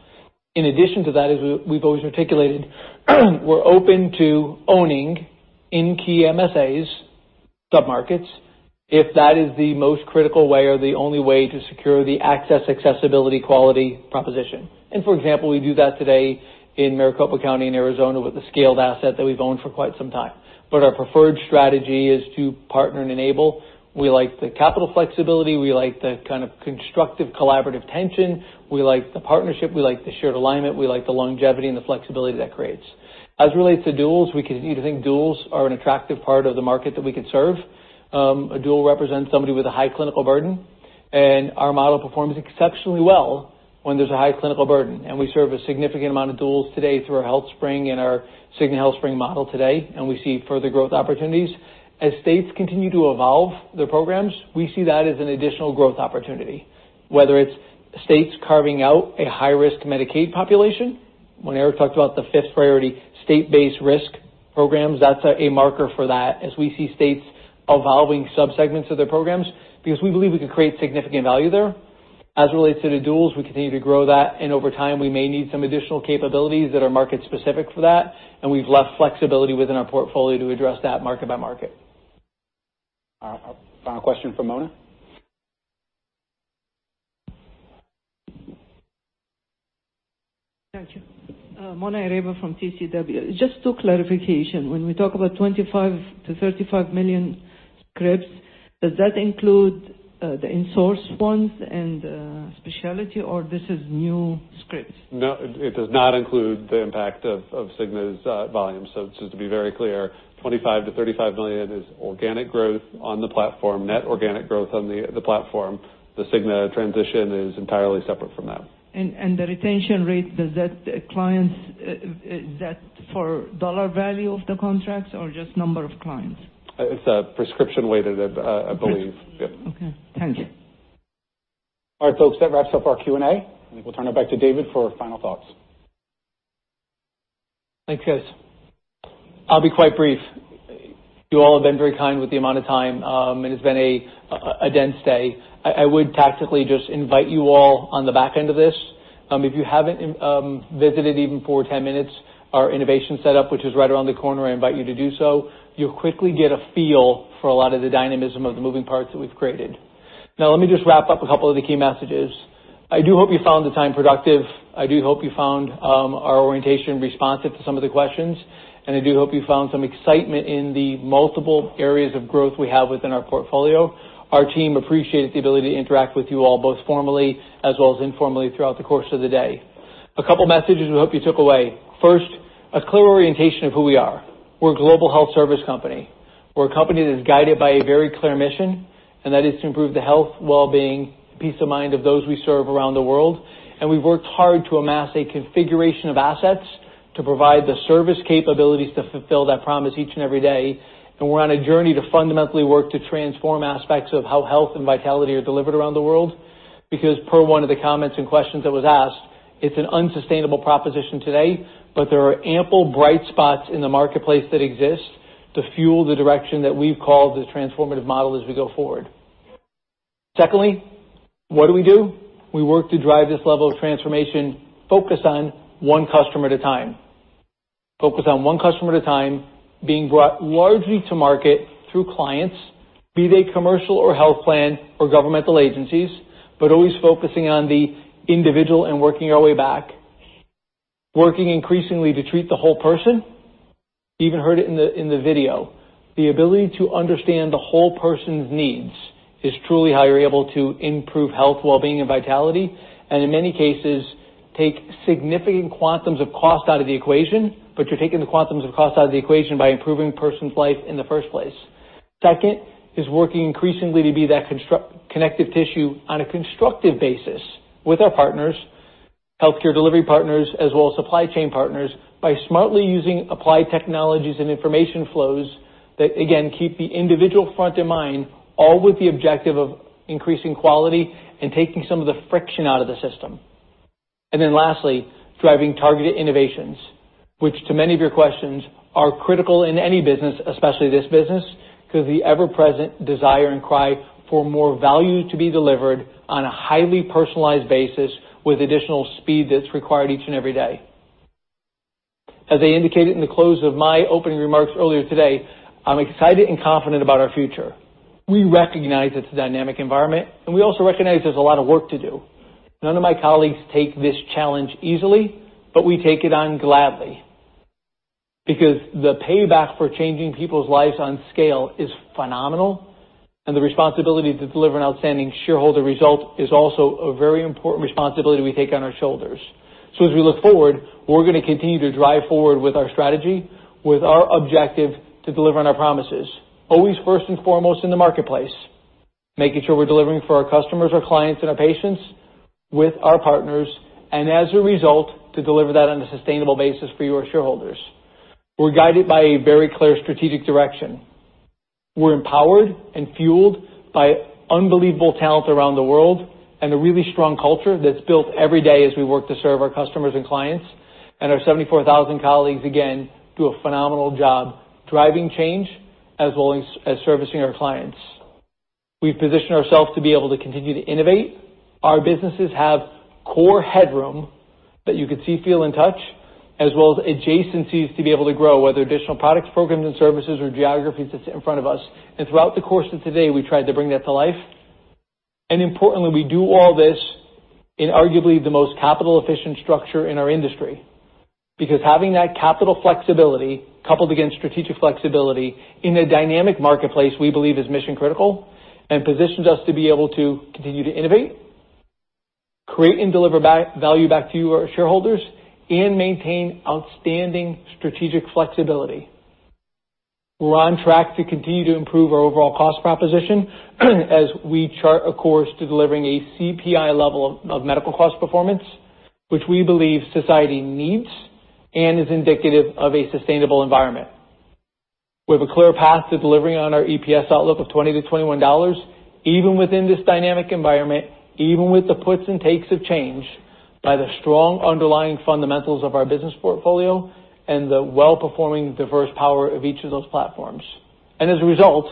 In addition to that, as we've always articulated, we're open to owning in key MSAs submarkets, if that is the most critical way or the only way to secure the access, accessibility, quality proposition. For example, we do that today in Maricopa County in Arizona with a scaled asset that we've owned for quite some time. Our preferred strategy is to partner and enable. We like the capital flexibility. We like the constructive collaborative tension. We like the partnership. We like the shared alignment. We like the longevity and the flexibility that creates. As it relates to duals, we continue to think duals are an attractive part of the market that we can serve. A dual represents somebody with a high clinical burden, and our model performs exceptionally well when there's a high clinical burden. We serve a significant amount of duals today through our HealthSpring and our Cigna-HealthSpring model today, and we see further growth opportunities. As states continue to evolve their programs, we see that as an additional growth opportunity, whether it's states carving out a high-risk Medicaid population. When Eric talked about the fifth priority, state-based risk programs, that's a marker for that, as we see states evolving subsegments of their programs, because we believe we can create significant value there. As it relates to the duals, we continue to grow that, over time, we may need some additional capabilities that are market specific for that, we've left flexibility within our portfolio to address that market by market. Final question from Mona. Thank you. Mona Ereba from TCW. Just two clarification. When we talk about 25 to 35 million scripts, does that include the insourced ones and specialty, or this is new scripts? No, it does not include the impact of Cigna's volume. Just to be very clear, 25 to 35 million is organic growth on the platform, net organic growth on the platform. The Cigna transition is entirely separate from that. The retention rate, is that for dollar value of the contracts or just number of clients? It's prescription weighted, I believe. Yep. Okay. Thank you. All right, folks, that wraps up our Q&A. I think we'll turn it back to David for final thoughts. Thanks, guys. I'll be quite brief. You all have been very kind with the amount of time, and it's been a dense day. I would tactically just invite you all on the back end of this. If you haven't visited, even for 10 minutes, our innovation set up, which is right around the corner, I invite you to do so. You'll quickly get a feel for a lot of the dynamism of the moving parts that we've created. Let me just wrap up a couple of the key messages. I do hope you found the time productive. I do hope you found our orientation responsive to some of the questions, and I do hope you found some excitement in the multiple areas of growth we have within our portfolio. Our team appreciated the ability to interact with you all, both formally as well as informally, throughout the course of the day. A couple of messages we hope you took away. First, a clear orientation of who we are. We're a global health service company. We're a company that is guided by a very clear mission, and that is to improve the health, well-being, peace of mind of those we serve around the world. We've worked hard to amass a configuration of assets to provide the service capabilities to fulfill that promise each and every day. We're on a journey to fundamentally work to transform aspects of how health and vitality are delivered around the world, because per one of the comments and questions that was asked, it's an unsustainable proposition today. There are ample bright spots in the marketplace that exist to fuel the direction that we've called the transformative model as we go forward. Secondly, what do we do? We work to drive this level of transformation focused on one customer at a time. Focused on one customer at a time, being brought largely to market through clients, be they commercial or health plan or governmental agencies, but always focusing on the individual and working our way back, working increasingly to treat the whole person. You even heard it in the video. The ability to understand the whole person's needs is truly how you're able to improve health, well-being, and vitality, and in many cases, take significant quantums of cost out of the equation, but you're taking the quantums of cost out of the equation by improving a person's life in the first place. Second is working increasingly to be that connective tissue on a constructive basis with our partners, healthcare delivery partners, as well as supply chain partners, by smartly using applied technologies and information flows that, again, keep the individual front in mind, all with the objective of increasing quality and taking some of the friction out of the system. Lastly, driving targeted innovations, which to many of your questions, are critical in any business, especially this business, because the ever-present desire and cry for more value to be delivered on a highly personalized basis with additional speed that's required each and every day. As I indicated in the close of my opening remarks earlier today, I'm excited and confident about our future. We recognize it's a dynamic environment, and we also recognize there's a lot of work to do. None of my colleagues take this challenge easily, but we take it on gladly, because the payback for changing people's lives on scale is phenomenal, and the responsibility to deliver an outstanding shareholder result is also a very important responsibility we take on our shoulders. As we look forward, we're going to continue to drive forward with our strategy, with our objective to deliver on our promises. Always first and foremost in the marketplace, making sure we're delivering for our customers, our clients, and our patients with our partners, and as a result, to deliver that on a sustainable basis for you, our shareholders. We're guided by a very clear strategic direction. We're empowered and fueled by unbelievable talent around the world and a really strong culture that's built every day as we work to serve our customers and clients. Our 74,000 colleagues, again, do a phenomenal job driving change as well as servicing our clients. We position ourselves to be able to continue to innovate. Our businesses have core headroom that you could see, feel, and touch, as well as adjacencies to be able to grow, whether additional products, programs and services or geographies that sit in front of us. Throughout the course of today, we tried to bring that to life. Importantly, we do all this in arguably the most capital-efficient structure in our industry, because having that capital flexibility coupled against strategic flexibility in a dynamic marketplace, we believe is mission-critical and positions us to be able to continue to innovate, create, and deliver value back to you, our shareholders, and maintain outstanding strategic flexibility. We're on track to continue to improve our overall cost proposition as we chart a course to delivering a CPI level of medical cost performance, which we believe society needs and is indicative of a sustainable environment. We have a clear path to delivering on our EPS outlook of $20 to $21, even within this dynamic environment, even with the puts and takes of change, by the strong underlying fundamentals of our business portfolio and the well-performing diverse power of each of those platforms. As a result,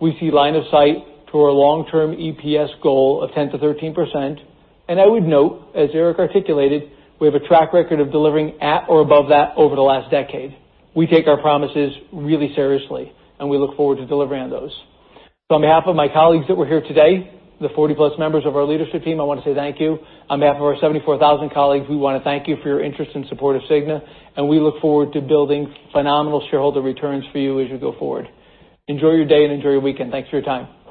we see line of sight to our long-term EPS goal of 10%-13%. I would note, as Eric articulated, we have a track record of delivering at or above that over the last decade. We take our promises really seriously, and we look forward to delivering on those. On behalf of my colleagues that were here today, the 40-plus members of our leadership team, I want to say thank you. On behalf of our 74,000 colleagues, we want to thank you for your interest and support of Cigna, and we look forward to building phenomenal shareholder returns for you as we go forward. Enjoy your day, and enjoy your weekend. Thanks for your time.